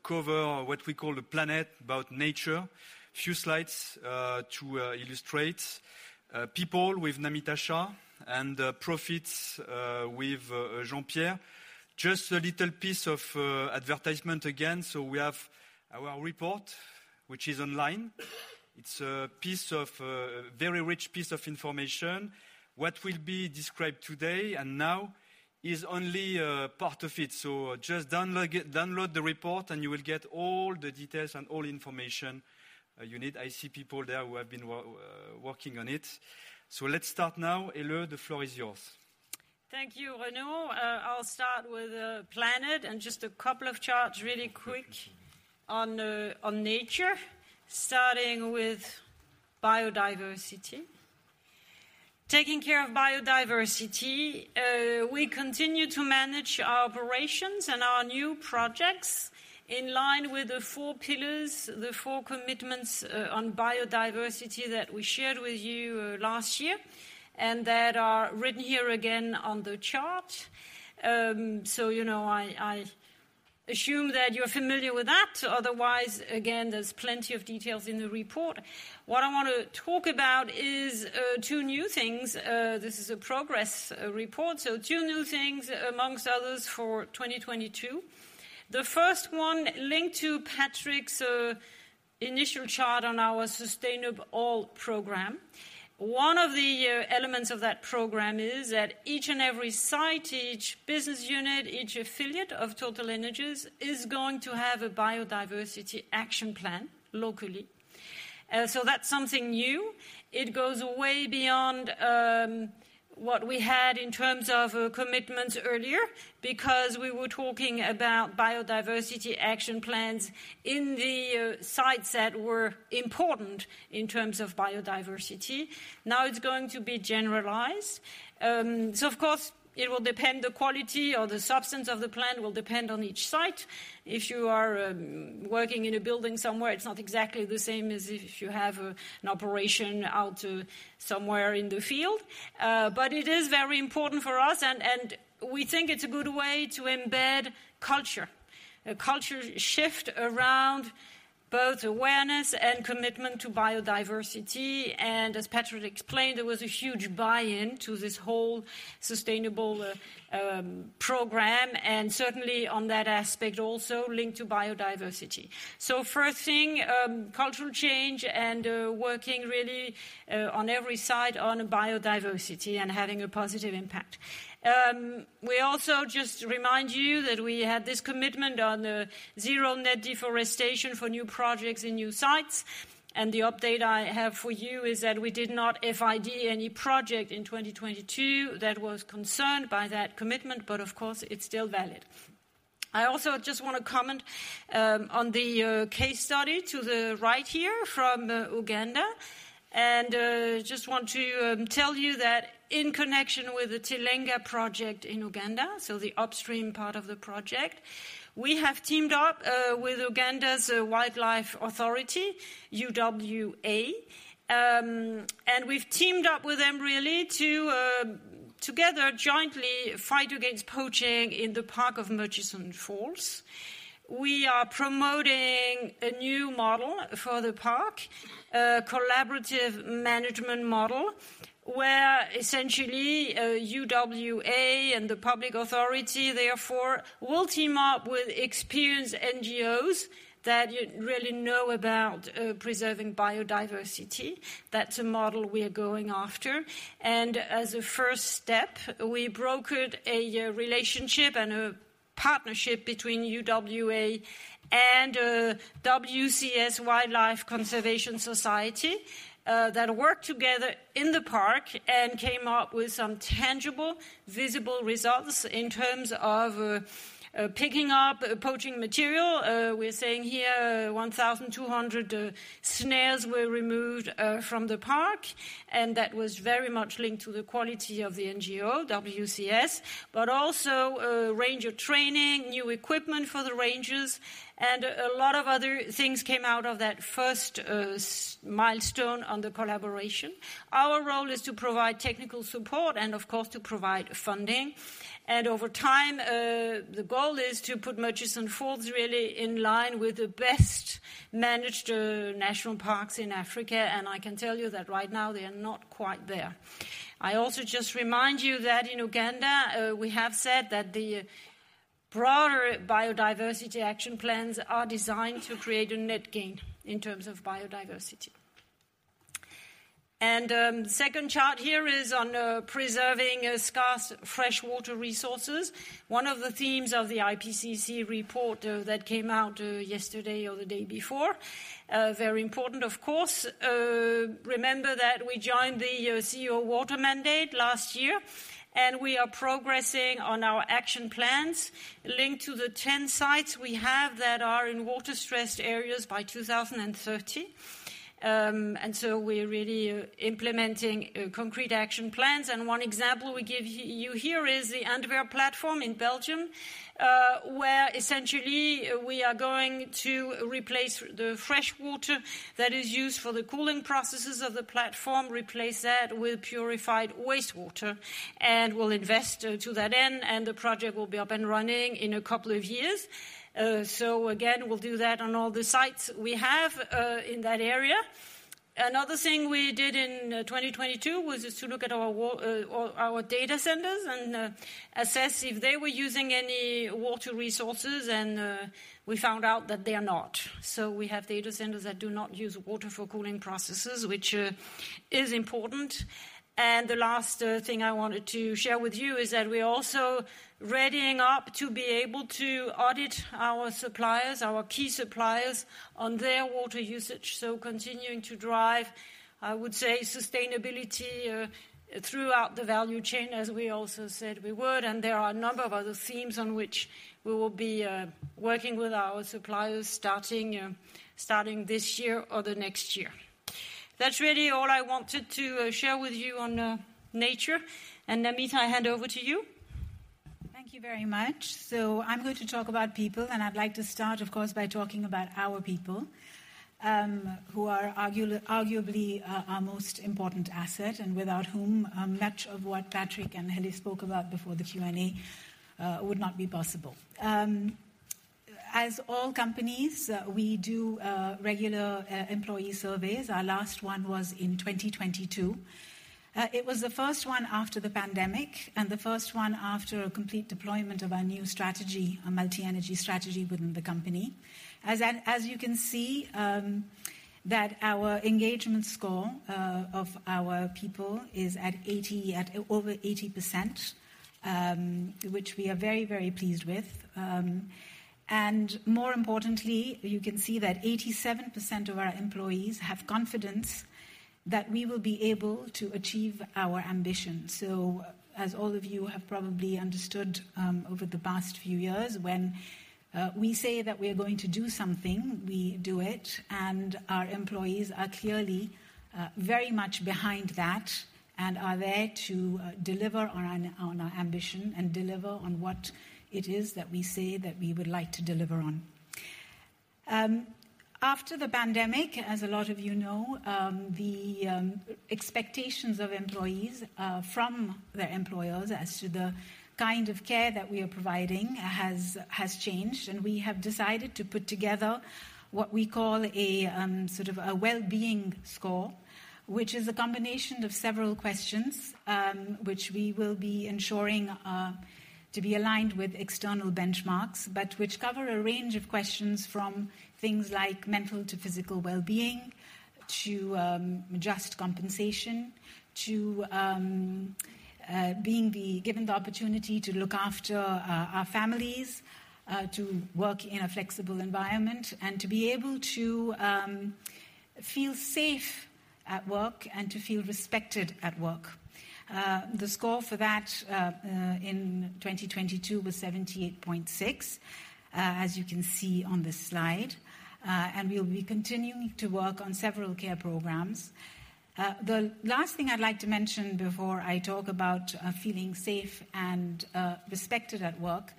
cover what we call the planet about nature. Few slides to illustrate people with Namita Shah and profits with Jean-Pierre. Just a little piece of advertisement again. We have our report, which is online. It's a piece of very rich piece of information. What will be described today and now is only a part of it. Just download it, download the report, and you will get all the details and all information, you need. I see people there who have been working on it. Let's start now. Helle, the floor is yours. Thank you, Renaud. I'll start with the planet and just a couple of charts really quick on nature, starting with biodiversity. Taking care of biodiversity, we continue to manage our operations and our new projects in line with the four pillars, the four commitments, on biodiversity that we shared with you last year and that are written here again on the chart. You know, I assume that you are familiar with that. Otherwise, again, there's plenty of details in the report. What I want to talk about is two new things. This is a progress report, so two new things amongst others for 2022. The first one linked to Patrick's initial chart on our Sustainab'ALL program. One of the elements of that program is that each and every site, each business unit, each affiliate of TotalEnergies is going to have a biodiversity action plan locally. That's something new. It goes way beyond what we had in terms of commitments earlier because we were talking about biodiversity action plans in the sites that were important in terms of biodiversity. Now it's going to be generalized. Of course, it will depend the quality or the substance of the plan will depend on each site. If you are working in a building somewhere, it's not exactly the same as if you have an operation out somewhere in the field. It is very important for us and we think it's a good way to embed culture. A culture shift around both awareness and commitment to biodiversity. As Patrick explained, there was a huge buy-in to this whole sustainable program, and certainly on that aspect also linked to biodiversity. First thing, cultural change and working really on every side on biodiversity and having a positive impact. We also just remind you that we had this commitment on zero net deforestation for new projects in new sites. The update I have for you is that we did not FID any project in 2022 that was concerned by that commitment, but of course it's still valid. I also just wanna comment on the case study to the right here from Uganda. Just want to tell you that in connection with the Tilenga project in Uganda, so the upstream part of the project, we have teamed up with Uganda Wildlife Authority, UWA. We've teamed up with them really to together jointly fight against poaching in the Park of Murchison Falls. We are promoting a new model for the park, a collaborative management model, where essentially, UWA and the public authority therefore will team up with experienced NGOs that you really know about preserving biodiversity. That's a model we are going after. As a first step, we brokered a relationship and a partnership between UWA and WCS Wildlife Conservation Society that worked together in the park and came up with some tangible, visible results in terms of picking up poaching material. We're saying here 1,200 snares were removed from the park, that was very much linked to the quality of the NGO, WCS. Also, ranger training, new equipment for the rangers, and a lot of other things came out of that first milestone on the collaboration. Our role is to provide technical support and of course, to provide funding. Over time, the goal is to put Murchison Falls really in line with the best managed national parks in Africa, and I can tell you that right now they are not quite there. I also just remind you that in Uganda, we have said that the broader biodiversity action plans are designed to create a net gain in terms of biodiversity. Second chart here is on preserving scarce freshwater resources. One of the themes of the IPCC report that came out yesterday or the day before, very important, of course. Remember that we joined the CEO Water Mandate last year. We are progressing on our action plans linked to the 10 sites we have that are in water-stressed areas by 2030. So we're really implementing concrete action plans. One example we give you here is the Antwerp platform in Belgium, where essentially we are going to replace the fresh water that is used for the cooling processes of the platform, replace that with purified wastewater. We'll invest to that end. The project will be up and running in a couple of years. Again, we'll do that on all the sites we have in that area. Another thing we did in 2022 was just to look at our data centers and assess if they were using any water resources and we found out that they are not. We have data centers that do not use water for cooling processes, which is important. The last thing I wanted to share with you is that we're also readying up to be able to audit our suppliers, our key suppliers on their water usage. Continuing to drive, I would say, sustainability throughout the value chain, as we also said we would. There are a number of other themes on which we will be working with our suppliers starting this year or the next year. That's really all I wanted to share with you on nature. Namita, I hand over to you. Thank you very much. I'm going to talk about people, I'd like to start, of course, by talking about our people, who are arguably our most important asset, and without whom, much of what Patrick and Helle spoke about before the Q&A would not be possible. As all companies, we do regular employee surveys. Our last one was in 2022. It was the first one after the pandemic and the first one after a complete deployment of our new strategy, a multi-energy strategy within the company. As you can see, that our engagement score of our people is at 80, at over 80%, which we are very, very pleased with. More importantly, you can see that 87% of our employees have confidence that we will be able to achieve our ambition. As all of you have probably understood, over the past few years, when we say that we are going to do something, we do it, and our employees are clearly, very much behind that and are there to deliver on our, on our ambition and deliver on what it is that we say that we would like to deliver on. After the pandemic, as a lot of you know, the expectations of employees from their employers as to the kind of care that we are providing has changed, and we have decided to put together what we call a sort of a well-being score, which is a combination of several questions, which we will be ensuring to be aligned with external benchmarks, but which cover a range of questions from things like mental to physical well-being to just compensation to being given the opportunity to look after our families, to work in a flexible environment, and to be able to feel safe at work and to feel respected at work. The score for that in 2022 was 78.6, as you can see on this slide. We will be continuing to work on several care programs. The last thing I'd like to mention before I talk about feeling safe and respected at work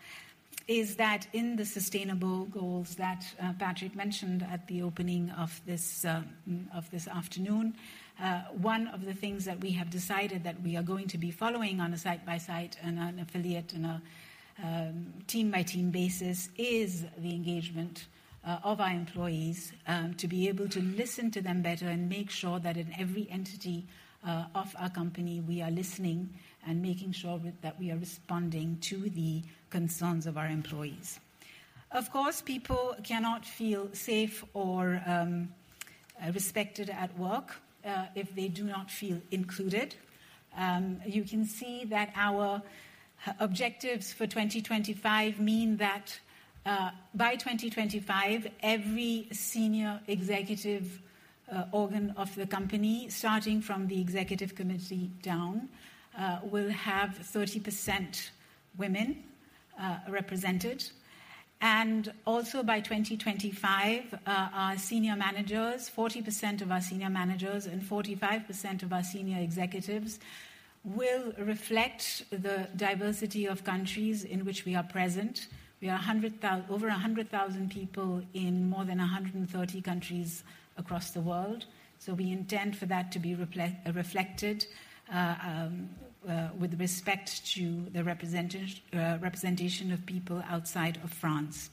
is that in the sustainable goals that Patrick mentioned at the opening of this afternoon, one of the things that we have decided that we are going to be following on a site by site and an affiliate and a team by team basis is the engagement of our employees to be able to listen to them better and make sure that in every entity of our company, we are listening and making sure that we are responding to the concerns of our employees. Of course, people cannot feel safe or respected at work if they do not feel included. You can see that our objectives for 2025 mean that by 2025, every senior executive organ of the company, starting from the Executive Committee down, will have 30% women represented. Also by 2025, our senior managers, 40% of our senior managers and 45% of our senior executives will reflect the diversity of countries in which we are present. We are over 100,000 people in more than 130 countries across the world, so we intend for that to be reflected with respect to the representation of people outside of France.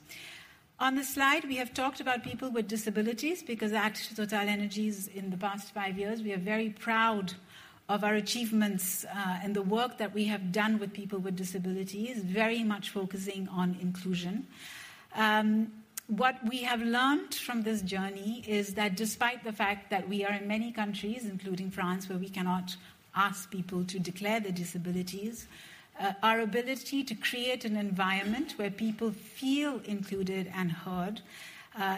On the slide, we have talked about people with disabilities because at TotalEnergies in the past five years, we are very proud of our achievements and the work that we have done with people with disabilities, very much focusing on inclusion. What we have learned from this journey is that despite the fact that we are in many countries, including France, where we cannot ask people to declare their disabilities, our ability to create an environment where people feel included and heard,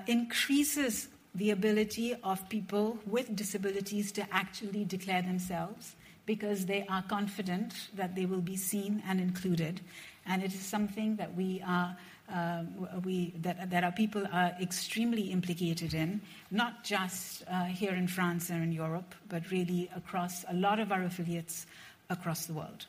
increases the ability of people with disabilities to actually declare themselves because they are confident that they will be seen and included. It is something that we are that our people are extremely implicated in, not just here in France or in Europe, but really across a lot of our affiliates across the world.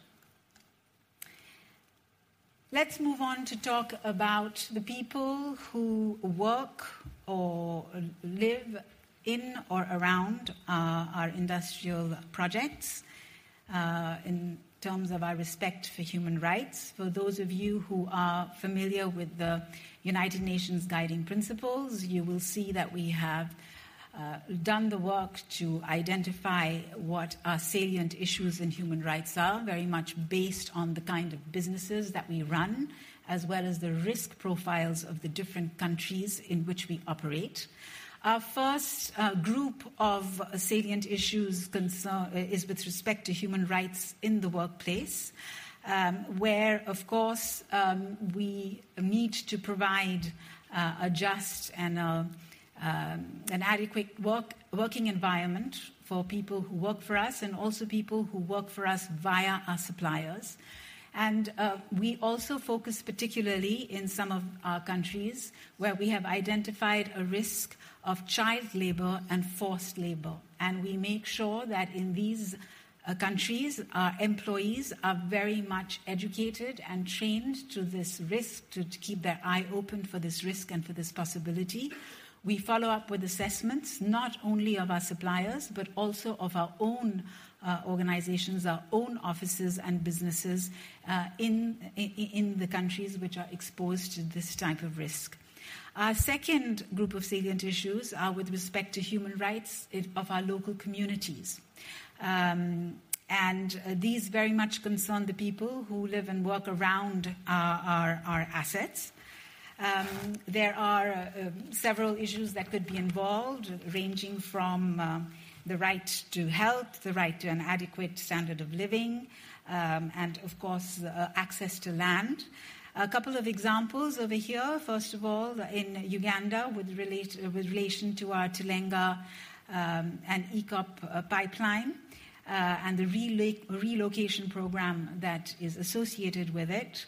Let's move on to talk about the people who work or live in or around our industrial projects in terms of our respect for human rights. For those of you who are familiar with the United Nations Guiding Principles, you will see that we have done the work to identify what our salient issues in human rights are, very much based on the kind of businesses that we run, as well as the risk profiles of the different countries in which we operate. Our first group of salient issues is with respect to human rights in the workplace, where of course, we need to provide a just and an adequate working environment for people who work for us and also people who work for us via our suppliers. We also focus particularly in some of our countries where we have identified a risk of child labor and forced labor. We make sure that in these countries, our employees are very much educated and trained to this risk, to keep their eye open for this risk and for this possibility. We follow up with assessments not only of our suppliers, but also of our own organizations, our own offices and businesses in the countries which are exposed to this type of risk. Our second group of salient issues are with respect to human rights it, of our local communities. These very much concern the people who live and work around our assets. There are several issues that could be involved, ranging from the right to health, the right to an adequate standard of living, and of course, access to land. A couple of examples over here. First of all, in Uganda, with relation to our Tilenga and EACOP pipeline and the relocation program that is associated with it,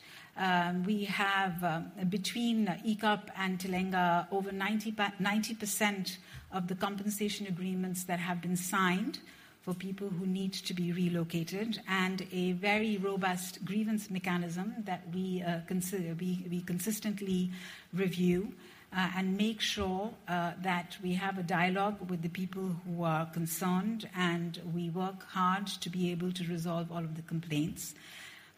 we have, between EACOP and Tilenga, over 90% of the compensation agreements that have been signed for people who need to be relocated and a very robust grievance mechanism that we consistently review and make sure that we have a dialogue with the people who are concerned, and we work hard to be able to resolve all of the complaints.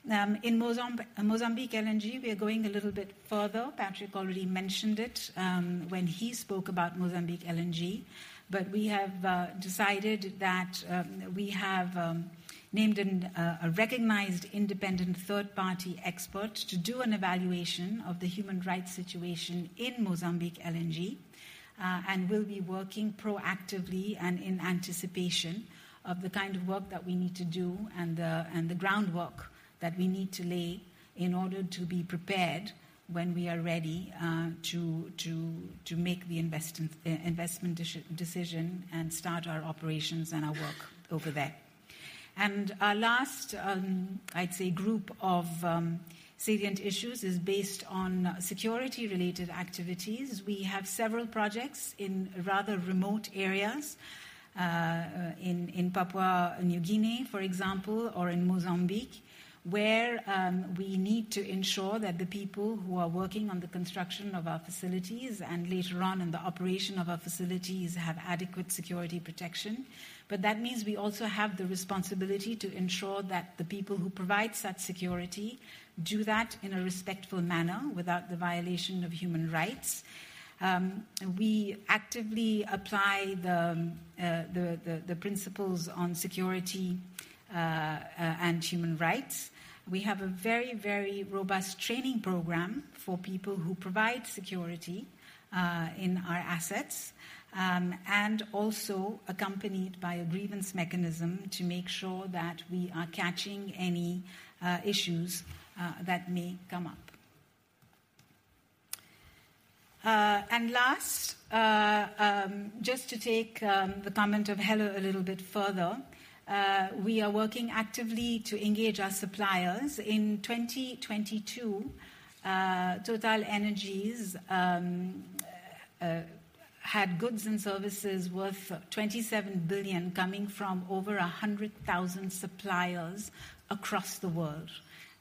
In Mozambique LNG, we are going a little bit further. Patrick already mentioned it, when he spoke about Mozambique LNG. We have decided that we have named a recognized independent third party expert to do an evaluation of the human rights situation in Mozambique LNG, and we'll be working proactively and in anticipation of the kind of work that we need to do and the groundwork that we need to lay in order to be prepared when we are ready to make the investment decision and start our operations and our work over there. Our last, I'd say group of salient issues is based on security-related activities. We have several projects in rather remote areas, in Papua New Guinea, for example, or in Mozambique, where we need to ensure that the people who are working on the construction of our facilities, and later on in the operation of our facilities, have adequate security protection. That means we also have the responsibility to ensure that the people who provide such security do that in a respectful manner without the violation of Human Rights. We actively apply the principles on security and Human Rights. We have a very, very robust training program for people who provide security in our assets, and also accompanied by a grievance mechanism to make sure that we are catching any issues that may come up. Last, just to take the comment of Helle a little bit further, we are working actively to engage our suppliers. In 2022, TotalEnergies had goods and services worth $27 billion coming from over 100,000 suppliers across the world.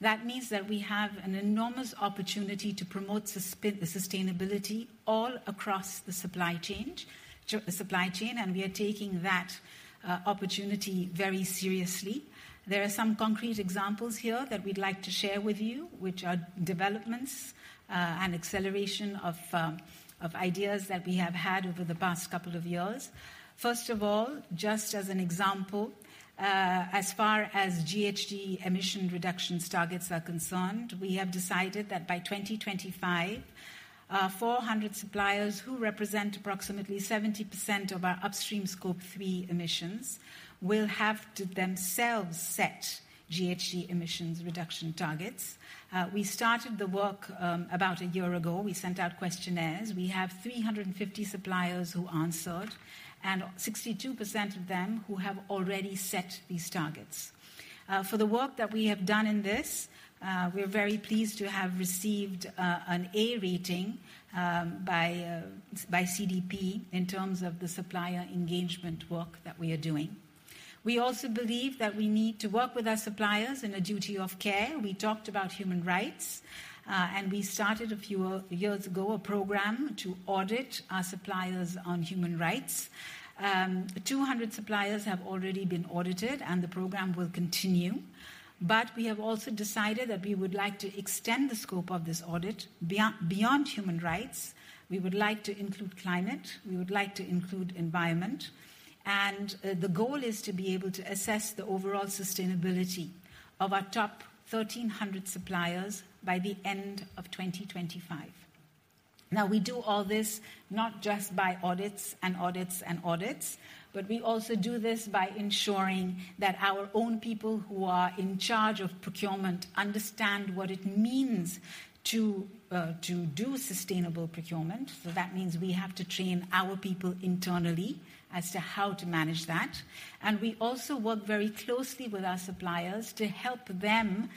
That means that we have an enormous opportunity to promote sustainability all across the supply chain, and we are taking that opportunity very seriously. There are some concrete examples here that we'd like to share with you, which are developments and acceleration of ideas that we have had over the past couple of years. First of all, just as an example, as far as GHG emissions reductions targets are concerned, we have decided that by 2025, 400 suppliers who represent approximately 70% of our upstream Scope 3 emissions will have to themselves set GHG emissions reduction targets. We started the work about a year ago. We sent out questionnaires. We have 350 suppliers who answered, and 62% of them who have already set these targets. For the work that we have done in this, we are very pleased to have received an A rating by CDP in terms of the supplier engagement work that we are doing. We also believe that we need to work with our suppliers in a duty of care. We talked about human rights, and we started a few years ago a program to audit our suppliers on human rights. 200 suppliers have already been audited and the program will continue. We have also decided that we would like to extend the scope of this audit beyond human rights. We would like to include climate, we would like to include environment, and the goal is to be able to assess the overall sustainability of our top 1,300 suppliers by the end of 2025. Now, we do all this not just by audits and audits and audits, but we also do this by ensuring that our own people who are in charge of procurement understand what it means to do sustainable procurement. That means we have to train our people internally as to how to manage that. We also work very closely with our suppliers to help them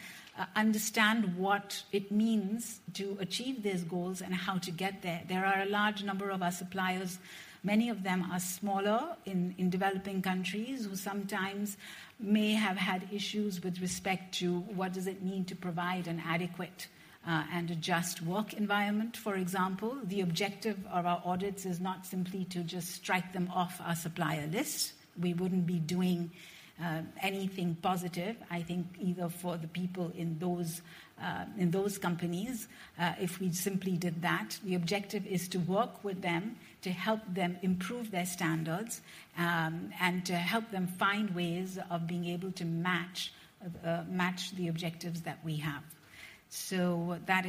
understand what it means to achieve these goals and how to get there. There are a large number of our suppliers, many of them are smaller in developing countries who sometimes may have had issues with respect to what does it mean to provide an adequate and a just work environment, for example. The objective of our audits is not simply to just strike them off our supplier list. We wouldn't be doing anything positive, I think either for the people in those in those companies, if we simply did that. The objective is to work with them to help them improve their standards and to help them find ways of being able to match the objectives that we have. That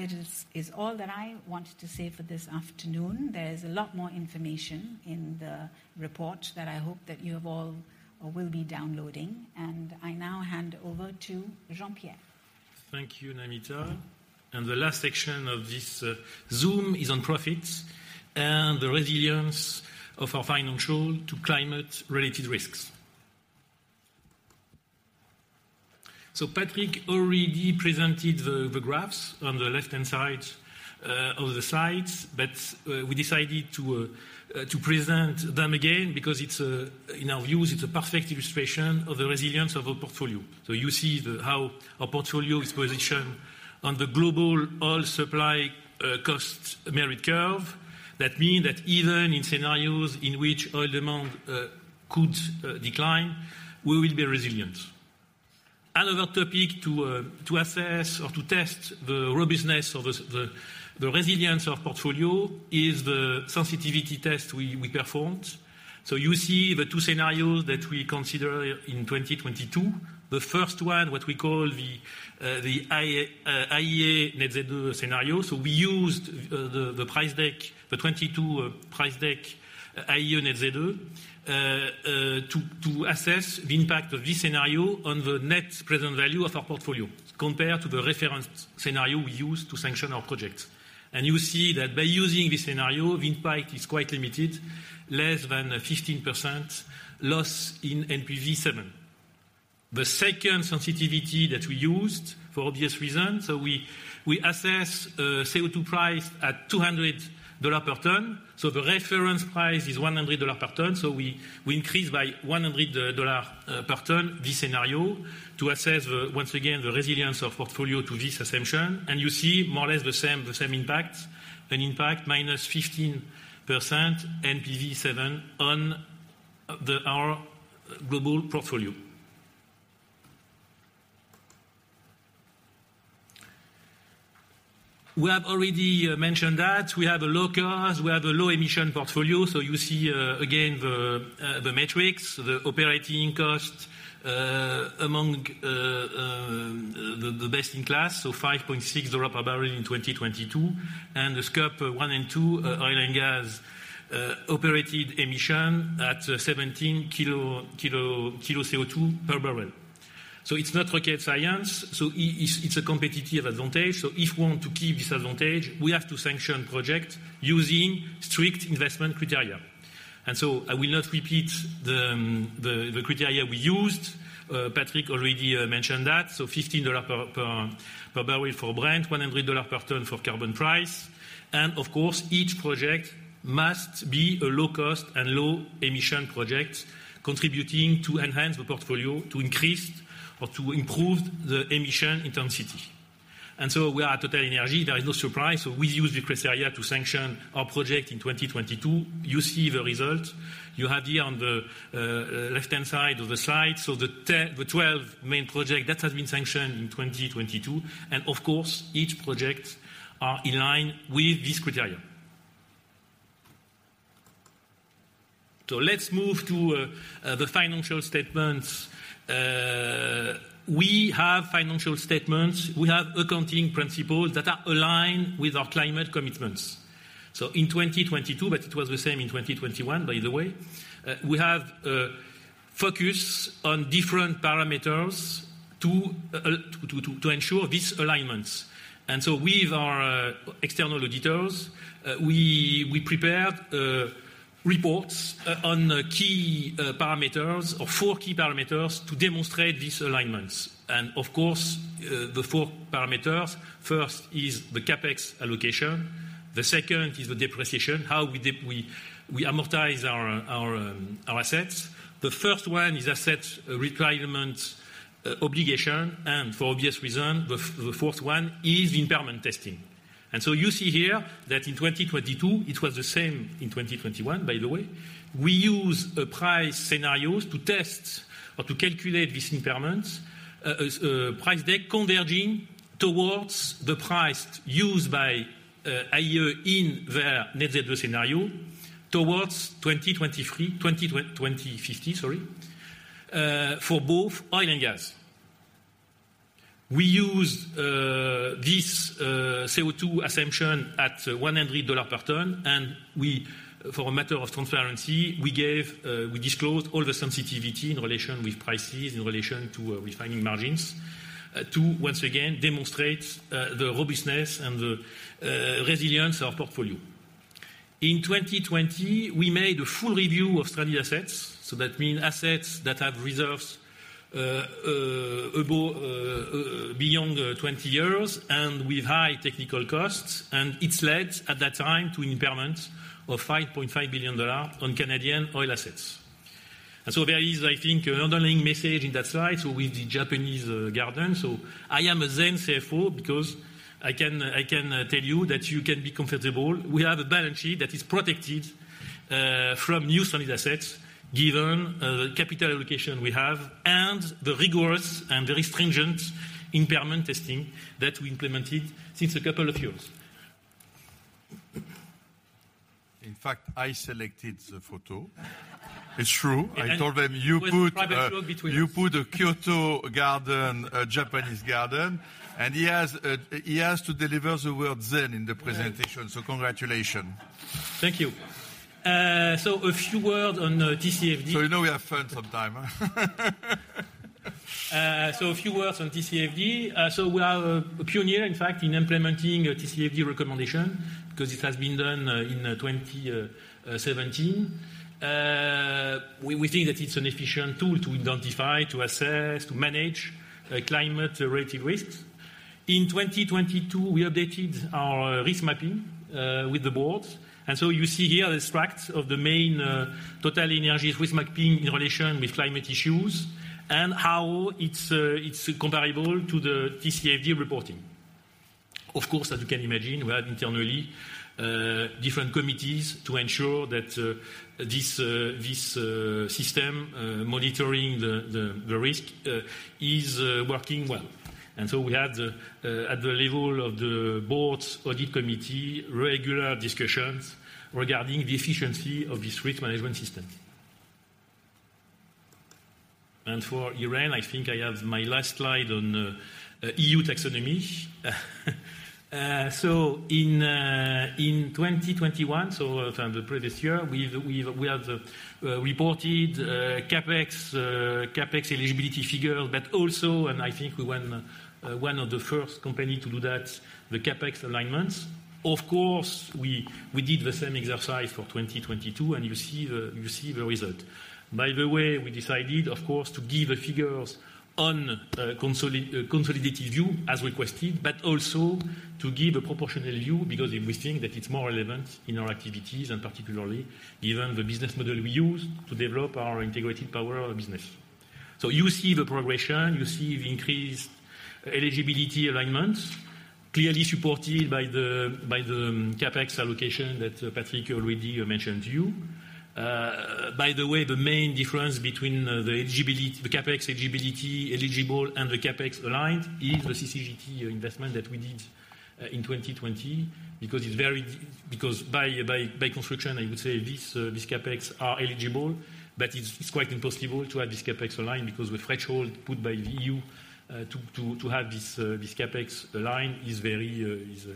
is all that I wanted to say for this afternoon. There's a lot more information in the report that I hope that you have all or will be downloading. I now hand over to Jean-Pierre. The last section of this Zoom is on profits and the resilience of our financial to climate-related risks. Patrick already presented the graphs on the left-hand side of the slides, but we decided to present them again because it's in our views, it's a perfect illustration of the resilience of our portfolio. You see how our portfolio is positioned on the global oil supply cost merit curve. That mean that even in scenarios in which oil demand could decline, we will be resilient. Another topic to assess or to test the robustness of the resilience of portfolio is the sensitivity test we performed. You see the two scenarios that we consider in 2022. The first one, what we call the IEA Net Zero scenario. We used the price deck, the 22 price deck IEA Net Zero to assess the impact of this scenario on the net present value of our portfolio compared to the reference scenario we use to sanction our projects. You see that by using this scenario, the impact is quite limited, less than a 15% loss in NPV7. The second sensitivity that we used for obvious reasons, we assess CO2 price at $200 per ton. The reference price is $100 per ton. We increase by $100 per ton this scenario to assess the, once again, the resilience of portfolio to this assumption. You see more or less the same impact. An impact minus 15% NPV7 on our global portfolio. We have already mentioned that we have a low cost, we have a low emission portfolio. You see again the metrics, the operating cost among the best in class, $5.6 per barrel in 2022. The Scope 1 and 2 oil and gas operated emission at 17 kilo CO2 per barrel. It's not rocket science. It's a competitive advantage. If we want to keep this advantage, we have to sanction projects using strict investment criteria. I will not repeat the criteria we used. Patrick already mentioned that. $15 per barrel for Brent, $100 per ton for carbon price. Of course, each project must be a low cost and low emission project contributing to enhance the portfolio to increase or to improve the emission intensity. We are TotalEnergies, there is no surprise. We use the criteria to sanction our project in 2022. You see the result. You have here on the left-hand side of the slide. The 12 main project that has been sanctioned in 2022, and of course, each project are in line with this criteria. Let's move to the financial statements. We have financial statements, we have accounting principles that are aligned with our climate commitments. In 2022, but it was the same in 2021, by the way, we have focus on different parameters to ensure these alignments. With our external auditors, we prepared reports on key parameters or four key parameters to demonstrate these alignments. Of course, the four parameters, first is the CapEx allocation, the second is the depreciation, how we amortize our assets. The first one is asset retirement obligation, and for obvious reason, the fourth one is impairment testing. You see here that in 2022, it was the same in 2021, by the way. We use the price scenarios to test or to calculate these impairments, as price deck converging towards the price used by IEA in their Net Zero scenario towards 2023 - 2050 sorry, for both oil and gas. We use this CO2 assumption at $100 per ton. We, for a matter of transparency, we gave, we disclosed all the sensitivity in relation with prices, in relation to refining margins, to once again demonstrate the robustness and the resilience of portfolio. In 2020, we made a full review of stranded assets. That means assets that have reserves above beyond 20 years and with high technical costs, and it's led at that time to impairment of $5.5 billion on Canadian oil assets. There is, I think, an underlying message in that slide. With the Japanese garden. I am a Zen CFO because I can, I can tell you that you can be comfortable. We have a balance sheet that is protected from new stranded assets, given the capital allocation we have and the rigorous and the stringent impairment testing that we implemented since a couple of years. In fact, I selected the photo. It's true. I told them, you put - It was a private joke between us. You put a Kyoto garden, a Japanese garden, he has to deliver the word Zen in the presentation. Yeah. Congratulations. Thank you. A few words on TCFD. You know we have fun sometime, huh? So a few words on TCFD. So we are a pioneer, in fact, in implementing a TCFD recommendation because it has been done in 2017. We think that it's an efficient tool to identify, to assess, to manage climate-related risks. In 2022, we updated our risk mapping with the boards. You see here the extracts of the main TotalEnergies risk mapping in relation with climate issues and how it's comparable to the TCFD reporting. Of course, as you can imagine, we have internally different committees to ensure that this system monitoring the risk is working well. We have the at the level of the board's audit committee, regular discussions regarding the efficiency of this risk management system. For Irene, I think I have my last slide on EU taxonomy. So in 2021, so the previous year, we have reported CapEx eligibility figure, but also, and I think we were one of the first company to do that, the CapEx alignments. Of course, we did the same exercise for 2022, and you see the result. By the way, we decided, of course, to give the figures on a consolidated view as requested, but also to give a proportional view because we think that it's more relevant in our activities and particularly given the business model we use to develop our integrated power business. So you see the progression, you see the increased eligibility alignments clearly supported by the CapEx allocation that Patrick already mentioned to you. By the way, the main difference between the CapEx eligibility, eligible and the CapEx aligned is the CCGT investment that we did in 2020 because by construction, I would say this CapEx are eligible, but it's quite impossible to have this CapEx aligned because the threshold put by the EU to have this CapEx aligned is very,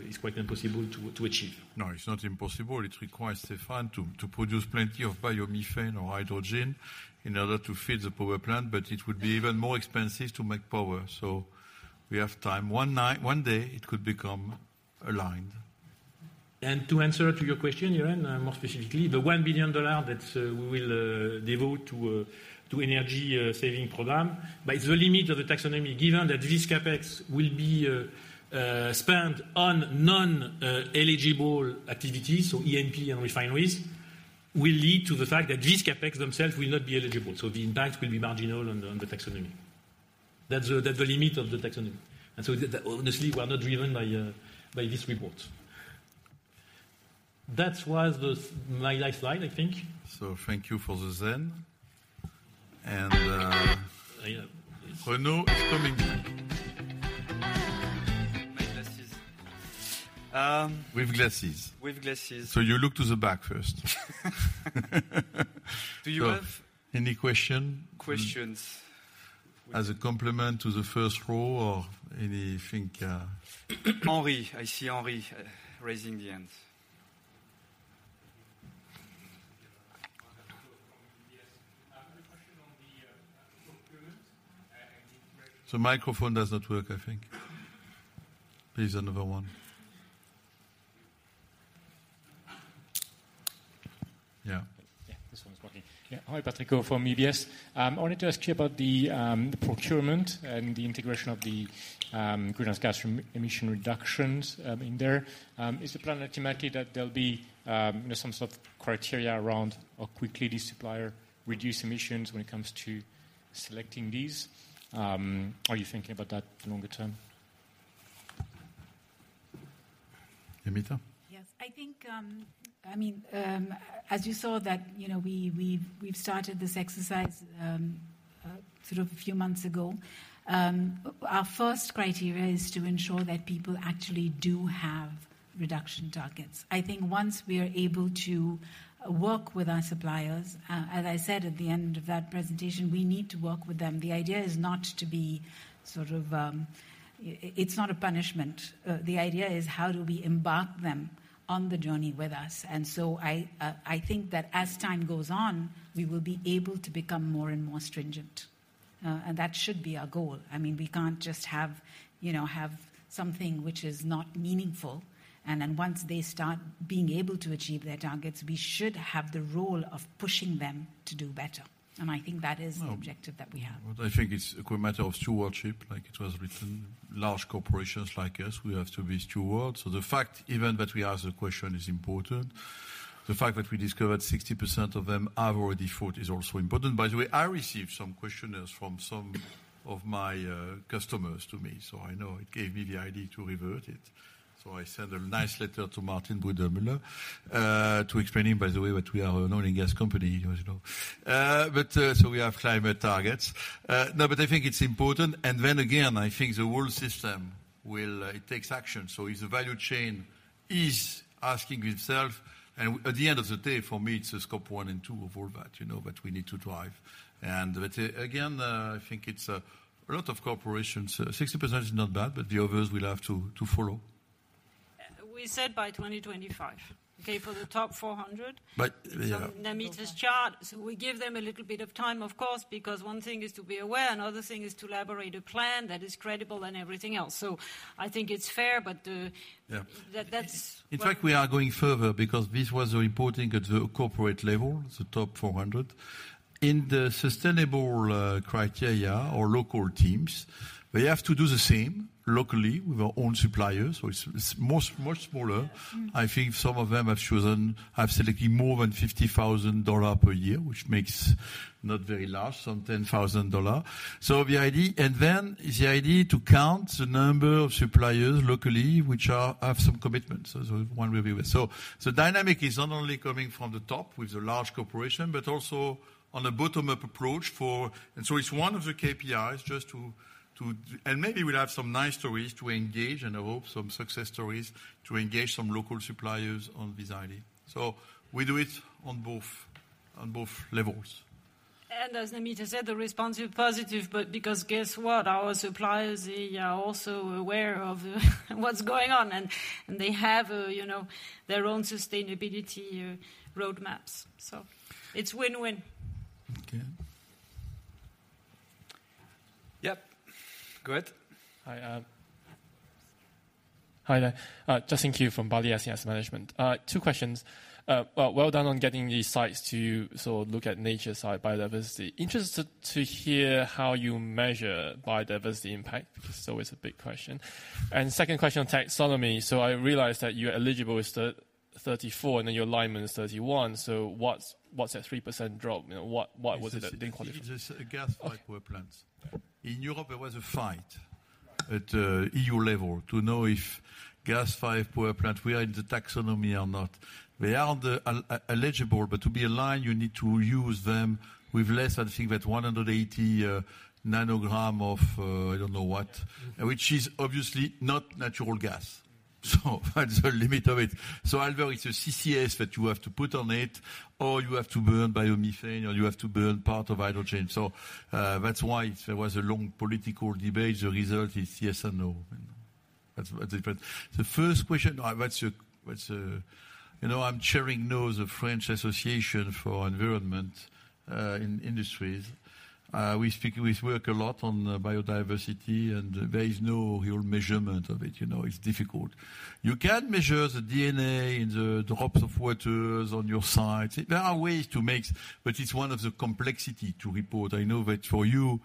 is quite impossible to achieve. It's not impossible. It requires, Stéphane, to produce plenty of biomethane or hydrogen in order to feed the power plant. It would be even more expensive to make power. We have time. One day, it could become aligned. To answer to your question, Irene, more specifically, the $1 billion that we will devote to energy saving program. By the limit of the taxonomy, given that this CapEx will be spent on non eligible activities, so E&P and refineries, will lead to the fact that these CapEx themselves will not be eligible. The impact will be marginal on the taxonomy. That's the limit of the taxonomy. honestly, we are not driven by this report. That was my last slide, I think. Thank you for the zen. I have. Renaud is coming. With glasses. With glasses. You look to the back first. Do you have - Any question? Questions. As a complement to the first row or anything. Henry. I see Henry raising the hand. I have a question on the, procurement and the integration- The microphone does not work, I think. Please another one. Yeah. This one's working. Hi, Patrick on from EBS. I wanted to ask you about the procurement and the integration of the greenhouse gas emission reductions in there. Is the plan automatically that there'll be, you know, some sort of criteria around how quickly the supplier reduce emissions when it comes to selecting these? Are you thinking about that longer term? Namita? Yes. I think, I mean, as you saw that, you know, we've started this exercise, sort of a few months ago. Our first criteria is to ensure that people actually do have reduction targets. I think once we are able to work with our suppliers, as I said at the end of that presentation, we need to work with them. The idea is not to be sort of, it's not a punishment. The idea is how do we embark them on the journey with us. I think that as time goes on, we will be able to become more and more stringent. That should be our goal. I mean, we can't just have, you know, have something which is not meaningful. Once they start being able to achieve their targets, we should have the role of pushing them to do better. I think that is the objective that we have. I think it's a matter of stewardship, like it was written. Large corporations like us, we have to be stewards. The fact even that we ask the question is important. The fact that we discovered 60% of them have already thought is also important. By the way, I received some questionnaires from some of my customers to me, so I know it gave me the idea to revert it. I sent a nice letter to Martin Brudermüller, to explain him, by the way, that we are an oil and gas company, you know. We have climate targets. No, I think it's important. Again, I think the whole system will, it takes action. If the value chain is asking itself, and at the end of the day, for me, it's the Scope 1 and 2 of all that, you know, that we need to drive. But again, I think it's a lot of corporations. 60% is not bad, but the others will have to follow. We said by 2025, okay? For the top 400. Yeah. Namita's chart. We give them a little bit of time, of course, because one thing is to be aware, another thing is to elaborate a plan that is credible and everything else. I think it's fair, but, Yeah. In fact, we are going further because this was reporting at the corporate level, the top 400. In the sustainable criteria or local teams, they have to do the same locally with our own suppliers, so it's much, much smaller I think some of them have chosen, have selected more than $50,000 per year, which makes not very large, some $10,000. Then the idea to count the number of suppliers locally which have some commitments. One review. Dynamic is not only coming from the top with the large corporation, but also on a bottom-up approach for - it's one of the KPIs just to - maybe we'll have some nice stories to engage and I hope some success stories to engage some local suppliers on this idea. We do it on both levels. As Namita said, the response is positive, because guess what? Our suppliers, they are also aware of what's going on, and they have, you know, their own sustainability roadmaps. It's win-win. Okay. Yep. Go ahead. Hi. Hi there. Justin Kew from Balyasny Asset Management. Two questions. Well done on getting these sites to sort of look at nature side biodiversity. Interested to hear how you measure biodiversity impact. It's always a big question. 2nd question on taxonomy. I realized that you're eligible with the 34, and then your alignment is 31. What's that 3% drop? You know, what was it that didn't qualify? It is a gas-fired power plant. In Europe, there was a fight at EU level to know if gas-fired power plant were in the EU taxonomy or not. They are the eligible, but to be aligned, you need to use them with less, I think that 180 nanogram of I don't know what, which is obviously not natural gas. That's the limit of it. Either it's a CCS that you have to put on it, or you have to burn biomethane, or you have to burn part of hydrogen. That's why there was a long political debate. The result is yes and no. That's the difference. The first question, what's your - you know, I'm chairing now the French Association for Environment in Industries. We work a lot on biodiversity, and there is no real measurement of it. You know, it's difficult. You can measure the DNA in the drops of waters on your site. There are ways to make, but it's one of the complexity to report. I know that for you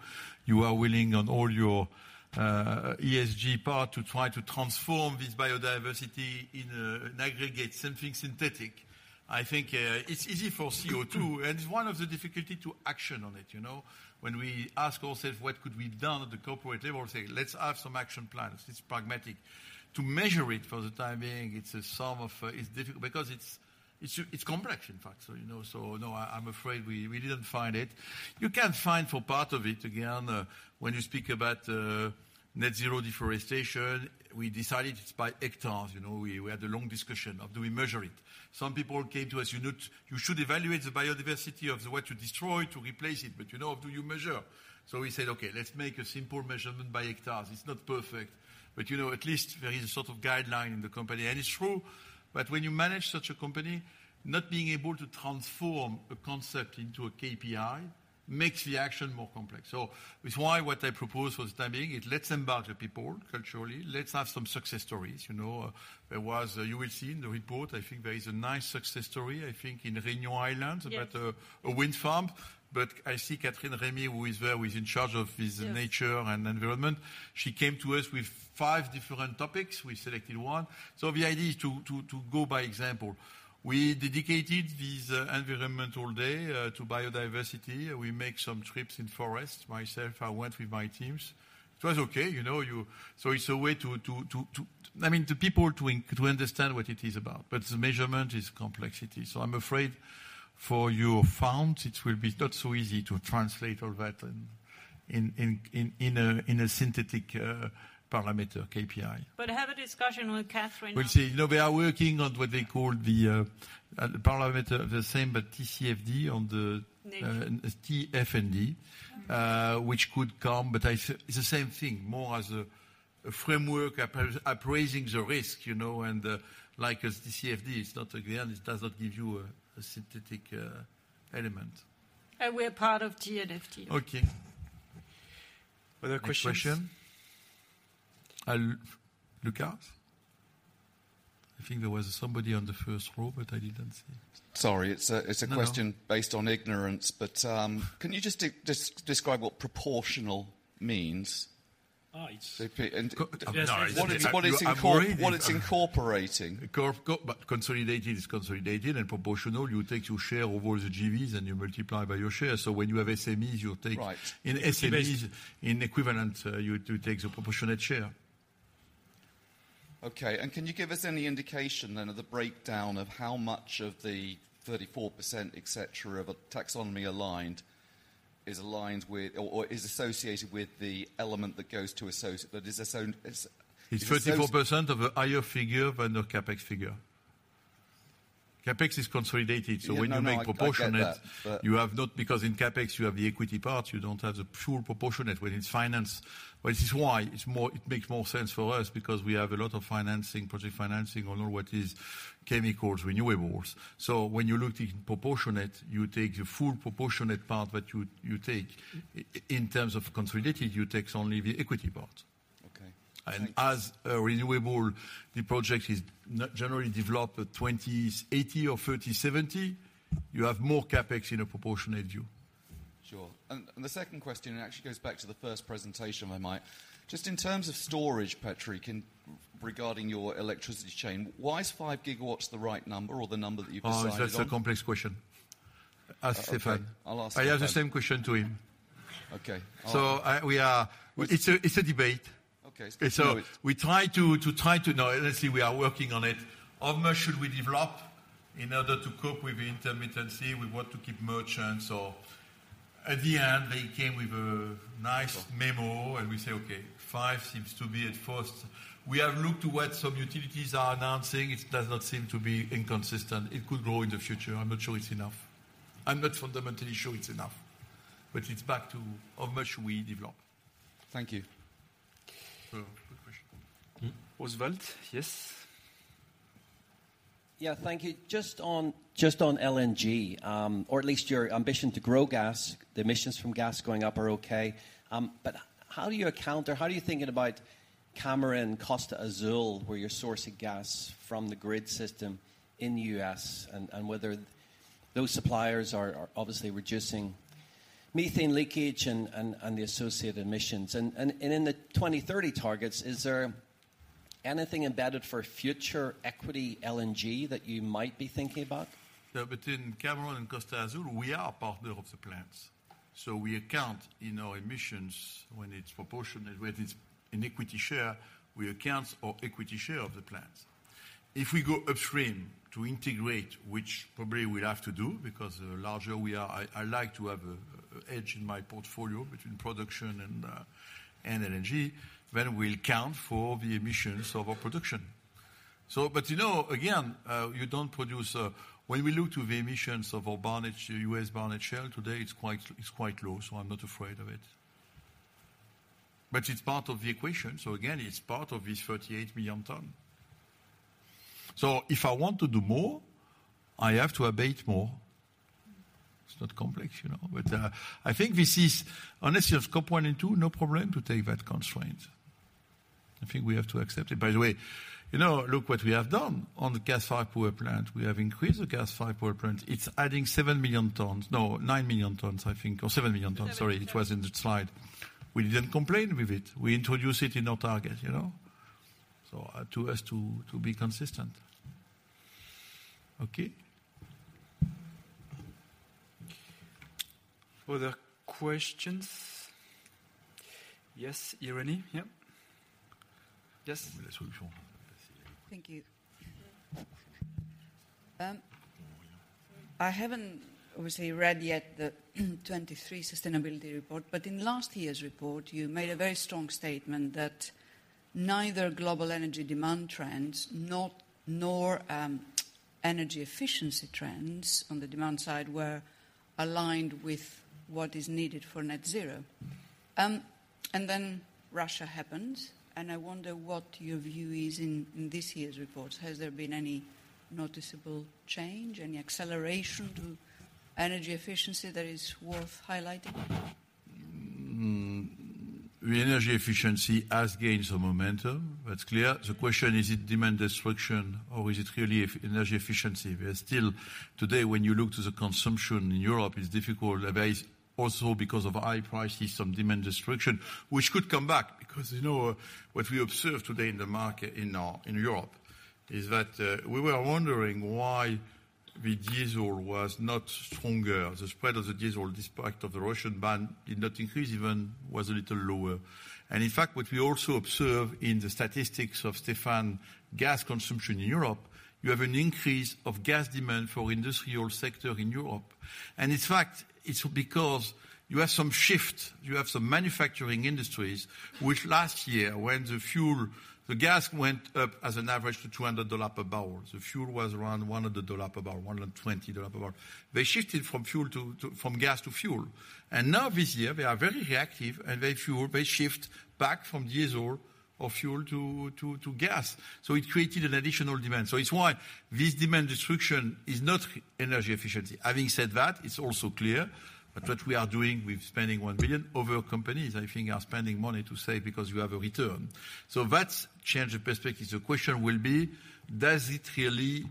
are willing on all your ESG part to try to transform this biodiversity in an aggregate, something synthetic. I think, it's easy for CO2 and one of the difficulty to action on it. You know, when we ask ourselves what could be done at the corporate level, say, let's have some action plans. It's pragmatic. To measure it for the time being, it's a sum of... It's difficult because it's complex, in fact. You know, no, I'm afraid we didn't find it. You can find for part of it, again, when you speak about net zero deforestation, we decided it's by hectares. You know, we had a long discussion of do we measure it. Some people came to us, "You know, you should evaluate the biodiversity of the what you destroy to replace it." You know, how do you measure? We said, "Okay, let's make a simple measurement by hectares." It's not perfect. You know, at least there is a sort of guideline in the company. It's true that when you manage such a company, not being able to transform a concept into a KPI makes the action more complex. It's why what I propose for the time being, it lets embark the people culturally. Let's have some success stories. You know, there was a. You will see in the report, I think there is a nice success story, I think in Réunion Island. Yes. About a wind farm. I see Catherine Remy, who is there, who is in charge of this nature and environment. She came to us with 5 different topics. We selected 1. The idea is to go by example. We dedicated this environmental day to biodiversity. We make some trips in forest. Myself, I went with my teams. It was okay, you know. It's a way to... I mean, the people to understand what it is about, but the measurement is complexity. I'm afraid for your farms, it will be not so easy to translate all that in a synthetic parameter KPI. Have a discussion with Catherine. We'll see. No, we are working on what they call the parameter the same, but TCFD. Nature. TNFD, which could come, but it's the same thing, more as a framework appraising the risk, you know. Like as TCFD, it's not again, it doesn't give you a synthetic element. We are part of TNFD. Okay. Other questions? Any question? Luca? I think there was somebody on the first row, but I didn't see. Sorry, it's a question based on ignorance. Can you just describe what proportional means? Uh, it's - What is it incorporating? Consolidated is consolidated and proportional, you take your share over the JVs and you multiply by your share. When you have SMEs. Right. In SMEs in equivalent, you take the proportionate share. Okay. Can you give us any indication then of the breakdown of how much of the 34% et cetera of a taxonomy aligned is aligned with or is associated with the element that goes to? It's 34% of a higher figure than the CapEx figure. CapEx is consolidated. Yeah. No, no, I get that. When you make proportionate. Because in CapEx, you have the equity part. You don't have the pure proportionate when it's finance. Which is why it makes more sense for us because we have a lot of financing, project financing on what is chemicals, renewables. When you look in proportionate, you take the full proportionate part that you take. In terms of consolidated, you take only the equity part. Okay. Thank you. As a renewable, the project is generally developed at 20/80 or 30/70. You have more CapEx in a proportionate view. Sure. The second question actually goes back to the first presentation. Just in terms of storage, Patrick, in regarding your electricity chain, why is 5 gigawatts the right number or the number that you've decided on? Oh, that's a complex question. Okay. Ask Stéphane. I'll ask Stéphane. I have the same question to him. Okay. It's a debate. Okay. Let's do it. We try to know. Let's say we are working on it. How much should we develop in order to cope with the intermittency? We want to keep merchants or... At the end, they came with a nice memo, and we say, "Okay, five seems to be at first." We have looked to what some utilities are announcing. It does not seem to be inconsistent. It could grow in the future. I'm not sure it's enough. I'm not fundamentally sure it's enough, but it's back to how much we develop. Thank you. Good question. Oswald, yes. Yeah. Thank you. Just on LNG, or at least your ambition to grow gas, the emissions from gas going up are okay. How do you account or how are you thinking about Cameron, Costa Azul, where you're sourcing gas from the grid system in the US, and whether those suppliers are obviously reducing- Methane leakage and the associated emissions. In the 2030 targets, is there anything embedded for future equity LNG that you might be thinking about? Between Cameron LNG and Costa Azul, we are partner of the plants. We account in our emissions when it's proportionate, when it's in equity share, we account for equity share of the plants. If we go upstream to integrate, which probably we'll have to do because the larger we are, I like to have a edge in my portfolio between production and LNG, then we'll count for the emissions of our production. But you know, again, you don't produce, when we look to the emissions of our barrelage, U.S. barrelage SHARE today, it's quite low, so I'm not afraid of it. But it's part of the equation, so again, it's part of this 38 million tons. If I want to do more, I have to abate more. It's not complex, you know. I think this is - unless you have COP 1 and 2, no problem to take that constraint. I think we have to accept it. By the way, you know, look what we have done on the gas fire power plant. We have increased the gas fire power plant. It's adding 7 million tons. No, 9 million tons, I think, or 7 million tons. Sorry, it was in the slide. We didn't complain with it. We introduced it in our target, you know? To us to be consistent. Okay. Other questions? Yes, Irene. Yeah. Yes. The solution. Thank you. I haven't obviously read yet the 23 sustainability report. In last year's report, you made a very strong statement that neither global energy demand trends nor energy efficiency trends on the demand side were aligned with what is needed for net zero. Russia happens, and I wonder what your view is in this year's report. Has there been any noticeable change? Any acceleration to energy efficiency that is worth highlighting? The energy efficiency has gained some momentum. That's clear. The question, is it demand destruction or is it really energy efficiency? We are still, today, when you look to the consumption in Europe, it's difficult. There is also because of high prices, some demand destruction, which could come back because you know, what we observe today in the market in Europe is that we were wondering why the diesel was not stronger. The spread of the diesel, despite of the Russian ban, did not increase, even was a little lower. In fact, what we also observe in the statistics of Stéphane gas consumption in Europe, you have an increase of gas demand for industrial sector in Europe. In fact, it's because you have some shift, you have some manufacturing industries, which last year when the fuel, the gas went up as an average to $200 per barrel. The fuel was around $100 per barrel, $120 per barrel. They shifted from fuel to from gas to fuel. Now this year they are very reactive and very fuel. They shift back from diesel or fuel to gas. It created an additional demand. It's why this demand destruction is not energy efficiency. Having said that, it's also clear that what we are doing with spending $1 billion, other companies, I think, are spending money to save because you have a return. That's change of perspective. The question will be, does it really?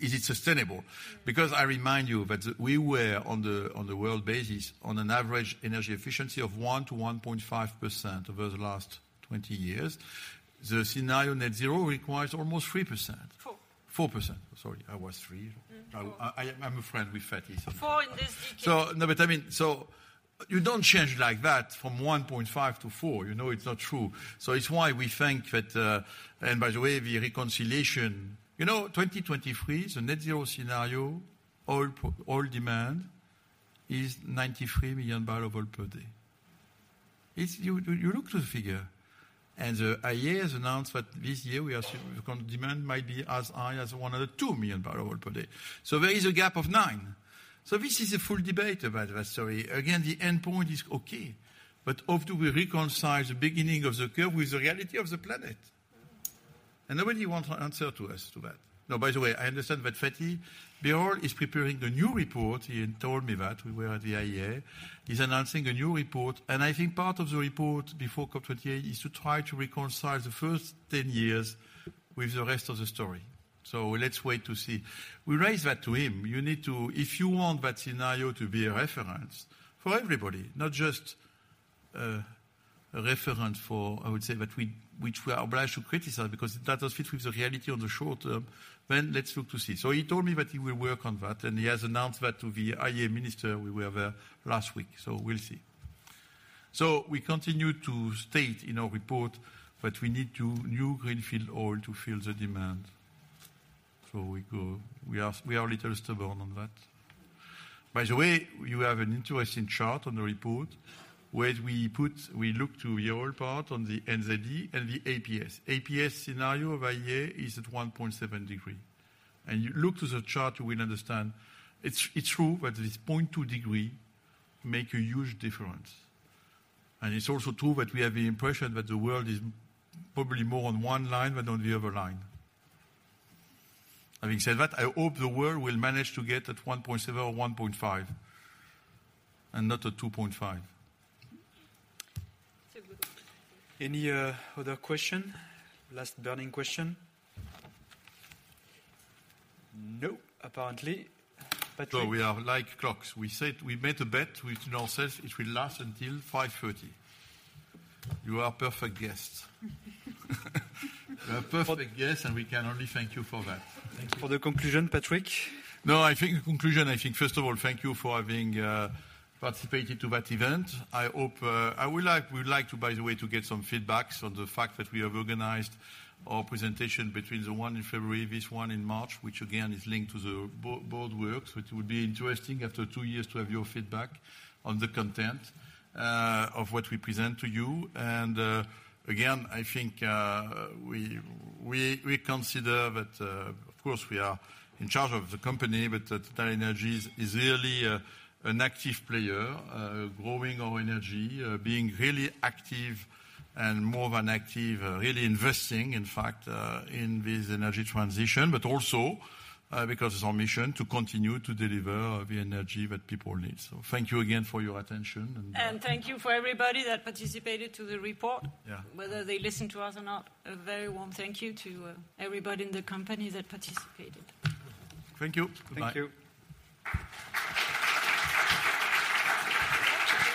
Is it sustainable? I remind you that we were on the world basis on an average energy efficiency of 1%-1.5% over the last 20 years. The scenario net zero requires almost 3%. Four. 4%. Sorry, I was 3. Mm-hmm. I'm a friend with thirties - Four in this decade. No, but I mean, you don't change like that from 1.5 to 4, you know it's not true. It's why we think that, and by the way, the reconciliation. You know, 2023, the net zero scenario, oil demand is 93 million barrel per day. You look to the figure, and the IEA has announced that this year we demand might be as high as 102 million barrel per day. There is a gap of nine. This is a full debate about that story. Again, the endpoint is okay, but how do we reconcile the beginning of the curve with the reality of the planet? Nobody want to answer to us to that. By the way, I understand that Fatih Birol is preparing a new report. He told me that. We were at the IEA. He's announcing a new report, I think part of the report before COP28 is to try to reconcile the first 10 years with the rest of the story. Let's wait to see. We raised that to him. You need to, if you want that scenario to be a reference for everybody, not just a reference for, I would say that we, which we are obliged to criticize because that doesn't fit with the reality on the short-term, then let's look to see. He told me that he will work on that, and he has announced that to the IEA minister. We were there last week. We'll see. We continue to state in our report that we need to new greenfield oil to fill the demand. We are a little stubborn on that. By the way, you have an interesting chart on the report, where we put, we look to your part on the NZed and the APS. APS scenario of IEA is at 1.7 degrees. You look to the chart, you will understand it's true that this 0.2 degrees make a huge difference. It's also true that we have the impression that the world is probably more on one line than on the other line. Having said that, I hope the world will manage to get at 1.7 or 1.5 and not at 2.5. It's a good one. Any other question? Last burning question? No, apparently. Patrick. We are like clocks. We said we made a bet, which now says it will last until 5:30. You are perfect guests. You are perfect guests, and we can only thank you for that. Thank you. For the conclusion, Patrick. I think in conclusion, I think first of all, thank you for having participated to that event. I hope, I would like, we would like to by the way, to get some feedback. The fact that we have organized our presentation between the one in February, this one in March, which again is linked to the board works, which would be interesting after two years to have your feedback on the content of what we present to you. Again, I think we consider that, of course, we are in charge of the company, but that TotalEnergies is really an active player, growing our energy, being really active and more than active, really investing, in fact, in this energy transition. Also, because it's our mission to continue to deliver the energy that people need. Thank you again for your attention and - Thank you for everybody that participated to the report. Yeah. Whether they listen to us or not, a very warm thank you to everybody in the company that participated. Thank you. Bye. Thank you.